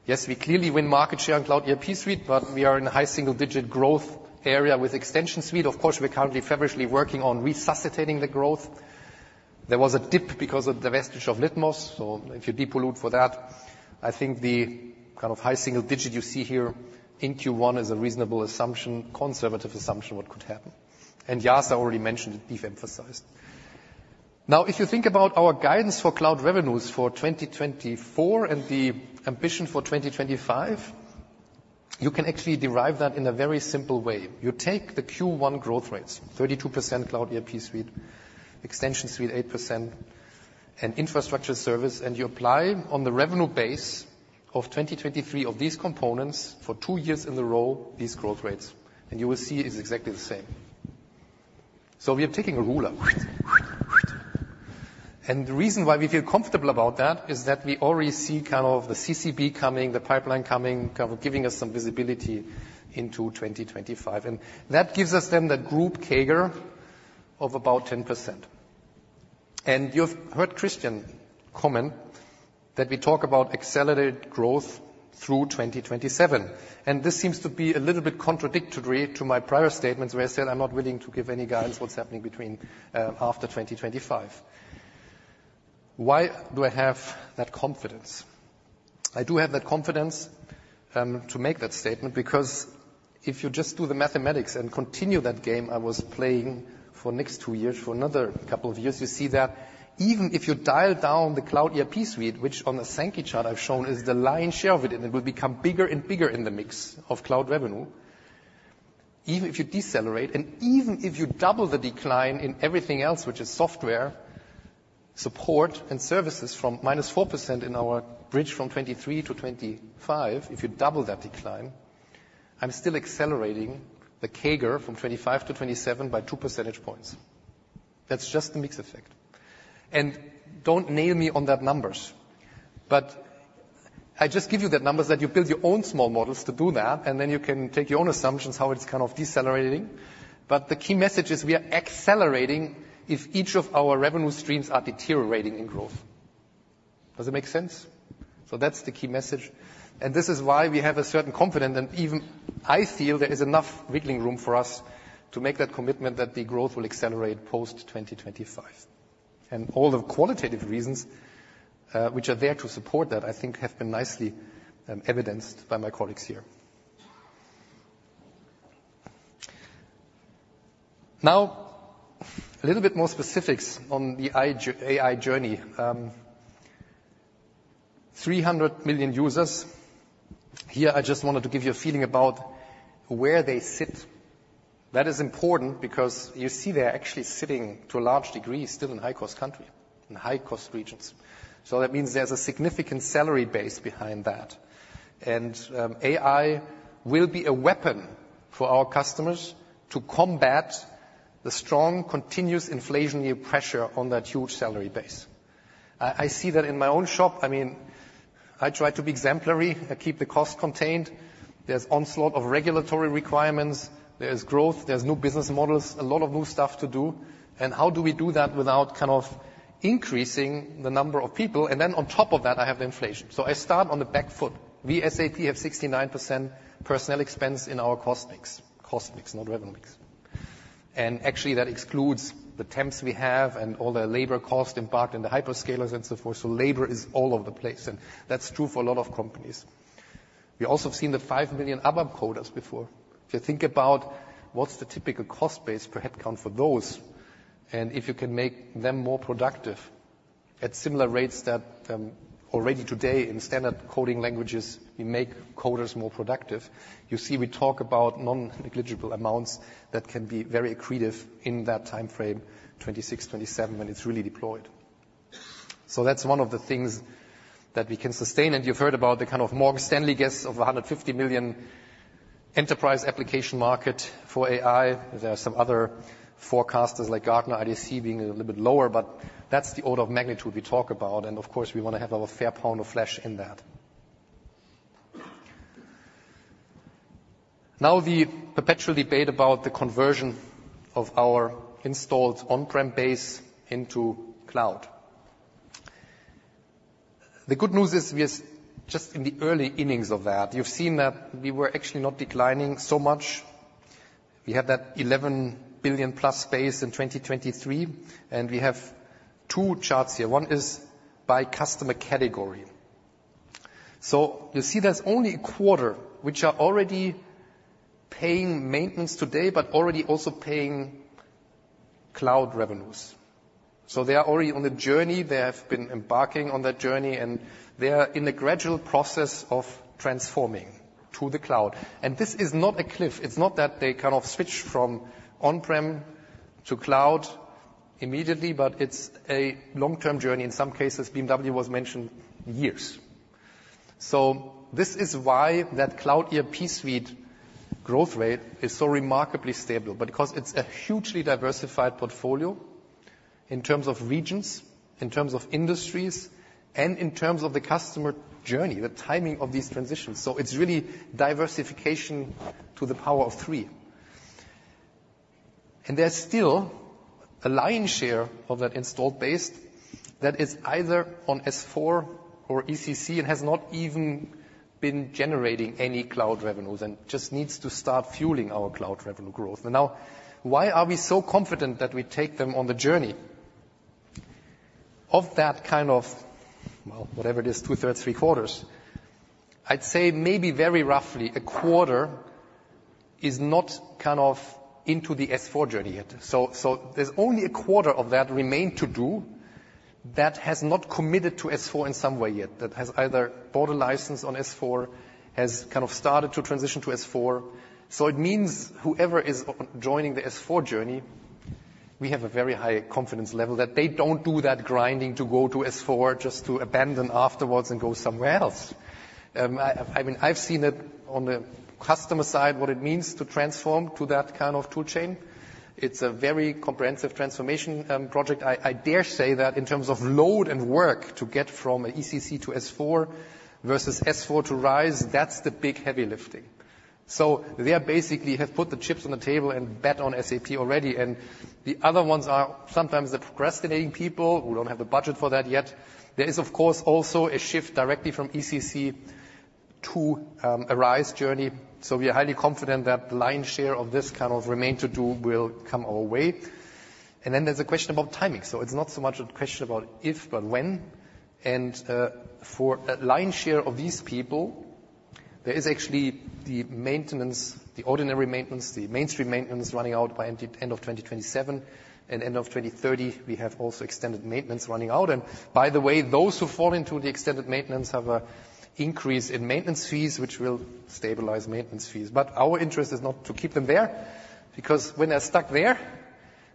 Yes, we clearly win market share in Cloud ERP Suite, but we are in a high single-digit growth area with Extension Suite. Of course, we're currently feverishly working on resuscitating the growth. There was a dip because of the divestiture of Litmos, so if you depollute for that, I think the kind of high single digit you see here in Q1 is a reasonable assumption, conservative assumption what could happen. And as I already mentioned it, but emphasized. Now, if you think about our guidance for cloud revenues for 2024 and the ambition for 2025, you can actually derive that in a very simple way. You take the Q1 growth rates, 32% Cloud ERP Suite, Extension Suite 8% and infrastructure service, and you apply on the revenue base of 2023 of these components for two years in a row, these growth rates, and you will see it's exactly the same. So we are taking a ruler, and the reason why we feel comfortable about that is that we already see kind of the CCB coming, the pipeline coming, kind of giving us some visibility into 2025, and that gives us then the group CAGR of about 10%. And you've heard Christian comment that we talk about accelerated growth through 2027, and this seems to be a little bit contradictory to my prior statements, where I said, "I'm not willing to give any guidance what's happening between, after 2025."... Why do I have that confidence? I do have that confidence to make that statement, because if you just do the mathematics and continue that game I was playing for next two years, for another couple of years, you see that even if you dial down the Cloud ERP Suite, which on the Sankey chart I've shown, is the lion's share of it, and it will become bigger and bigger in the mix of cloud revenue. Even if you decelerate, and even if you double the decline in everything else, which is software, support, and services, from -4% in our bridge from 2023 to 2025, if you double that decline, I'm still accelerating the CAGR from 2025 to 2027 by two percentage points. That's just the mix effect. Don't nail me on that numbers, but I just give you the numbers that you build your own small models to do that, and then you can take your own assumptions, how it's kind of decelerating. But the key message is we are accelerating if each of our revenue streams are deteriorating in growth. Does it make sense? So that's the key message, and this is why we have a certain confidence, and even I feel there is enough wiggling room for us to make that commitment that the growth will accelerate post-2025. And all the qualitative reasons, which are there to support that, I think have been nicely evidenced by my colleagues here. Now, a little bit more specifics on the AI journey. 300 million users. Here, I just wanted to give you a feeling about where they sit. That is important because you see they're actually sitting, to a large degree, still in high-cost country, in high-cost regions. So that means there's a significant salary base behind that, and AI will be a weapon for our customers to combat the strong, continuous inflationary pressure on that huge salary base. I see that in my own shop. I mean, I try to be exemplary. I keep the cost contained. There's onslaught of regulatory requirements, there's growth, there's new business models, a lot of new stuff to do, and how do we do that without kind of increasing the number of people? And then on top of that, I have the inflation, so I start on the back foot. We, SAP, have 69% personnel expense in our cost mix. Cost mix, not revenue mix. Actually, that excludes the temps we have and all the labor cost embarked in the hyperscalers and so forth. So labor is all over the place, and that's true for a lot of companies. We also have seen the 5 million ABAP coders before. If you think about what's the typical cost base per headcount for those, and if you can make them more productive at similar rates that already today in standard coding languages, we make coders more productive, you see, we talk about non-negligible amounts that can be very accretive in that time frame, 2026, 2027, when it's really deployed. So that's one of the things that we can sustain. And you've heard about the kind of Morgan Stanley guess of 150 million enterprise application market for AI. There are some other forecasters, like Gartner, IDC, being a little bit lower, but that's the order of magnitude we talk about, and of course, we want to have our fair pound of flesh in that. Now, the perpetual debate about the conversion of our installed on-prem base into cloud. The good news is we are just in the early innings of that. You've seen that we were actually not declining so much. We had that 11 billion-plus base in 2023, and we have two charts here. One is by customer category. So you see there's only a quarter, which are already paying maintenance today, but already also paying cloud revenues. So they are already on the journey, they have been embarking on that journey, and they are in a gradual process of transforming to the cloud. And this is not a cliff. It's not that they kind of switch from on-prem to cloud immediately, but it's a long-term journey. In some cases, BMW was mentioned, years. So this is why that Cloud ERP Suite growth rate is so remarkably stable, because it's a hugely diversified portfolio in terms of regions, in terms of industries, and in terms of the customer journey, the timing of these transitions, so it's really diversification to the power of three. And there's still a lion's share of that installed base that is either on S/4 or ECC, and has not even been generating any cloud revenues and just needs to start fueling our cloud revenue growth. And now, why are we so confident that we take them on the journey? Of that kind of, well, whatever it is, two-thirds, three-quarters, I'd say maybe very roughly a quarter is not kind of into the S/4 journey yet. So there's only a quarter of that remain to do that has not committed to S/4 in some way yet, that has either bought a license on S/4, has kind of started to transition to S/4. So it means whoever is joining the S/4 journey, we have a very high confidence level that they don't do that grinding to go to S/4 just to abandon afterwards and go somewhere else. I mean, I've seen it on the customer side, what it means to transform to that kind of tool chain. It's a very comprehensive transformation project. I dare say that in terms of load and work, to get from ECC to S/4 versus S/4 to RISE, that's the big heavy lifting. So they basically have put the chips on the table and bet on SAP already, and the other ones are sometimes the procrastinating people who don't have the budget for that yet. There is, of course, also a shift directly from ECC to a RISE journey. So we are highly confident that the lion's share of this kind of remain to do will come our way. And then there's a question about timing. So it's not so much a question about if, but when. And for a lion's share of these people, there is actually the maintenance, the ordinary maintenance, the mainstream maintenance, running out by end of 2027. And end of 2030, we have also extended maintenance running out. And by the way, those who fall into the extended maintenance have an increase in maintenance fees, which will stabilize maintenance fees. But our interest is not to keep them there, because when they're stuck there,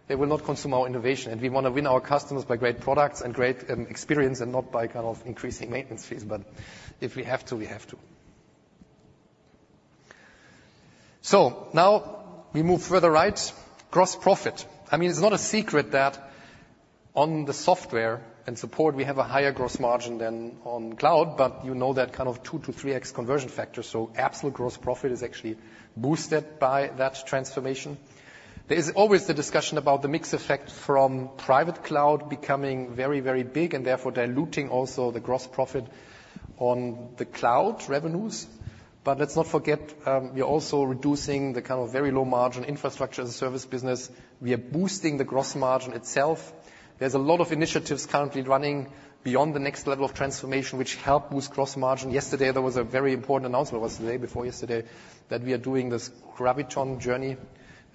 they will not consume our innovation. And we want to win our customers by great products and great experience, and not by kind of increasing maintenance fees. But if we have to, we have to. So now we move further right. Gross profit. I mean, it's not a secret that on the software and support, we have a higher gross margin than on cloud, but you know that kind of 2-3x conversion factor, so absolute gross profit is actually boosted by that transformation. There is always the discussion about the mix effect from private cloud becoming very, very big, and therefore diluting also the gross profit on the cloud revenues. But let's not forget, we are also reducing the kind of very low margin infrastructure as a service business. We are boosting the gross margin itself. There's a lot of initiatives currently running beyond the next level of transformation, which help boost gross margin. Yesterday, there was a very important announcement, or was it the day before yesterday? That we are doing this Graviton journey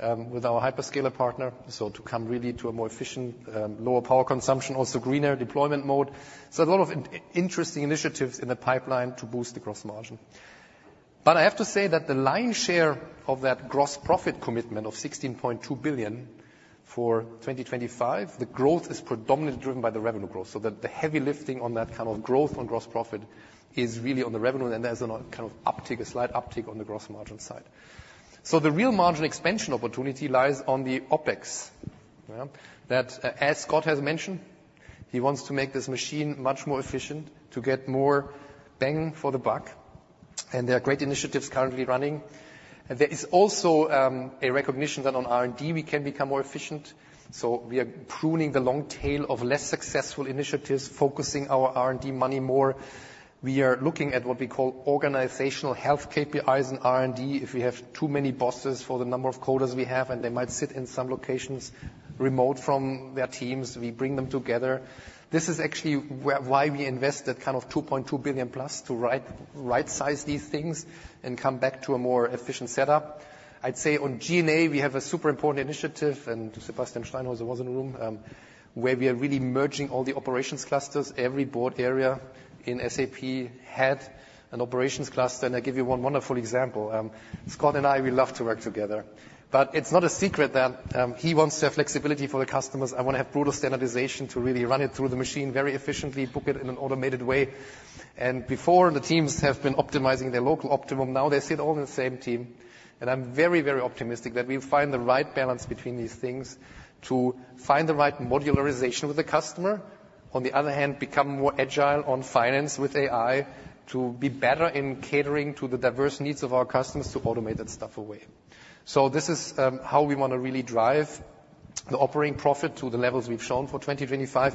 with our hyperscaler partner, so to come really to a more efficient, lower power consumption, also greener deployment mode. So a lot of interesting initiatives in the pipeline to boost the gross margin. But I have to say that the lion's share of that gross profit commitment of 16.2 billion for 2025, the growth is predominantly driven by the revenue growth. So the heavy lifting on that kind of growth on gross profit is really on the revenue, and there's a kind of uptick, a slight uptick on the gross margin side. So the real margin expansion opportunity lies on the OpEx. Yeah. That, as Scott has mentioned, he wants to make this machine much more efficient to get more bang for the buck, and there are great initiatives currently running. There is also a recognition that on R&D we can become more efficient, so we are pruning the long tail of less successful initiatives, focusing our R&D money more. We are looking at what we call organizational health KPIs in R&D. If we have too many bosses for the number of coders we have, and they might sit in some locations remote from their teams, we bring them together. This is actually why we invested kind of 2.2 billion+ to right, right-size these things and come back to a more efficient setup. I'd say on G&A, we have a super important initiative, and Sebastian Steinhaeuser was in the room, where we are really merging all the operations clusters. Every board area in SAP had an operations cluster, and I give you one wonderful example. Scott and I, we love to work together, but it's not a secret that, he wants to have flexibility for the customers. I want to have brutal standardization to really run it through the machine very efficiently, book it in an automated way. And before, the teams have been optimizing their local optimum. Now, they sit all in the same team, and I'm very, very optimistic that we'll find the right balance between these things to find the right modularization with the customer. On the other hand, become more agile on finance with AI, to be better in catering to the diverse needs of our customers to automate that stuff away. So this is how we want to really drive the operating profit to the levels we've shown for 2025.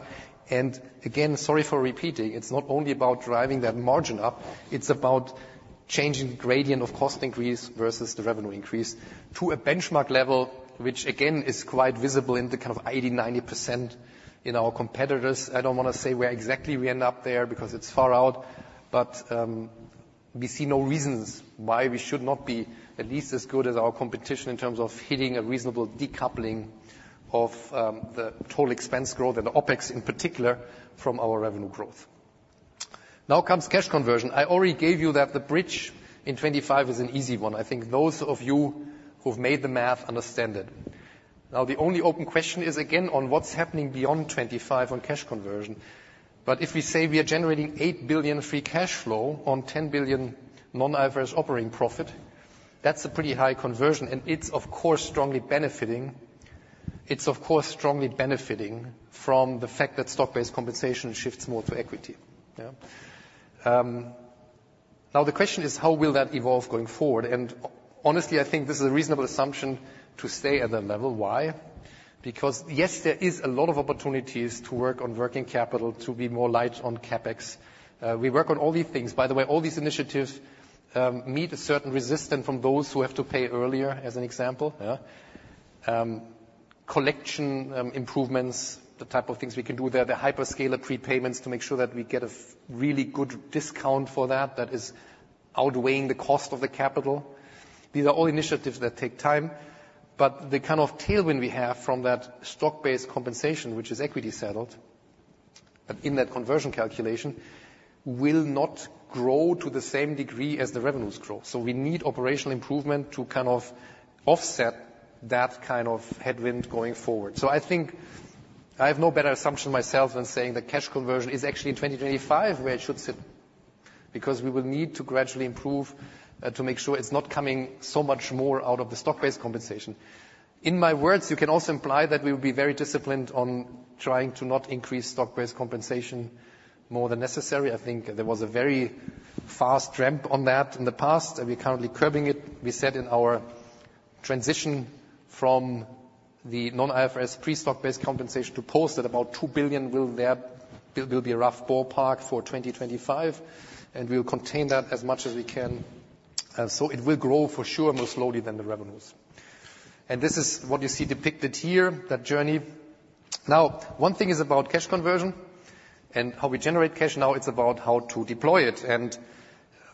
And again, sorry for repeating, it's not only about driving that margin up, it's about changing the gradient of cost increase versus the revenue increase to a benchmark level, which, again, is quite visible in the kind of 80%-90% in our competitors. I don't want to say where exactly we end up there because it's far out, but we see no reasons why we should not be at least as good as our competition in terms of hitting a reasonable decoupling of the total expense growth and the OpEx, in particular, from our revenue growth. Now comes cash conversion. I already gave you that the bridge in 25 is an easy one. I think those of you who've made the math understand it. Now, the only open question is, again, on what's happening beyond 25 on cash conversion. But if we say we are generating 8 billion free cash flow on 10 billion non-IFRS operating profit, that's a pretty high conversion, and it's, of course, strongly benefiting. It's, of course, strongly benefiting from the fact that stock-based compensation shifts more to equity, yeah? Now, the question is: How will that evolve going forward? And honestly, I think this is a reasonable assumption to stay at that level. Why? Because, yes, there is a lot of opportunities to work on working capital to be more light on CapEx. We work on all these things. By the way, all these initiatives meet a certain resistance from those who have to pay earlier, as an example, yeah. Collection improvements, the type of things we can do there, the hyperscaler prepayments to make sure that we get a really good discount for that, that is outweighing the cost of the capital. These are all initiatives that take time, but the kind of tailwind we have from that stock-based compensation, which is equity settled, but in that conversion calculation, will not grow to the same degree as the revenues grow. So we need operational improvement to kind of offset that kind of headwind going forward. So I think I have no better assumption myself than saying that cash conversion is actually in 2025, where it should sit, because we will need to gradually improve to make sure it's not coming so much more out of the stock-based compensation. In my words, you can also imply that we will be very disciplined on trying to not increase stock-based compensation more than necessary. I think there was a very fast ramp on that in the past, and we're currently curbing it. We said in our transition from the non-IFRS pre-stock-based compensation to post at about 2 billion will be a rough ballpark for 2025, and we will contain that as much as we can. And so it will grow for sure, more slowly than the revenues. And this is what you see depicted here, that journey. Now, one thing is about cash conversion and how we generate cash. Now, it's about how to deploy it, and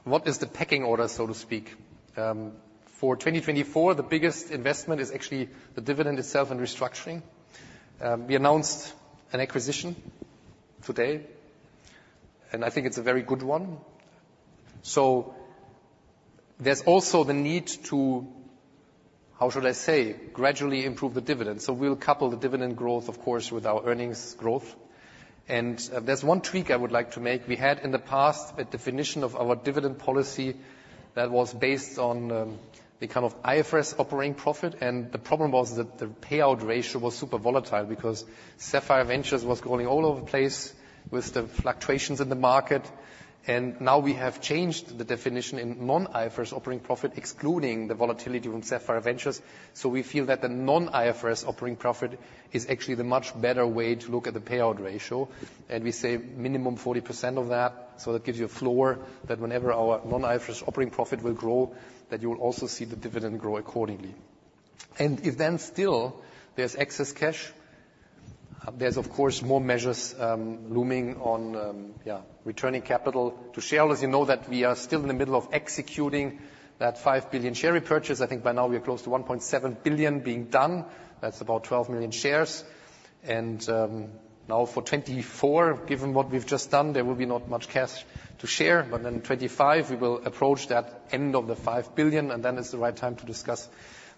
what is the pecking order, so to speak? For 2024, the biggest investment is actually the dividend itself and restructuring. We announced an acquisition today, and I think it's a very good one. So there's also the need to, how should I say, gradually improve the dividend. So we'll couple the dividend growth, of course, with our earnings growth. And, there's one tweak I would like to make. We had, in the past, a definition of our dividend policy that was based on, the kind of IFRS operating profit, and the problem was that the payout ratio was super volatile because Sapphire Ventures was going all over the place with the fluctuations in the market. Now we have changed the definition in non-IFRS operating profit, excluding the volatility from Sapphire Ventures. So we feel that the non-IFRS operating profit is actually the much better way to look at the payout ratio, and we save minimum 40% of that. So that gives you a floor that whenever our non-IFRS operating profit will grow, that you will also see the dividend grow accordingly. And if then still there's excess cash, there's of course more measures looming on returning capital to shareholders. You know that we are still in the middle of executing that 5 billion share repurchase. I think by now we are close to 1.7 billion being done. That's about 12 million shares. Now for 2024, given what we've just done, there will be not much cash to share, but in 2025 we will approach that end of the 5 billion, and then it's the right time to discuss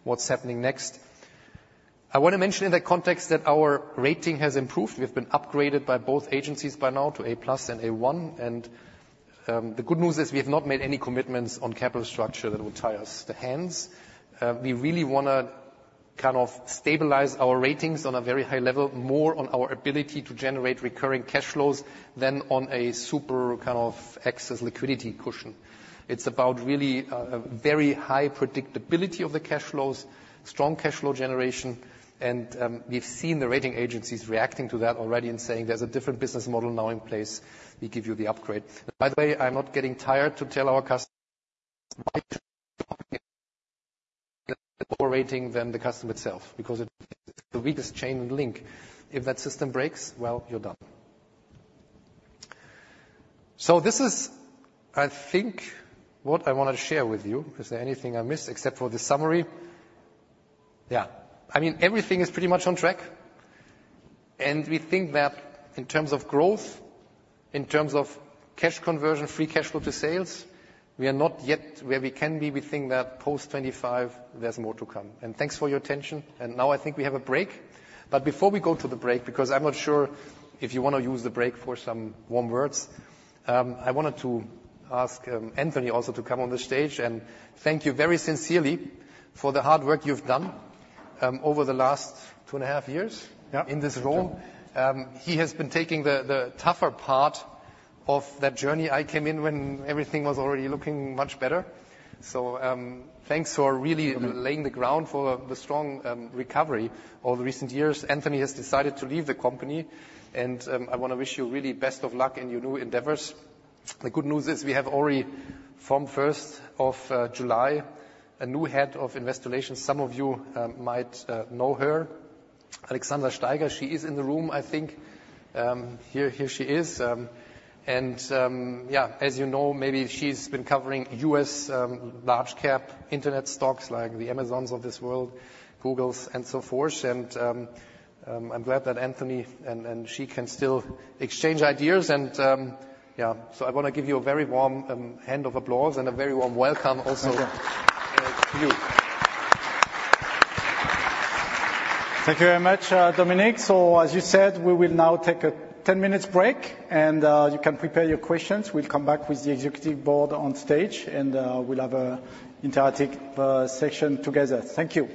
what's happening next. I want to mention in that context that our rating has improved. We have been upgraded by both agencies by now to A+ and A1, and, the good news is we have not made any commitments on capital structure that will tie our hands. We really wanna kind of stabilize our ratings on a very high level, more on our ability to generate recurring cash flows than on a super kind of excess liquidity cushion. It's about really a very high predictability of the cash flows, strong cash flow generation, and we've seen the rating agencies reacting to that already and saying, "There's a different business model now in place. We give you the upgrade." By the way, I'm not getting tired of telling our customers operating than the customer itself, because it's the weakest chain link. If that system breaks, well, you're done. So this is, I think, what I wanted to share with you. Is there anything I missed except for the summary? Yeah. I mean, everything is pretty much on track, and we think that in terms of growth, in terms of cash conversion, free cash flow to sales, we are not yet where we can be. We think that post 2025, there's more to come. Thanks for your attention. Now I think we have a break, but before we go to the break, because I'm not sure if you want to use the break for some warm words, I wanted to ask, Anthony also to come on the stage and thank you very sincerely for the hard work you've done, over the last two and a half years- Yeah. In this role. He has been taking the tougher part of that journey. I came in when everything was already looking much better. So, thanks for really laying the ground for the strong recovery over recent years. Anthony has decided to leave the company, and I want to wish you really best of luck in your new endeavors. The good news is we have already, from first of July, a new head of Investor Relations. Some of you might know her, Alexandra Steiger. She is in the room, I think. Here she is. And, yeah, as you know, maybe she's been covering U.S. large cap internet stocks, like the Amazons of this world, Googles, and so forth. I'm glad that Anthony and she can still exchange ideas. Yeah, so I want to give you a very warm hand of applause and a very warm welcome also- Thank you. To you. Thank you very much, Dominik. So as you said, we will now take a 10-minute break, and you can prepare your questions. We'll come back with the Executive Board on stage, and we'll have an interactive session together. Thank you.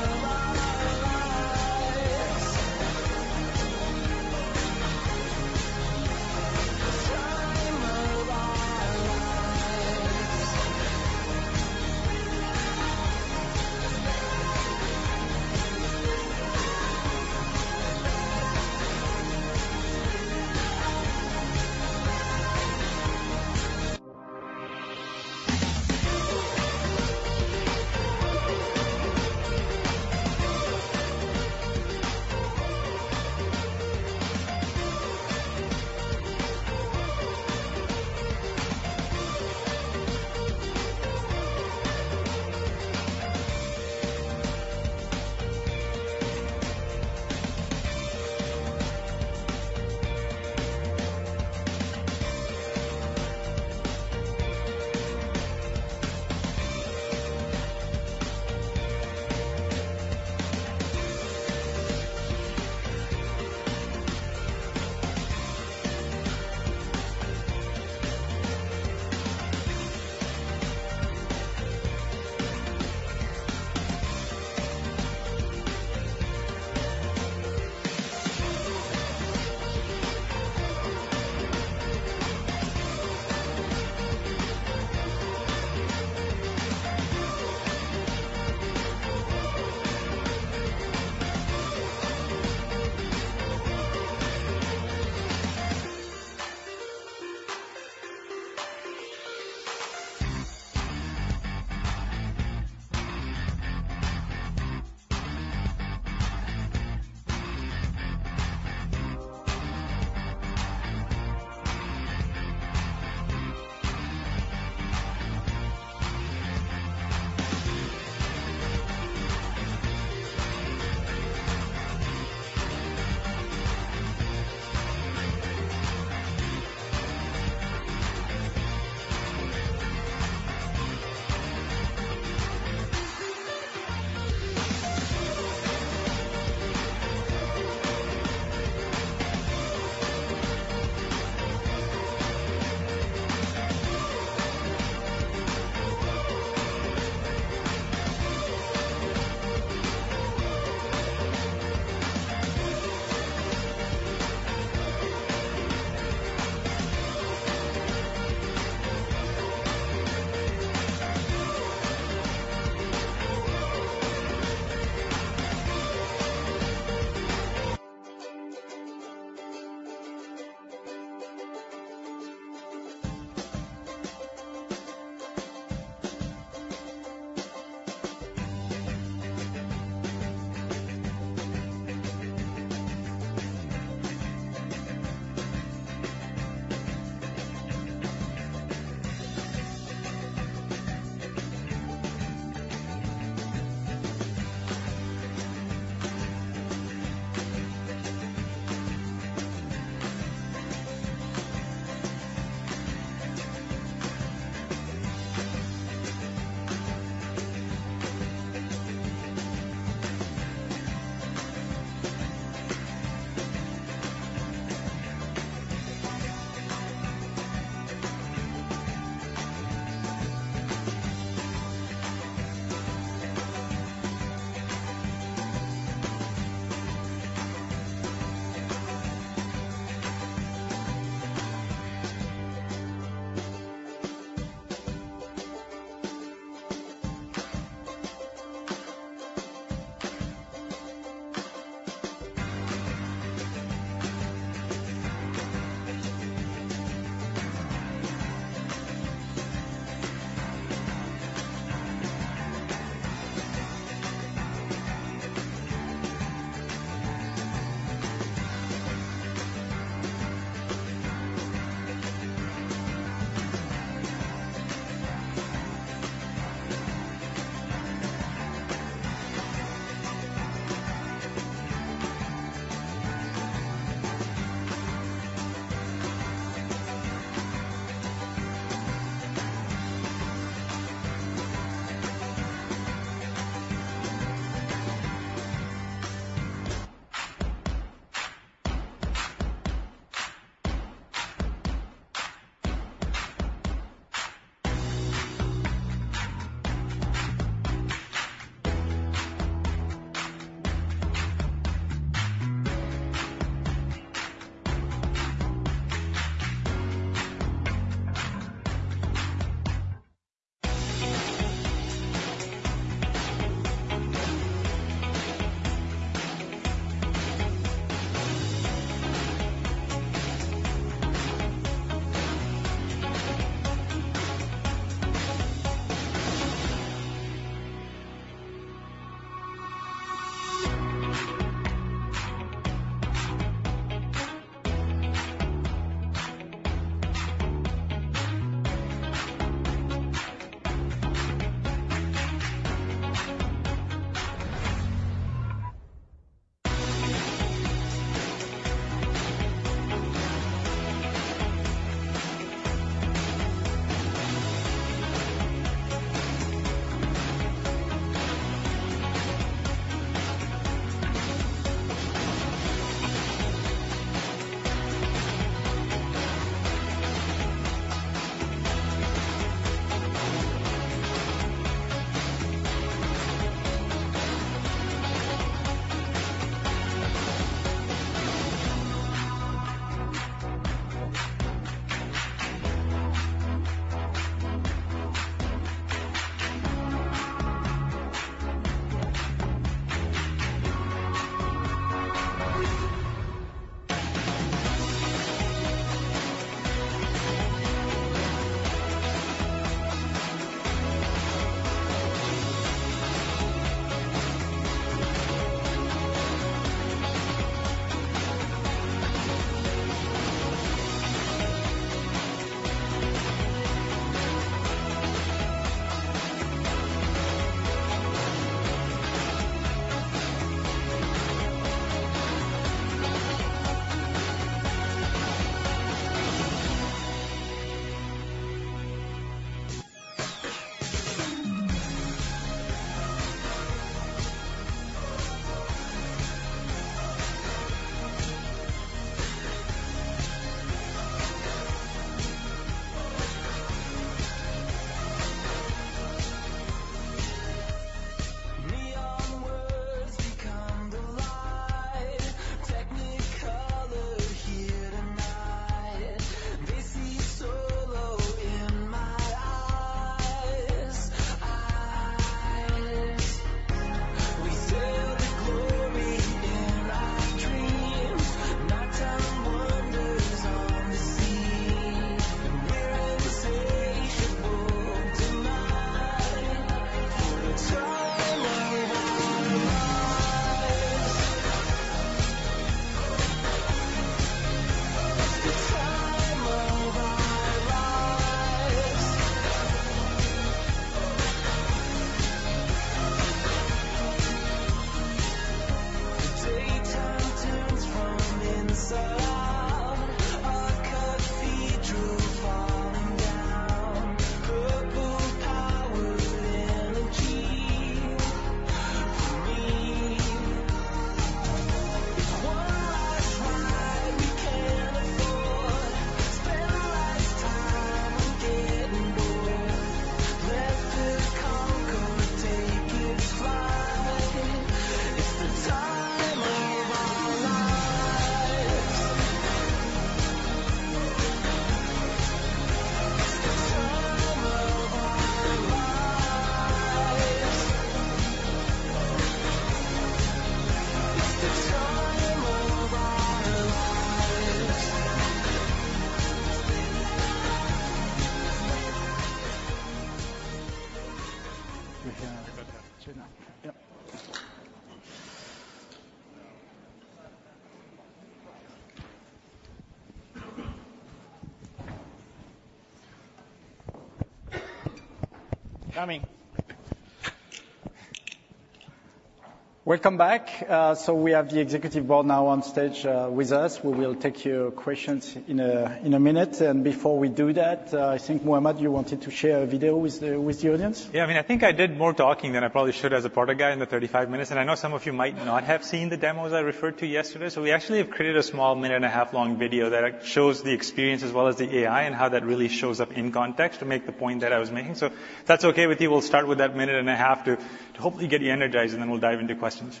hopefully get you energized, and then we'll dive into questions.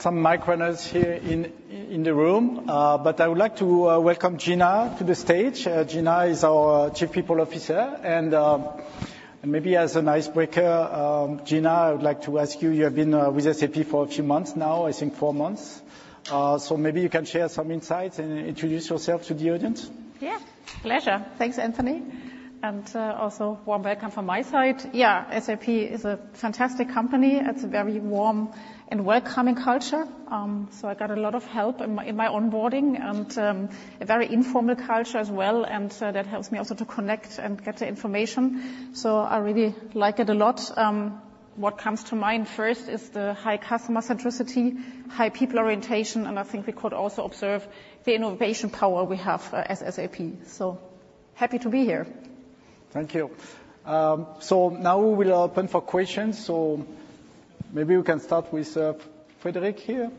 All right. So we have some mic runners here in the room, but I would like to welcome Gina to the stage. Gina is our Chief People Officer, and maybe as an icebreaker, Gina, I would like to ask you, you have been with SAP for a few months now, I think four months. So maybe you can share some insights and introduce yourself to the audience. Yeah. Pleasure. Thanks, Anthony, and also warm welcome from my side. Yeah, SAP is a fantastic company. It's a very warm and welcoming culture, so I got a lot of help in my onboarding and a very informal culture as well, and so that helps me also to connect and get the information, so I really like it a lot. What comes to mind first is the high customer centricity, high people orientation, and I think we could also observe the innovation power we have as SAP. So happy to be here. Thank you. So now we will open for questions. So maybe we can start with Frederic here.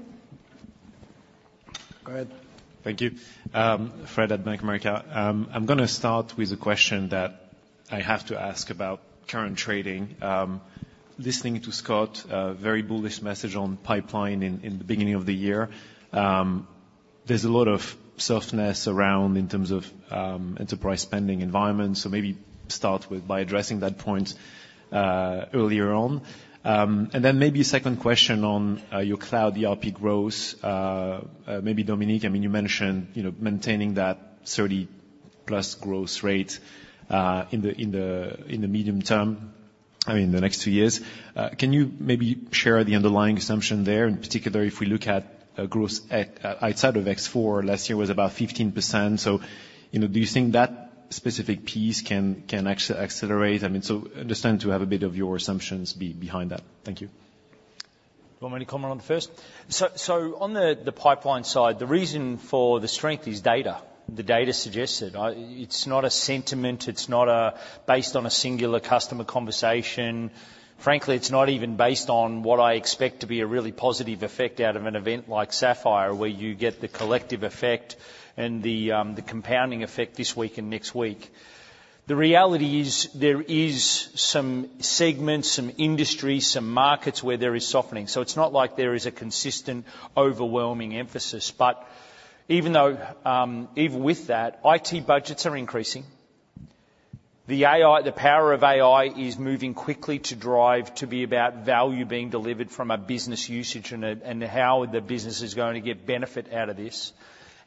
Go ahead. Thank you. Fred at Bank of America. I'm gonna start with a question that I have to ask about current trading. Listening to Scott, a very bullish message on pipeline in the beginning of the year. There's a lot of softness around in terms of enterprise spending environment, so maybe start with by addressing that point earlier on. And then maybe a second question on your cloud ERP growth. Maybe Dominik, I mean, you mentioned, you know, maintaining that 30+ growth rate in the medium term, I mean, in the next two years. Can you maybe share the underlying assumption there? In particular, if we look at growth outside of S/4, last year was about 15%. So, you know, do you think that specific piece can accelerate? I mean, so understand to have a bit of your assumptions behind that. Thank you. Do you want me to comment on the first? So, so on the, the pipeline side, the reason for the strength is data. The data suggests it. It's not a sentiment, it's not based on a singular customer conversation. Frankly, it's not even based on what I expect to be a really positive effect out of an event like Sapphire, where you get the collective effect and the the compounding effect this week and next week. The reality is, there is some segments, some industries, some markets where there is softening. So it's not like there is a consistent, overwhelming emphasis. But even though even with that, IT budgets are increasing. The AI... The power of AI is moving quickly to drive, to be about value being delivered from a business usage and and how the business is going to get benefit out of this.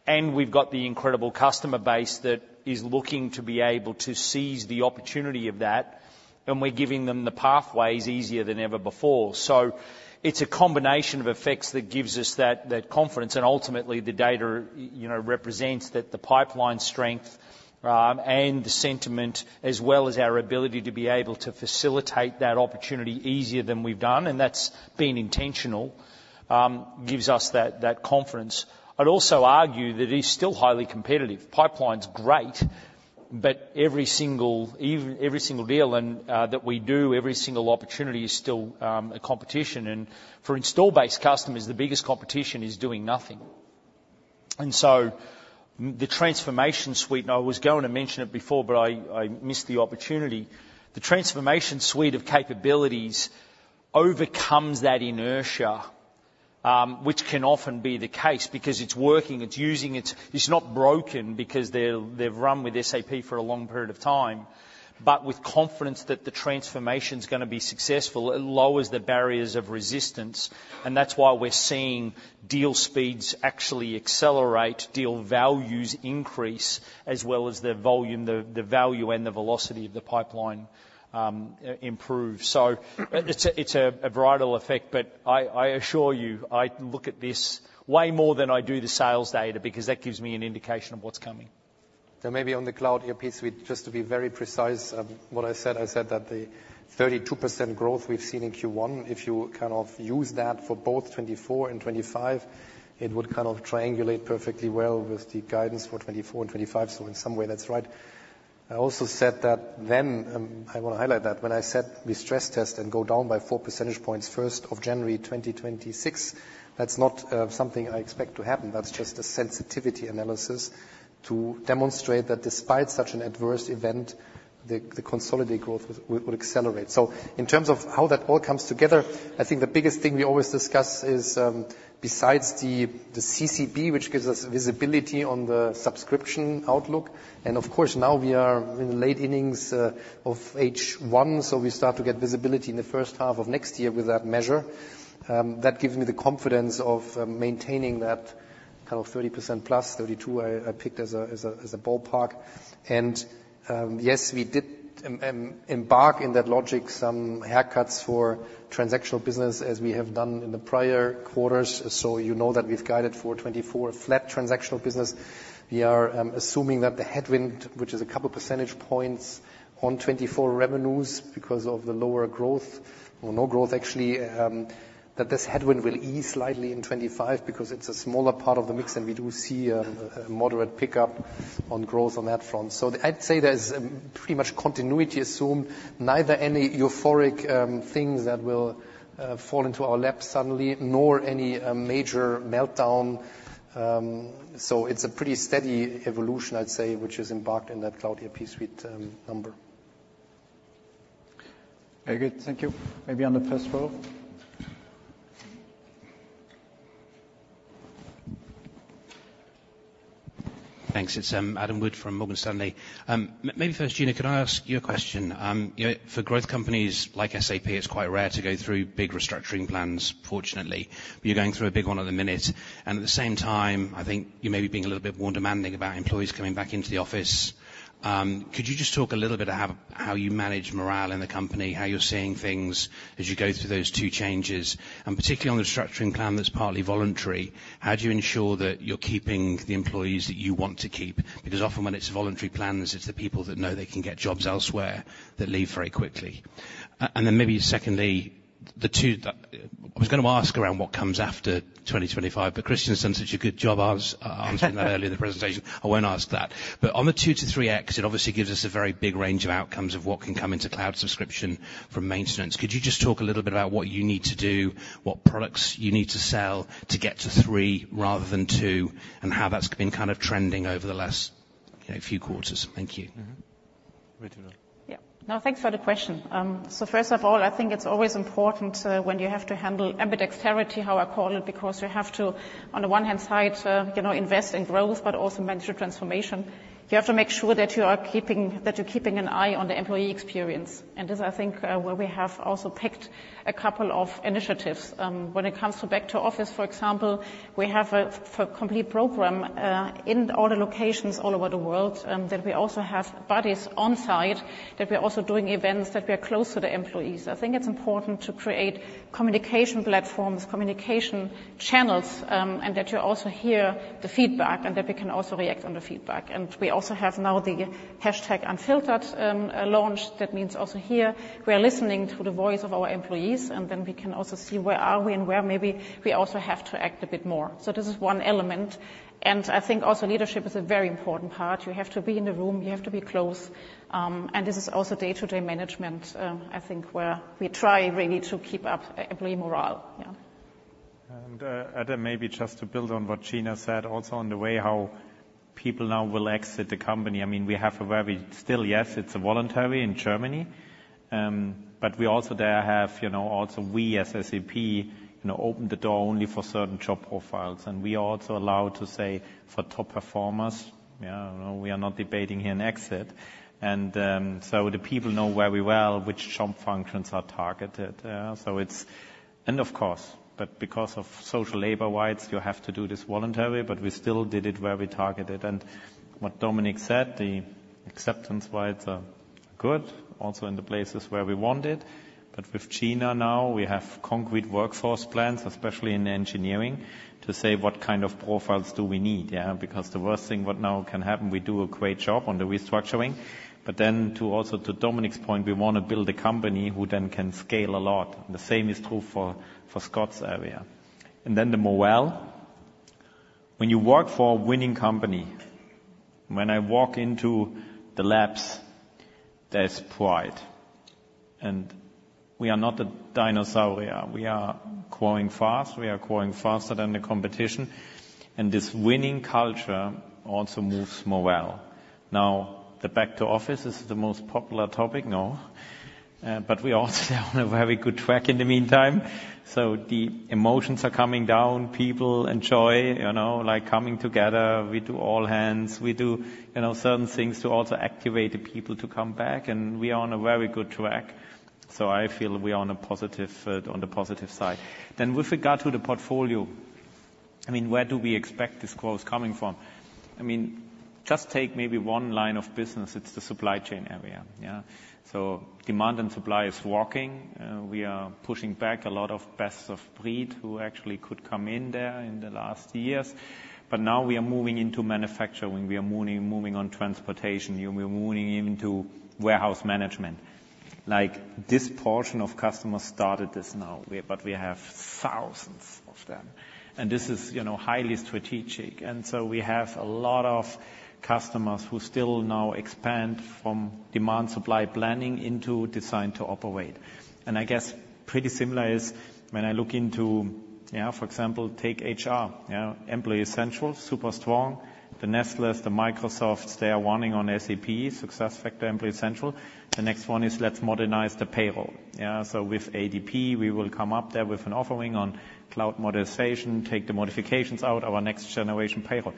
We've got the incredible customer base that is looking to be able to seize the opportunity of that, and we're giving them the pathways easier than ever before. It's a combination of effects that gives us that, that confidence, and ultimately the data, you know, represents that the pipeline strength, and the sentiment, as well as our ability to be able to facilitate that opportunity easier than we've done, and that's been intentional, gives us that, that confidence. I'd also argue that it is still highly competitive. Pipeline's great, but every single every single deal and, that we do, every single opportunity is still, a competition. For installed-base customers, the biggest competition is doing nothing. And so the Transformation Suite, and I was going to mention it before, but I missed the opportunity. The Transformation Suite of capabilities overcomes that inertia, which can often be the case because it's working, it's using it. It's not broken because they've run with SAP for a long period of time. But with confidence that the transformation is gonna be successful, it lowers the barriers of resistance, and that's why we're seeing deal speeds actually accelerate, deal values increase, as well as the volume, the value, and the velocity of the pipeline improve. So it's a ripple effect, but I assure you, I look at this way more than I do the sales data, because that gives me an indication of what's coming. So maybe on the Cloud ERP Suite, just to be very precise, what I said, I said that the 32% growth we've seen in Q1, if you kind of use that for both 2024 and 2025, it would kind of triangulate perfectly well with the guidance for 2024 and 2025. So in some way, that's right. I also said that then, I want to highlight that, when I set the stress test and go down by 4 percentage points, January 1, 2026, that's not something I expect to happen. That's just a sensitivity analysis to demonstrate that despite such an adverse event, the consolidated growth would accelerate. In terms of how that all comes together, I think the biggest thing we always discuss is, besides the CCB, which gives us visibility on the subscription outlook, and of course, now we are in the late innings of H1, so we start to get visibility in the first half of next year with that measure. That gives me the confidence of maintaining that kind of 30%+, 32, I picked as a ballpark. And yes, we did embark in that logic, some haircuts for transactional business as we have done in the prior quarters. So you know that we've guided for 24 flat transactional business. We are assuming that the headwind, which is a couple percentage points on 2024 revenues because of the lower growth or no growth, actually, that this headwind will ease slightly in 2025 because it's a smaller part of the mix, and we do see a moderate pickup on growth on that front. So I'd say there's pretty much continuity assumed. Neither any euphoric things that will fall into our lap suddenly, nor any major meltdown. So it's a pretty steady evolution, I'd say, which is embarked in that Cloud ERP Suite number. Very good, thank you. Maybe on the first row. Thanks. It's Adam Wood from Morgan Stanley. Maybe first, Gina, could I ask you a question? You know, for growth companies like SAP, it's quite rare to go through big restructuring plans, fortunately, but you're going through a big one at the minute, and at the same time, I think you may be being a little bit more demanding about employees coming back into the office. Could you just talk a little bit of how, how you manage morale in the company, how you're seeing things as you go through those two changes? And particularly on the restructuring plan that's partly voluntary, how do you ensure that you're keeping the employees that you want to keep? Because often when it's voluntary plans, it's the people that know they can get jobs elsewhere that leave very quickly. And then maybe secondly, the two... I was gonna ask around what comes after 2025, but Christian's done such a good job answering that earlier in the presentation, I won't ask that. But on the 2-3x, it obviously gives us a very big range of outcomes of what can come into cloud subscription from maintenance. Could you just talk a little bit about what you need to do, what products you need to sell to get to three rather than two, and how that's been kind of trending over the last, you know, few quarters? Thank you. Mm-hmm. Regina? Yeah. No, thanks for the question. So first of all, I think it's always important, when you have to handle ambidexterity, how I call it, because you have to, on the one hand side, you know, invest in growth, but also manage the transformation. You have to make sure that you're keeping an eye on the employee experience. And this, I think, where we have also picked a couple of initiatives. When it comes to back to office, for example, we have a complete program, in all the locations all over the world, that we also have buddies on site, that we're also doing events, that we are close to the employees. I think it's important to create communication platforms, communication channels, and that you also hear the feedback, and that we can also react on the feedback. And we also have now the hashtag Unfiltered launched. That means also here we are listening to the voice of our employees, and then we can also see where are we and where maybe we also have to act a bit more. So this is one element, and I think also leadership is a very important part. You have to be in the room, you have to be close, and this is also day-to-day management, I think, where we try really to keep up employee morale. Yeah. Adam, maybe just to build on what Gina said, also on the way how people now will exit the company. I mean, we have a very... Still, yes, it's voluntary in Germany, but we also there have, you know, also we as SAP, you know, opened the door only for certain job profiles, and we are also allowed to say for top performers, yeah, we are not debating here an exit. So the people know very well which job functions are targeted, so it's. And of course, but because of social labor-wise, you have to do this voluntarily, but we still did it where we targeted. And what Dominik said, the acceptance rates are good, also in the places where we want it. But with Gina now, we have concrete workforce plans, especially in engineering, to say what kind of profiles do we need, yeah? Because the worst thing what now can happen, we do a great job on the restructuring, but then to also, to Dominik's point, we want to build a company who then can scale a lot. And the same is true for, for Scott's area. And then the morale, when you work for a winning company, when I walk into the labs, there's pride.... And we are not a dinosaur. We are, we are growing fast, we are growing faster than the competition, and this winning culture also moves more well. Now, the back to office is the most popular topic now, but we are also on a very good track in the meantime. So the emotions are coming down. People enjoy, you know, like, coming together. We do all hands. We do, you know, certain things to also activate the people to come back, and we are on a very good track. So I feel we are on a positive, on the positive side. Then with regard to the portfolio, I mean, where do we expect this growth coming from? I mean, just take maybe one line of business. It's the supply chain area, yeah? So demand and supply is working. We are pushing back a lot of Best-of-Breed, who actually could come in there in the last years. But now we are moving into manufacturing, we are moving, moving on transportation, and we're moving into warehouse management. Like, this portion of customers started this now, but we have thousands of them. And this is, you know, highly strategic. So we have a lot of customers who still now expand from demand supply planning into Design to Operate. I guess pretty similar is when I look into, yeah, for example, take HR, yeah, Employee Central, super strong. The Nestlés, the Microsofts, they are running on SAP SuccessFactors Employee Central. The next one is let's modernize the payroll, yeah? So with ADP, we will come up there with an offering on cloud modernization, take the modifications out, our next generation payroll.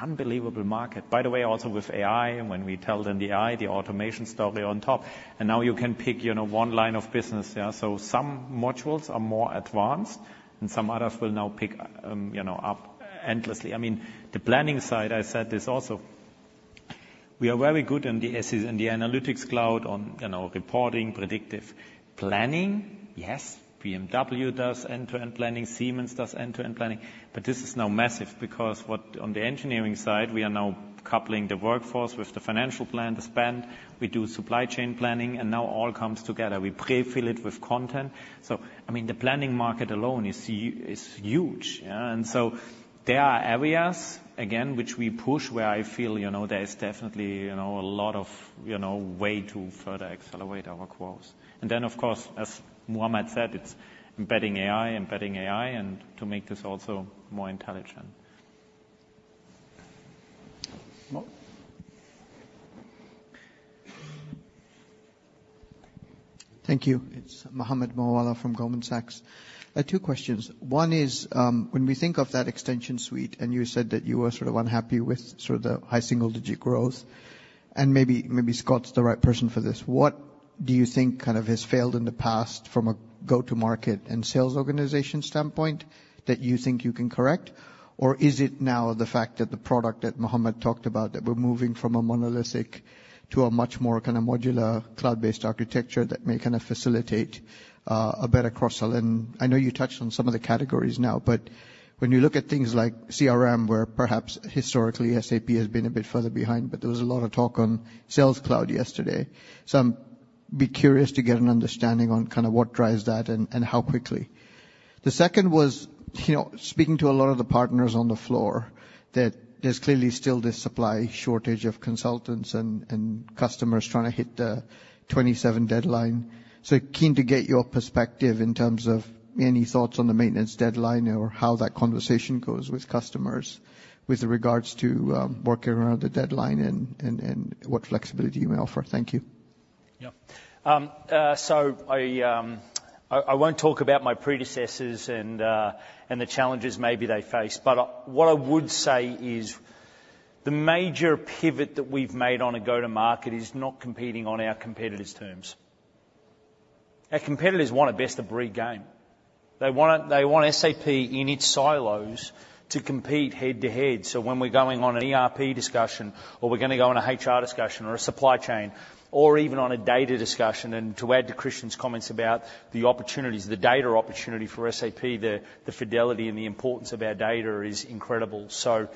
Unbelievable market. By the way, also with AI, when we tell them the AI, the automation story on top, and now you can pick, you know, one line of business, yeah? So some modules are more advanced, and some others will now pick, you know, up endlessly. I mean, the planning side, I said this also, we are very good in the SAP Analytics Cloud on, you know, reporting, predictive planning. Yes, BMW does end-to-end planning, Siemens does end-to-end planning, but this is now massive because what on the engineering side, we are now coupling the workforce with the financial plan, the spend. We do supply chain planning, and now all comes together. We pre-fill it with content. So, I mean, the planning market alone is huge, yeah? And so there are areas, again, which we push, where I feel, you know, there is definitely, you know, a lot of, you know, way to further accelerate our growth. And then, of course, as Muhammad said, it's embedding AI, embedding AI, and to make this also more intelligent. Mo? Thank you. It's Mohammed Moawalla from Goldman Sachs. I have two questions. One is, when we think of that Extension Suite, and you said that you were sort of unhappy with sort of the high single-digit growth, and maybe, maybe Scott's the right person for this. What do you think kind of has failed in the past from a go-to market and sales organization standpoint that you think you can correct? Or is it now the fact that the product that Muhammad talked about, that we're moving from a monolithic to a much more kind of modular, cloud-based architecture that may kind of facilitate a better cross-sell? And I know you touched on some of the categories now, but when you look at things like CRM, where perhaps historically, SAP has been a bit further behind, but there was a lot of talk on Sales Cloud yesterday. So I'd be curious to get an understanding on kind of what drives that and how quickly. The second was, you know, speaking to a lot of the partners on the floor, that there's clearly still this supply shortage of consultants and customers trying to hit the 2027 deadline. So keen to get your perspective in terms of any thoughts on the maintenance deadline or how that conversation goes with customers with regards to working around the deadline and what flexibility you may offer. Thank you. Yeah. So I won't talk about my predecessors and the challenges maybe they faced, but what I would say is the major pivot that we've made on a go-to-market is not competing on our competitors' terms. Our competitors want a best-of-breed game. They want SAP in its silos to compete head-to-head. So when we're going on an ERP discussion or we're gonna go on an HR discussion or a supply chain or even on a data discussion, and to add to Christian's comments about the opportunities, the data opportunity for SAP, the fidelity and the importance of our data is incredible. So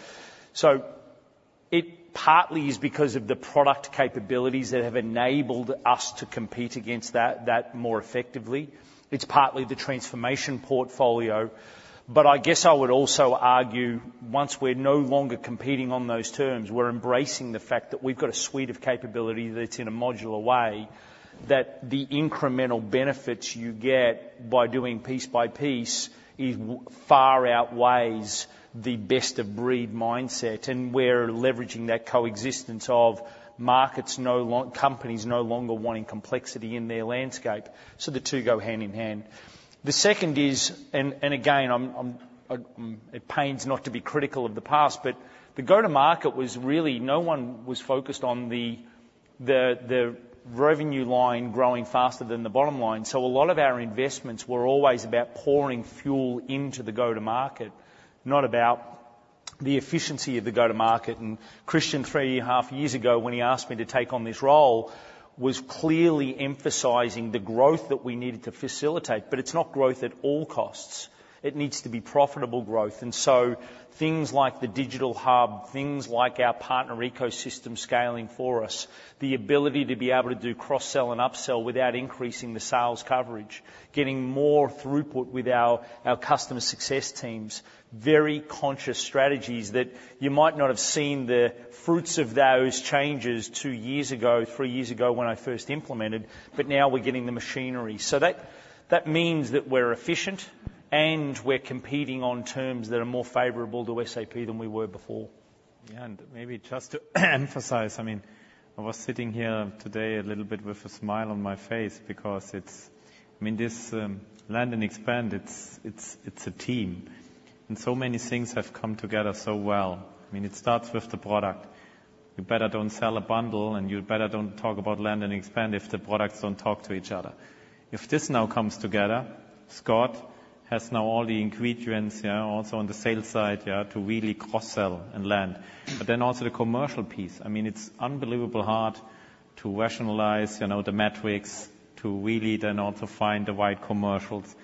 it partly is because of the product capabilities that have enabled us to compete against that more effectively. It's partly the transformation portfolio. But I guess I would also argue, once we're no longer competing on those terms, we're embracing the fact that we've got a suite of capability that's in a modular way, that the incremental benefits you get by doing piece by piece, it far outweighs the best-of-breed mindset, and we're leveraging that coexistence of markets, companies no longer wanting complexity in their landscape, so the two go hand in hand. The second is, and again, I'm at pains not to be critical of the past, but the go-to market was really, no one was focused on the revenue line growing faster than the bottom line. So a lot of our investments were always about pouring fuel into the go-to market, not about the efficiency of the go-to market. Christian, 3.5 years ago, when he asked me to take on this role, was clearly emphasizing the growth that we needed to facilitate. But it's not growth at all costs. It needs to be profitable growth. And so things like the Digital Hub, things like our partner ecosystem scaling for us, the ability to be able to do cross-sell and upsell without increasing the sales coverage, getting more throughput with our customer success teams, very conscious strategies that you might not have seen the fruits of those changes 2 years ago, 3 years ago when I first implemented, but now we're getting the machinery. So that means that we're efficient... and we're competing on terms that are more favorable to SAP than we were before. Yeah, and maybe just to emphasize, I mean, I was sitting here today a little bit with a smile on my face because it's—I mean, this, land and expand, it's, it's, it's a team, and so many things have come together so well. I mean, it starts with the product. You better don't sell a bundle, and you better don't talk about land and expand if the products don't talk to each other. If this now comes together, Scott has now all the ingredients, yeah, also on the sales side, yeah, to really cross-sell and land. But then also the commercial piece. I mean, it's unbelievable hard to rationalize, you know, the metrics, to really then also find the right commercials.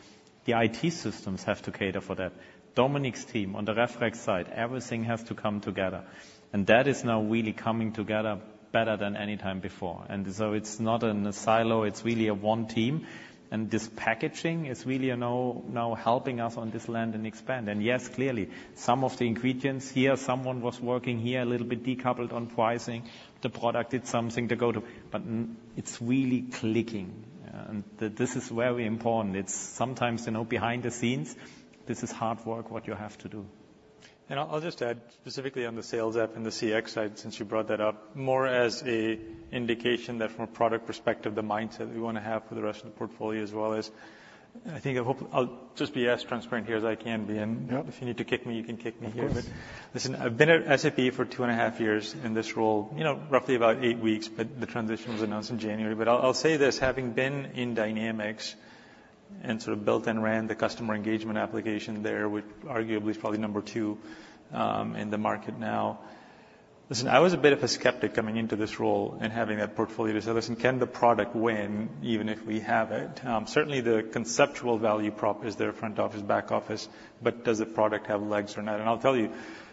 The IT systems have to cater for that. Dominik's team on the Rev Rec side, everything has to come together, and that is now really coming together better than any time before. And so it's not in a silo, it's really a one team, and this packaging is really, you know, now helping us on this land and expand. And yes, clearly, some of the ingredients here, someone was working here, a little bit decoupled on pricing. The product did something to go to, but it's really clicking, and this is very important. It's sometimes, you know, behind the scenes, this is hard work, what you have to do. And I'll just add specifically on the sales app and the CX side, since you brought that up, more as an indication that from a product perspective, the mindset we wanna have for the rest of the portfolio as well as... I think, I hope, I'll just be as transparent here as I can be, and- Yep. If you need to kick me, you can kick me here. Of course. Listen, I've been at SAP for two and a half years in this role, you know, roughly about 8 weeks, but the transition was announced in January. But I'll say this, having been in Dynamics and sort of built and ran the customer engagement application there, which arguably is probably number two in the market now. Listen, I was a bit of a skeptic coming into this role and having that portfolio to say, "Listen, can the product win even if we have it?" Certainly, the conceptual value prop is there, front office, back office, but does the product have legs or not? And I'll tell you,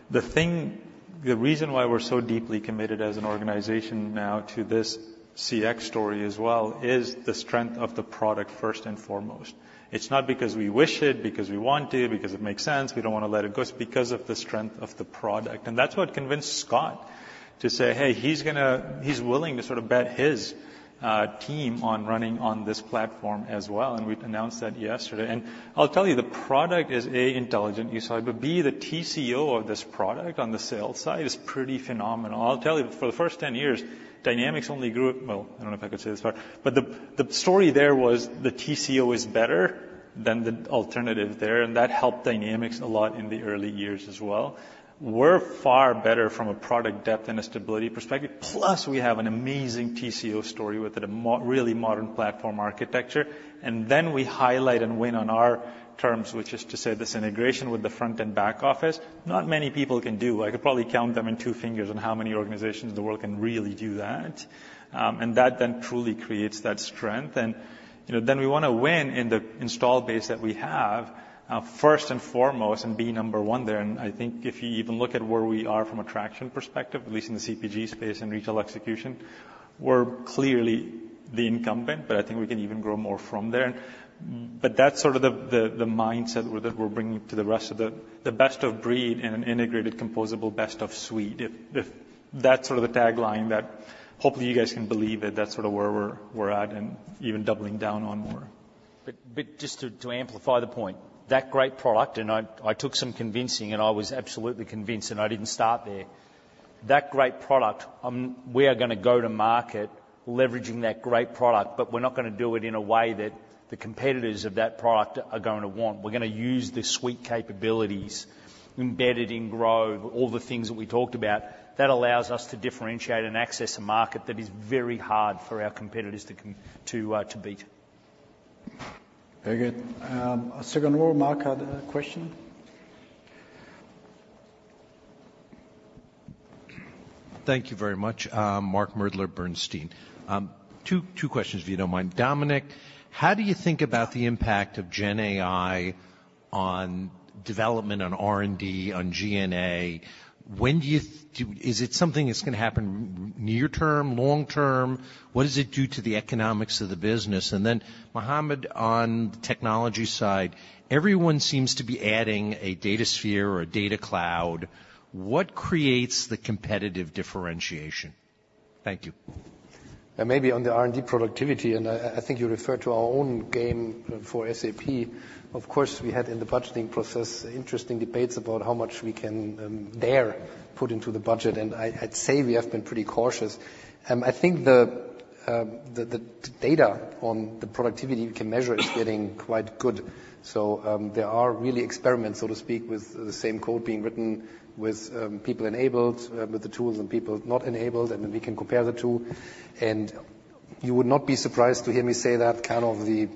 the thing, the reason why we're so deeply committed as an organization now to this CX story as well, is the strength of the product, first and foremost. It's not because we wish it, because we want to, because it makes sense, we don't wanna let it go. It's because of the strength of the product. And that's what convinced Scott to say, hey, he's gonna, he's willing to sort of bet his team on running on this platform as well, and we've announced that yesterday. And I'll tell you, the product is, A, intelligent, you saw it, but, B, the TCO of this product on the sales side is pretty phenomenal. I'll tell you, for the first 10 years, Dynamics only grew... Well, I don't know if I can say this far, but the story there was the TCO is better than the alternative there, and that helped Dynamics a lot in the early years as well. We're far better from a product depth and a stability perspective, plus we have an amazing TCO story with it, a really modern platform architecture. And then we highlight and win on our terms, which is to say, this integration with the front and back office, not many people can do. I could probably count them on two fingers on how many organizations in the world can really do that. And that then truly creates that strength. And, you know, then we wanna win in the install base that we have, first and foremost, and be number one there. And I think if you even look at where we are from a traction perspective, at least in the CPG space and retail execution, we're clearly the incumbent, but I think we can even grow more from there. But that's sort of the mindset that we're bringing to the rest of the Best-of-Breed in an integrated, composable Best-of-Suite. If that's sort of the tagline that hopefully you guys can believe that that's sort of where we're at and even doubling down on more. But just to amplify the point, that great product, and I took some convincing, and I was absolutely convinced, and I didn't start there. That great product, we are gonna go to market leveraging that great product, but we're not gonna do it in a way that the competitors of that product are going to want. We're gonna use the suite capabilities, embedded in growth, all the things that we talked about, that allows us to differentiate and access a market that is very hard for our competitors to beat. Very good. Second row, Mark had a question. Thank you very much. Mark Moerdler, Bernstein. Two questions, if you don't mind. Dominik, how do you think about the impact of GenAI on development, on R&D, on G&A? When do you... is it something that's gonna happen near term, long term? What does it do to the economics of the business? And then, Muhammad, on the technology side, everyone seems to be adding a Datasphere or a data cloud. What creates the competitive differentiation? Thank you. Maybe on the R&D productivity, and I think you referred to our own Joule for SAP. Of course, we had in the budgeting process interesting debates about how much we can dare put into the budget, and I'd say we have been pretty cautious. I think the data on the productivity we can measure is getting quite good. So, there are really experiments, so to speak, with the same code being written, with people enabled with the tools and people not enabled, and then we can compare the two. And you would not be surprised to hear me say that kind of the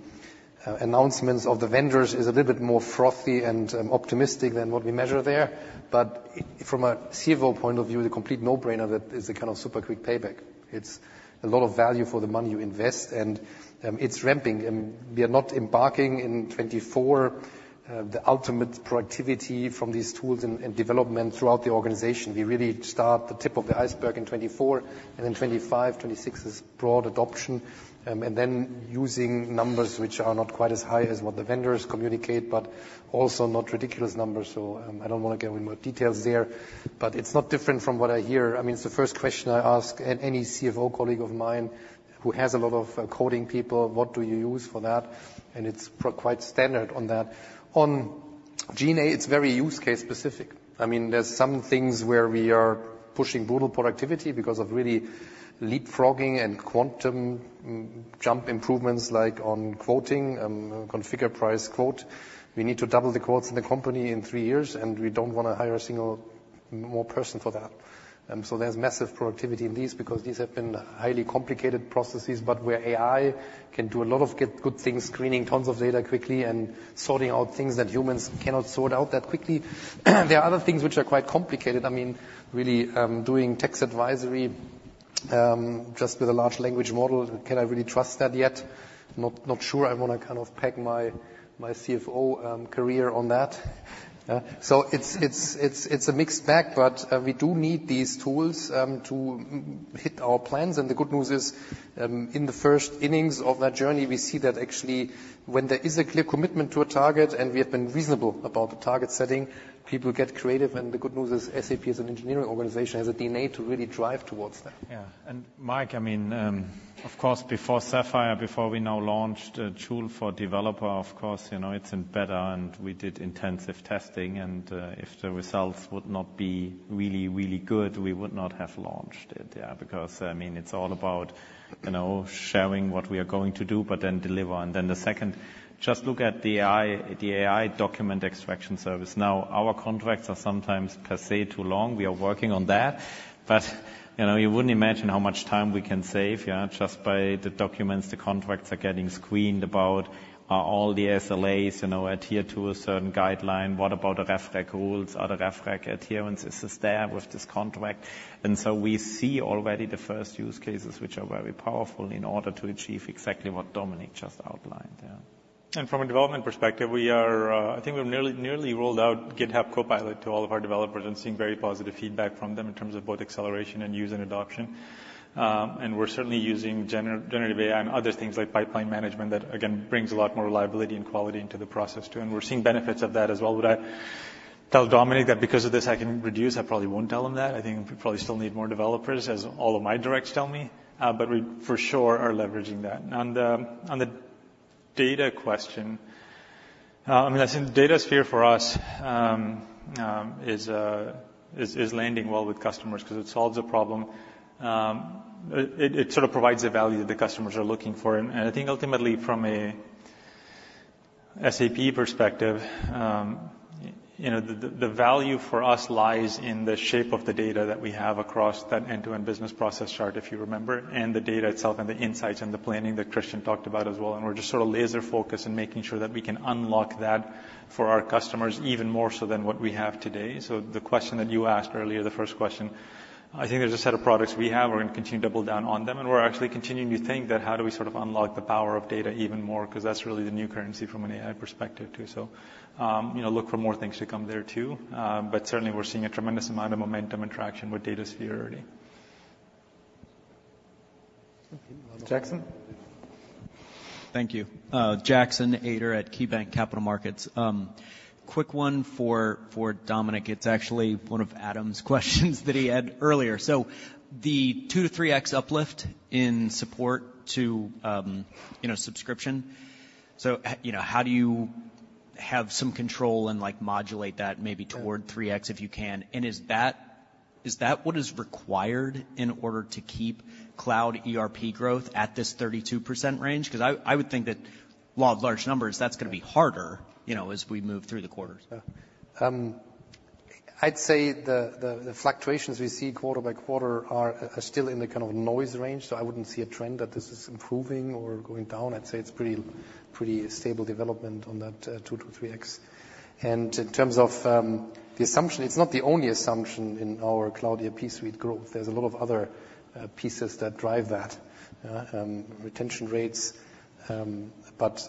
announcements of the vendors is a little bit more frothy and optimistic than what we measure there. But from a CFO point of view, the complete no-brainer, that is the kind of super quick payback. It's a lot of value for the money you invest, and, it's ramping, and we are not embarking in 2024, the ultimate productivity from these tools and, and development throughout the organization. We really start the tip of the iceberg in 2024, and then 2025, 2026 is broad adoption, and then using numbers which are not quite as high as what the vendors communicate, but also not ridiculous numbers, so, I don't wanna give away more details there, but it's not different from what I hear. I mean, it's the first question I ask at any CFO colleague of mine who has a lot of coding people, "What do you use for that?" And it's quite standard on that. On- GenAI, it's very use case specific. I mean, there's some things where we are pushing brutal productivity because of really leapfrogging and quantum jump improvements, like on quoting, Configure Price Quote. We need to double the quotes in the company in three years, and we don't want to hire a single more person for that. So there's massive productivity in these because these have been highly complicated processes. But where AI can do a lot of get good things, screening tons of data quickly and sorting out things that humans cannot sort out that quickly. There are other things which are quite complicated. I mean, really, doing tax advisory, just with a large language model. Can I really trust that yet? Not sure I want to kind of peg my, my CFO, career on that. So it's a mixed bag, but we do need these tools to hit our plans. And the good news is, in the first innings of that journey, we see that actually, when there is a clear commitment to a target, and we have been reasonable about the target setting, people get creative. And the good news is, SAP as an engineering organization has a DNA to really drive towards that. Yeah. And Mike, I mean, of course, before Sapphire, before we now launched a Joule for developer, of course, you know, it's embedded, and we did intensive testing, and if the results would not be really, really good, we would not have launched it. Yeah, because, I mean, it's all about, you know, sharing what we are going to do, but then deliver. And then the second, just look at the AI, the AI document extraction service. Now, our contracts are sometimes per se too long. We are working on that. But, you know, you wouldn't imagine how much time we can save, yeah, just by the documents. The contracts are getting screened about are all the SLAs, you know, adhere to a certain guideline. What about the Rev Rec rules? Are the Rev Rec adherence, is this there with this contract? And so we see already the first use cases, which are very powerful in order to achieve exactly what Dominik just outlined, yeah. And from a development perspective, we are, I think we've nearly rolled out GitHub Copilot to all of our developers and seen very positive feedback from them in terms of both acceleration and user adoption. And we're certainly using generative AI and other things like pipeline management that, again, brings a lot more reliability and quality into the process, too. And we're seeing benefits of that as well. Would I tell Dominik that because of this I can reduce? I probably won't tell him that. I think we probably still need more developers, as all of my directs tell me, but we for sure are leveraging that. On the data question, I mean, I think Datasphere for us is landing well with customers because it solves a problem. It sort of provides the value that the customers are looking for. And I think ultimately from a SAP perspective, you know, the value for us lies in the shape of the data that we have across that end-to-end business process chart, if you remember, and the data itself and the insights and the planning that Christian talked about as well. And we're just sort of laser focused and making sure that we can unlock that for our customers, even more so than what we have today. So the question that you asked earlier, the first question, I think there's a set of products we have. We're going to continue to double down on them, and we're actually continuing to think that how do we sort of unlock the power of data even more? Because that's really the new currency from an AI perspective, too. you know, look for more things to come there, too. But certainly we're seeing a tremendous amount of momentum and traction with Datasphere already. Jackson? Thank you. Jackson Ader at KeyBanc Capital Markets. Quick one for Dominik. It's actually one of Adam's questions that he had earlier. So the 2-3x uplift in support to, you know, subscription. So, you know, how do you have some control and, like, modulate that maybe toward 3x, if you can? And is that, is that what is required in order to keep cloud ERP growth at this 32% range? Because I would think that law of large numbers, that's going to be harder, you know, as we move through the quarters. Yeah. I'd say the fluctuations we see quarter by quarter are still in the kind of noise range, so I wouldn't see a trend that this is improving or going down. I'd say it's pretty stable development on that 2-3x. And in terms of the assumption, it's not the only assumption in our Cloud ERP Suite growth. There's a lot of other pieces that drive that. Retention rates, but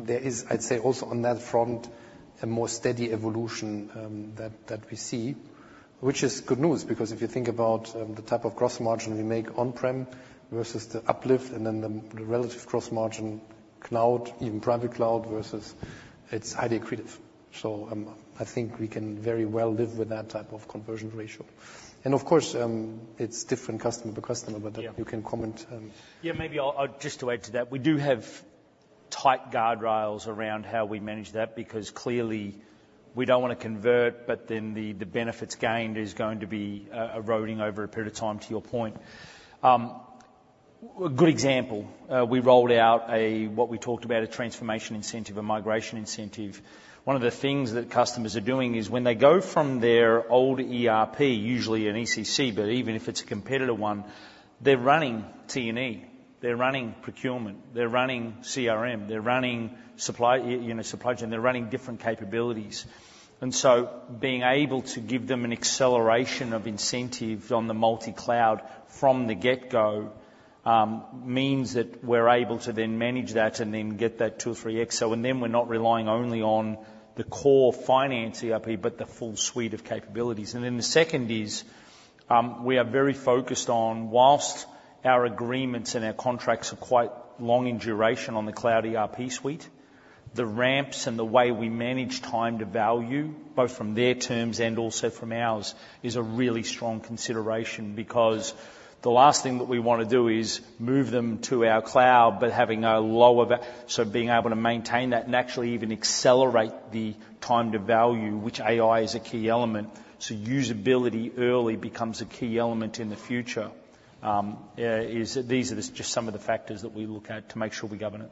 there is, I'd say, also on that front, a more steady evolution that we see, which is good news, because if you think about the type of cross margin we make on-prem versus the uplift and then the relative cross margin cloud, even private cloud versus it's highly accretive. I think we can very well live with that type of conversion ratio. Of course, it's different customer to customer- Yeah But you can comment. Yeah, maybe I'll just add to that. We do have tight guardrails around how we manage that, because clearly we don't want to convert, but then the benefits gained is going to be eroding over a period of time, to your point. A good example, we rolled out a, what we talked about, a transformation incentive, a migration incentive. One of the things that customers are doing is when they go from their old ERP, usually an ECC, but even if it's a competitor one, they're running T&E, they're running procurement, they're running CRM, they're running supply, you know, supply chain. They're running different capabilities. And so being able to give them an acceleration of incentives on the multi-cloud from the get-go means that we're able to then manage that and then get that 2 or 3x. So and then we're not relying only on the core finance ERP, but the full suite of capabilities. And then the second is, we are very focused on, whilst our agreements and our contracts are quite long in duration on the Cloud ERP Suite, the ramps and the way we manage time to value, both from their terms and also from ours, is a really strong consideration, because the last thing that we want to do is move them to our cloud, but having a lower value, so being able to maintain that and actually even accelerate the time to value, which AI is a key element. So usability early becomes a key element in the future. These are just some of the factors that we look at to make sure we govern it.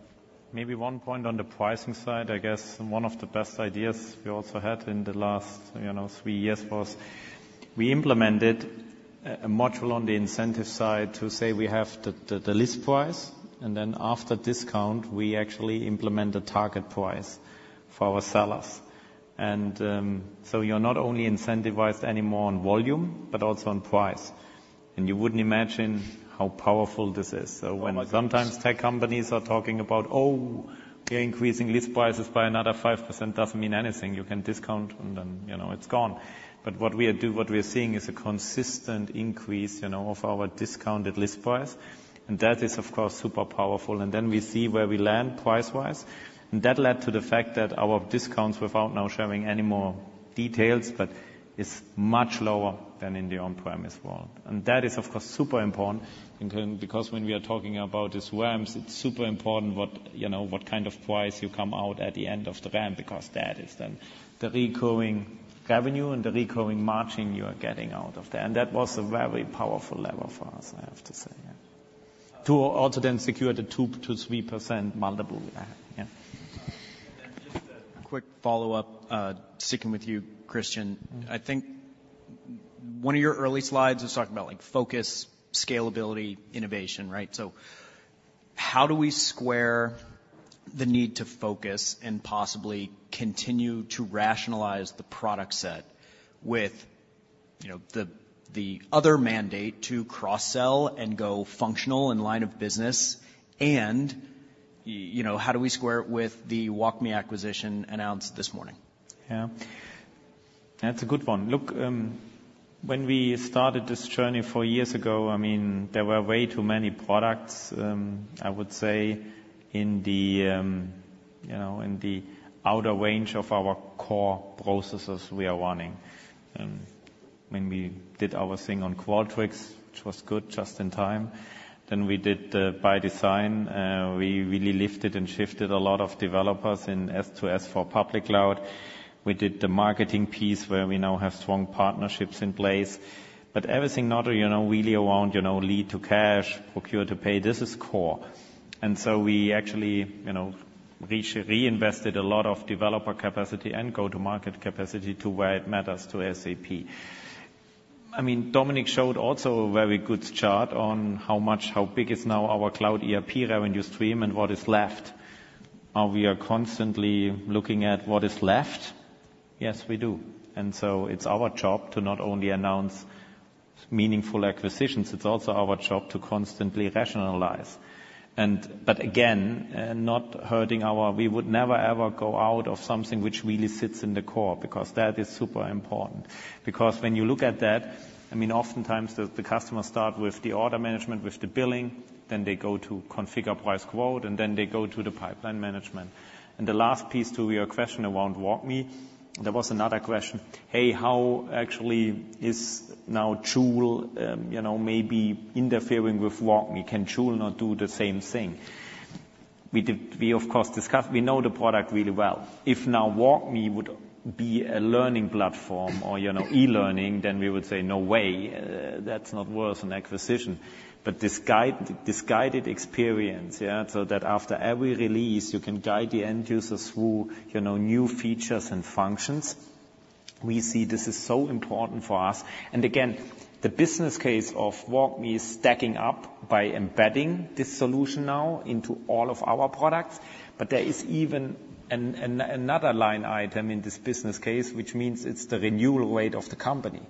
Maybe one point on the pricing side, I guess, and one of the best ideas we also had in the last, you know, three years was, we implemented a module on the incentive side to say we have the list price, and then after discount, we actually implement the target price for our sellers. So you're not only incentivized anymore on volume, but also on price. And you wouldn't imagine how powerful this is. So when sometimes tech companies are talking about, "Oh, we are increasing list prices by another 5%," doesn't mean anything. You can discount, and then, you know, it's gone. But what we are seeing is a consistent increase, you know, of our discounted list price, and that is, of course, super powerful. Then we see where we land price-wise, and that led to the fact that our discounts, without now sharing any more details, but is much lower than in the on-premise world. And that is, of course, super important, including, because when we are talking about these ramps, it's super important what, you know, what kind of price you come out at the end of the ramp, because that is then the recurring revenue and the recurring margin you are getting out of that. And that was a very powerful lever for us, I have to say, yeah. To also then secure the 2%-3% malleable. Yeah. And then just a quick follow-up, sticking with you, Christian. I think one of your early slides was talking about, like, focus, scalability, innovation, right? So how do we square the need to focus and possibly continue to rationalize the product set with, you know, the other mandate to cross-sell and go functional in line of business? And, you know, how do we square it with the WalkMe acquisition announced this morning? Yeah. That's a good one. Look, when we started this journey four years ago, I mean, there were way too many products, I would say, in the, you know, in the outer range of our core processes we are running. When we did our thing on Qualtrics, which was good, just in time, then we did the ByDesign. We really lifted and shifted a lot of developers in S/4 to S/4 for public cloud. We did the marketing piece where we now have strong partnerships in place. But everything, other, you know, really around, you know, Lead-to-Cash, Procure-to-Pay, this is core. And so we actually, you know, reinvested a lot of developer capacity and go-to-market capacity to where it matters to SAP. I mean, Dominik showed also a very good chart on how much, how big is now our cloud ERP revenue stream and what is left. Are we constantly looking at what is left? Yes, we do. And so it's our job to not only announce meaningful acquisitions, it's also our job to constantly rationalize. But again, not hurting our... We would never, ever go out of something which really sits in the core, because that is super important. Because when you look at that, I mean, oftentimes the customers start with the order management, with the billing, then they go to Configure Price Quote, and then they go to the pipeline management. And the last piece to your question around WalkMe, there was another question: Hey, how actually is now Joule, you know, maybe interfering with WalkMe? Can Joule not do the same thing? We, of course, discussed. We know the product really well. If now WalkMe would be a learning platform or, you know, e-learning, then we would say, "No way, that's not worth an acquisition." But this guide, this guided experience, yeah, so that after every release, you can guide the end users through, you know, new features and functions. We see this is so important for us. And again, the business case of WalkMe is stacking up by embedding this solution now into all of our products. But there is even another line item in this business case, which means it's the renewal rate of the company.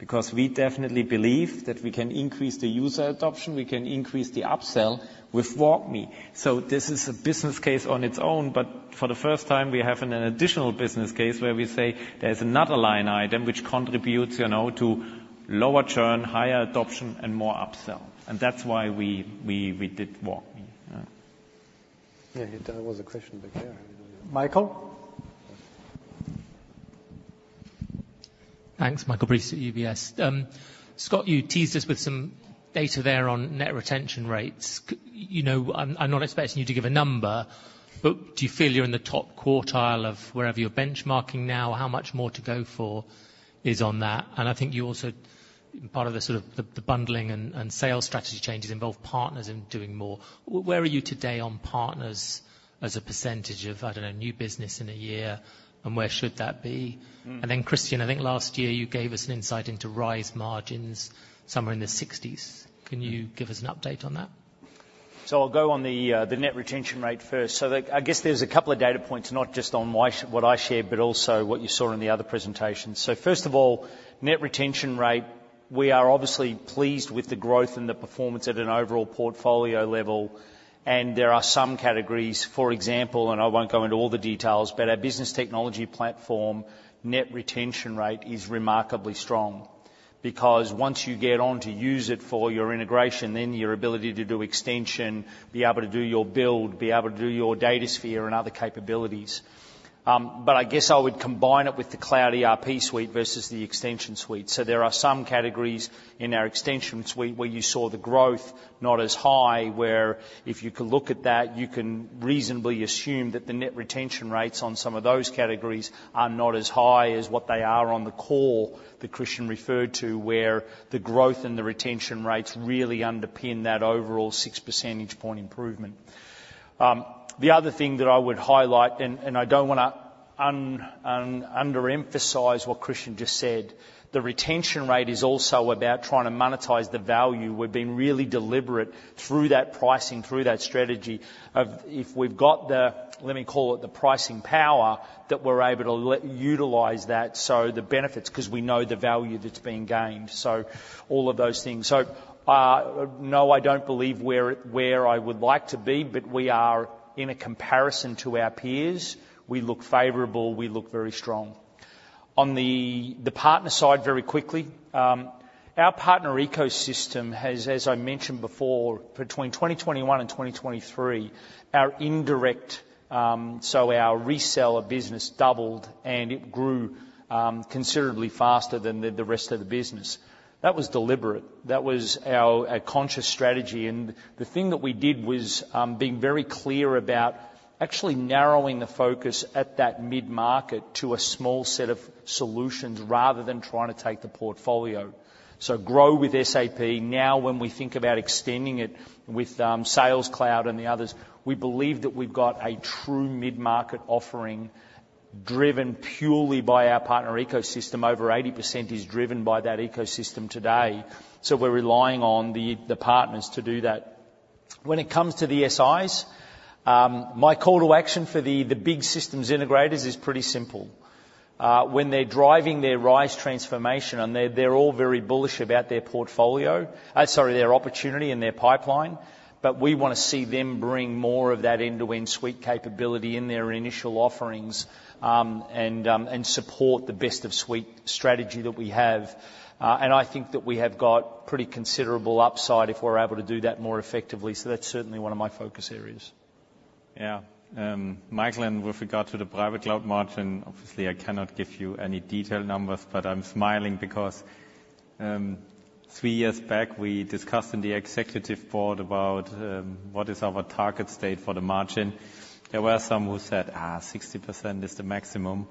Because we definitely believe that we can increase the user adoption, we can increase the upsell with WalkMe. This is a business case on its own, but for the first time, we have an additional business case where we say there's another line item which contributes, you know, to lower churn, higher adoption, and more upsell. And that's why we did WalkMe. Yeah, there was a question back there. Michael? Thanks. Michael Briest at UBS. Scott, you teased us with some data there on net retention rates. You know, I'm not expecting you to give a number, but do you feel you're in the top quartile of wherever you're benchmarking now? How much more to go for is on that? And I think you also, part of the sort of the bundling and sales strategy changes involve partners in doing more. Where are you today on partners as a percentage of, I don't know, new business in a year, and where should that be? Mm. Christian, I think last year you gave us an insight into RISE margins somewhere in the sixties. Can you give us an update on that? So I'll go on the, the net retention rate first. So the I guess there's a couple of data points, not just on what I shared, but also what you saw in the other presentations. So first of all, net retention rate, we are obviously pleased with the growth and the performance at an overall portfolio level, and there are some categories, for example, and I won't go into all the details, but our Business Technology Platform, net retention rate, is remarkably strong because once you get on to use it for your integration, then your ability to do extension, be able to do your build, be able to do your Datasphere and other capabilities. But I guess I would combine it with the Cloud ERP Suite versus the Extension Suite. So there are some categories in our Extension Suite where you saw the growth not as high, where if you could look at that, you can reasonably assume that the net retention rates on some of those categories are not as high as what they are on the core that Christian referred to, where the growth and the retention rates really underpin that overall six percentage point improvement. The other thing that I would highlight, and I don't wanna underemphasize what Christian just said, the retention rate is also about trying to monetize the value. We've been really deliberate through that pricing, through that strategy, of if we've got the, let me call it, the pricing power, that we're able to let utilize that so the benefits, 'cause we know the value that's being gained. So all of those things. So, no, I don't believe we're where I would like to be, but we are, in a comparison to our peers, we look favorable, we look very strong. On the partner side, very quickly, our partner ecosystem has, as I mentioned before, between 2021 and 2023, our indirect, so our reseller business doubled, and it grew considerably faster than the rest of the business. That was deliberate. That was our... a conscious strategy, and the thing that we did was being very clear about actually narrowing the focus at that mid-market to a small set of solutions, rather than trying to take the portfolio. So GROW with SAP. Now, when we think about extending it with Sales Cloud and the others, we believe that we've got a true mid-market offering, driven purely by our partner ecosystem. Over 80% is driven by that ecosystem today, so we're relying on the partners to do that. When it comes to the SIs, my call to action for the big systems integrators is pretty simple. When they're driving their RISE transformation, and they, they're all very bullish about their portfolio, sorry, their opportunity and their pipeline, but we wanna see them bring more of that end-to-end suite capability in their initial offerings, and support the Best-of-Suite strategy that we have. And I think that we have got pretty considerable upside if we're able to do that more effectively, so that's certainly one of my focus areas. Yeah. Michael, and with regard to the private cloud margin, obviously, I cannot give you any detailed numbers, but I'm smiling because, three years back, we discussed in the executive board about, what is our target state for the margin. There were some who said, "Ah, 60% is the maximum."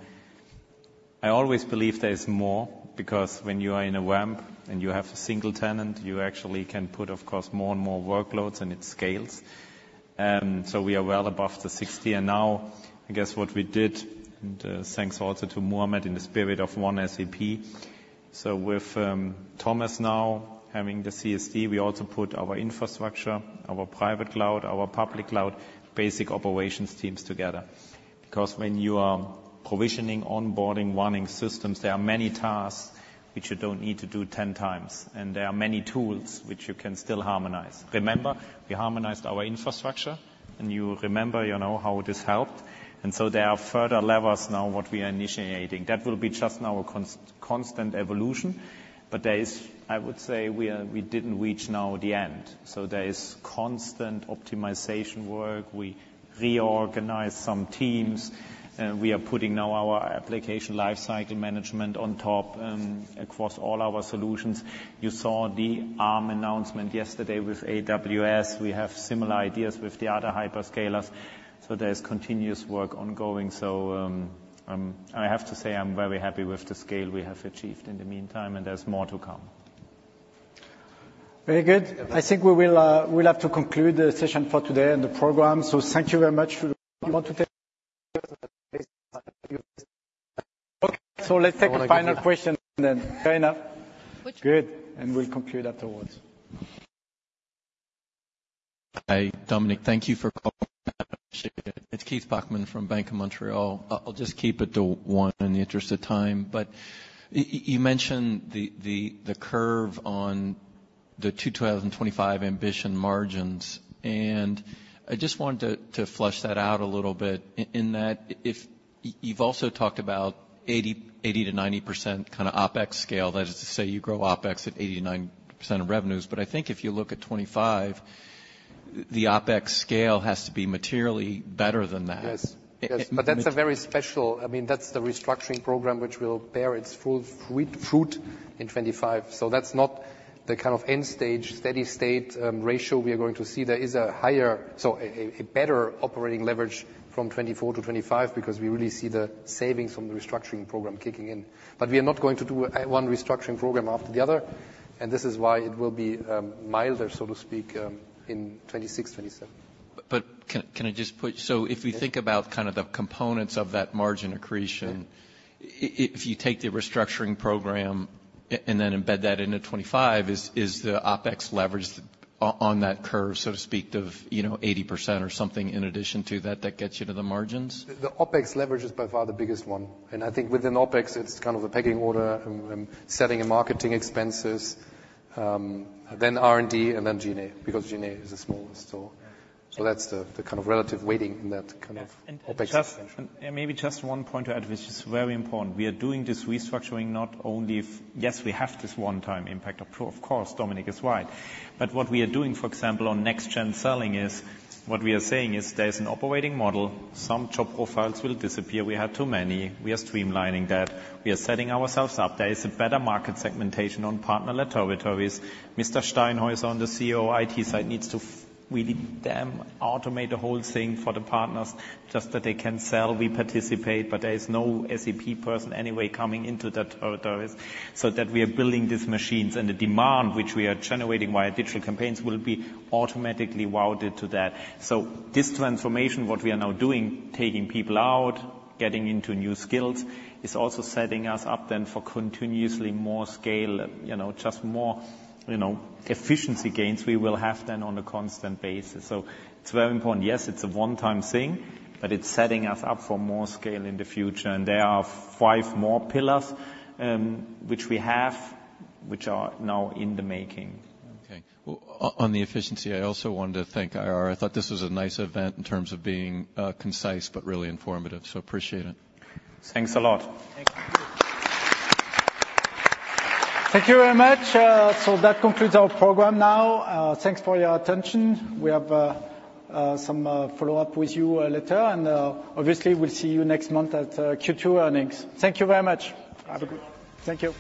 I always believe there is more, because when you are in a ramp and you have a single tenant, you actually can put, of course, more and more workloads, and it scales. So we are well above the 60, and now, I guess what we did, and, thanks also to Muhammad, in the spirit of One SAP. So with, Thomas now having the CSD, we also put our infrastructure, our private cloud, our public cloud, basic operations teams together. Because when you are provisioning, onboarding, running systems, there are many tasks which you don't need to do ten times, and there are many tools which you can still harmonize. Remember, we harmonized our infrastructure, and you remember, you know, how this helped, and so there are further levels now what we are initiating. That will be just our constant evolution, but there is... I would say we are, we didn't reach now the end, so there is constant optimization work. We reorganized some teams, and we are putting now our application lifecycle management on top, across all our solutions. You saw the ALM announcement yesterday with AWS. We have similar ideas with the other hyperscalers, so there is continuous work ongoing. So, I have to say, I'm very happy with the scale we have achieved in the meantime, and there's more to come. Very good. I think we will, we'll have to conclude the session for today and the program, so thank you very much. You want to take? Okay, so let's take a final question, and then fair enough. Good, and we'll conclude afterwards. Hi, Dominik. Thank you for calling. It's Keith Bachman from Bank of Montreal. I'll just keep it to one in the interest of time, but you mentioned the curve on the 2025 ambition margins, and I just wanted to flesh that out a little bit in that, if you've also talked about 80%-90% kind of OpEx scale. That is to say, you grow OpEx at 80%-90% of revenues. But I think if you look at 25, the OpEx scale has to be materially better than that. Yes. Yes, but that's a very special... I mean, that's the restructuring program which will bear its full fruit in 2025. So that's not the kind of end stage, steady state ratio we are going to see. There is a higher, so a better operating leverage from 2024 to 2025 because we really see the savings from the restructuring program kicking in. But we are not going to do one restructuring program after the other, and this is why it will be milder, so to speak, in 2026, 2027. But can I just put... So if we think about kind of the components of that margin accretion- Sure. I, if you take the restructuring program and then embed that into 25, is the OpEx leverage on that curve, so to speak, you know, 80% or something in addition to that, that gets you to the margins? The OpEx leverage is by far the biggest one, and I think within OpEx, it's kind of the pecking order and selling and marketing expenses, then R&D and then G&A, because G&A is the smallest, so- Yeah. So that's the kind of relative weighting in that kind of- Yeah. OpEx. Maybe just one point to add, which is very important. We are doing this restructuring not only if... Yes, we have this one-time impact, of course. Dominik is right. But what we are doing, for example, on next-gen selling is, what we are saying is there's an operating model, some job profiles will disappear. We have too many. We are streamlining that. We are setting ourselves up. There is a better market segmentation on partner territories. Mr. Steinhaeuser on the COO IT side needs to really damn automate the whole thing for the partners, just that they can sell, we participate, but there is no SAP person anyway coming into that territories. So that we are building these machines, and the demand, which we are generating via digital campaigns, will be automatically routed to that. So this transformation, what we are now doing, taking people out, getting into new skills, is also setting us up then for continuously more scale, you know, just more, you know, efficiency gains we will have then on a constant basis. So it's very important. Yes, it's a one-time thing, but it's setting us up for more scale in the future, and there are five more pillars, which we have, which are now in the making. Okay. Well, on the efficiency, I also wanted to thank IR. I thought this was a nice event in terms of being concise but really informative, so appreciate it. Thanks a lot. Thank you very much. So that concludes our program now. Thanks for your attention. We have some follow-up with you later, and obviously, we'll see you next month at Q2 earnings. Thank you very much. Have a good one. Thank you.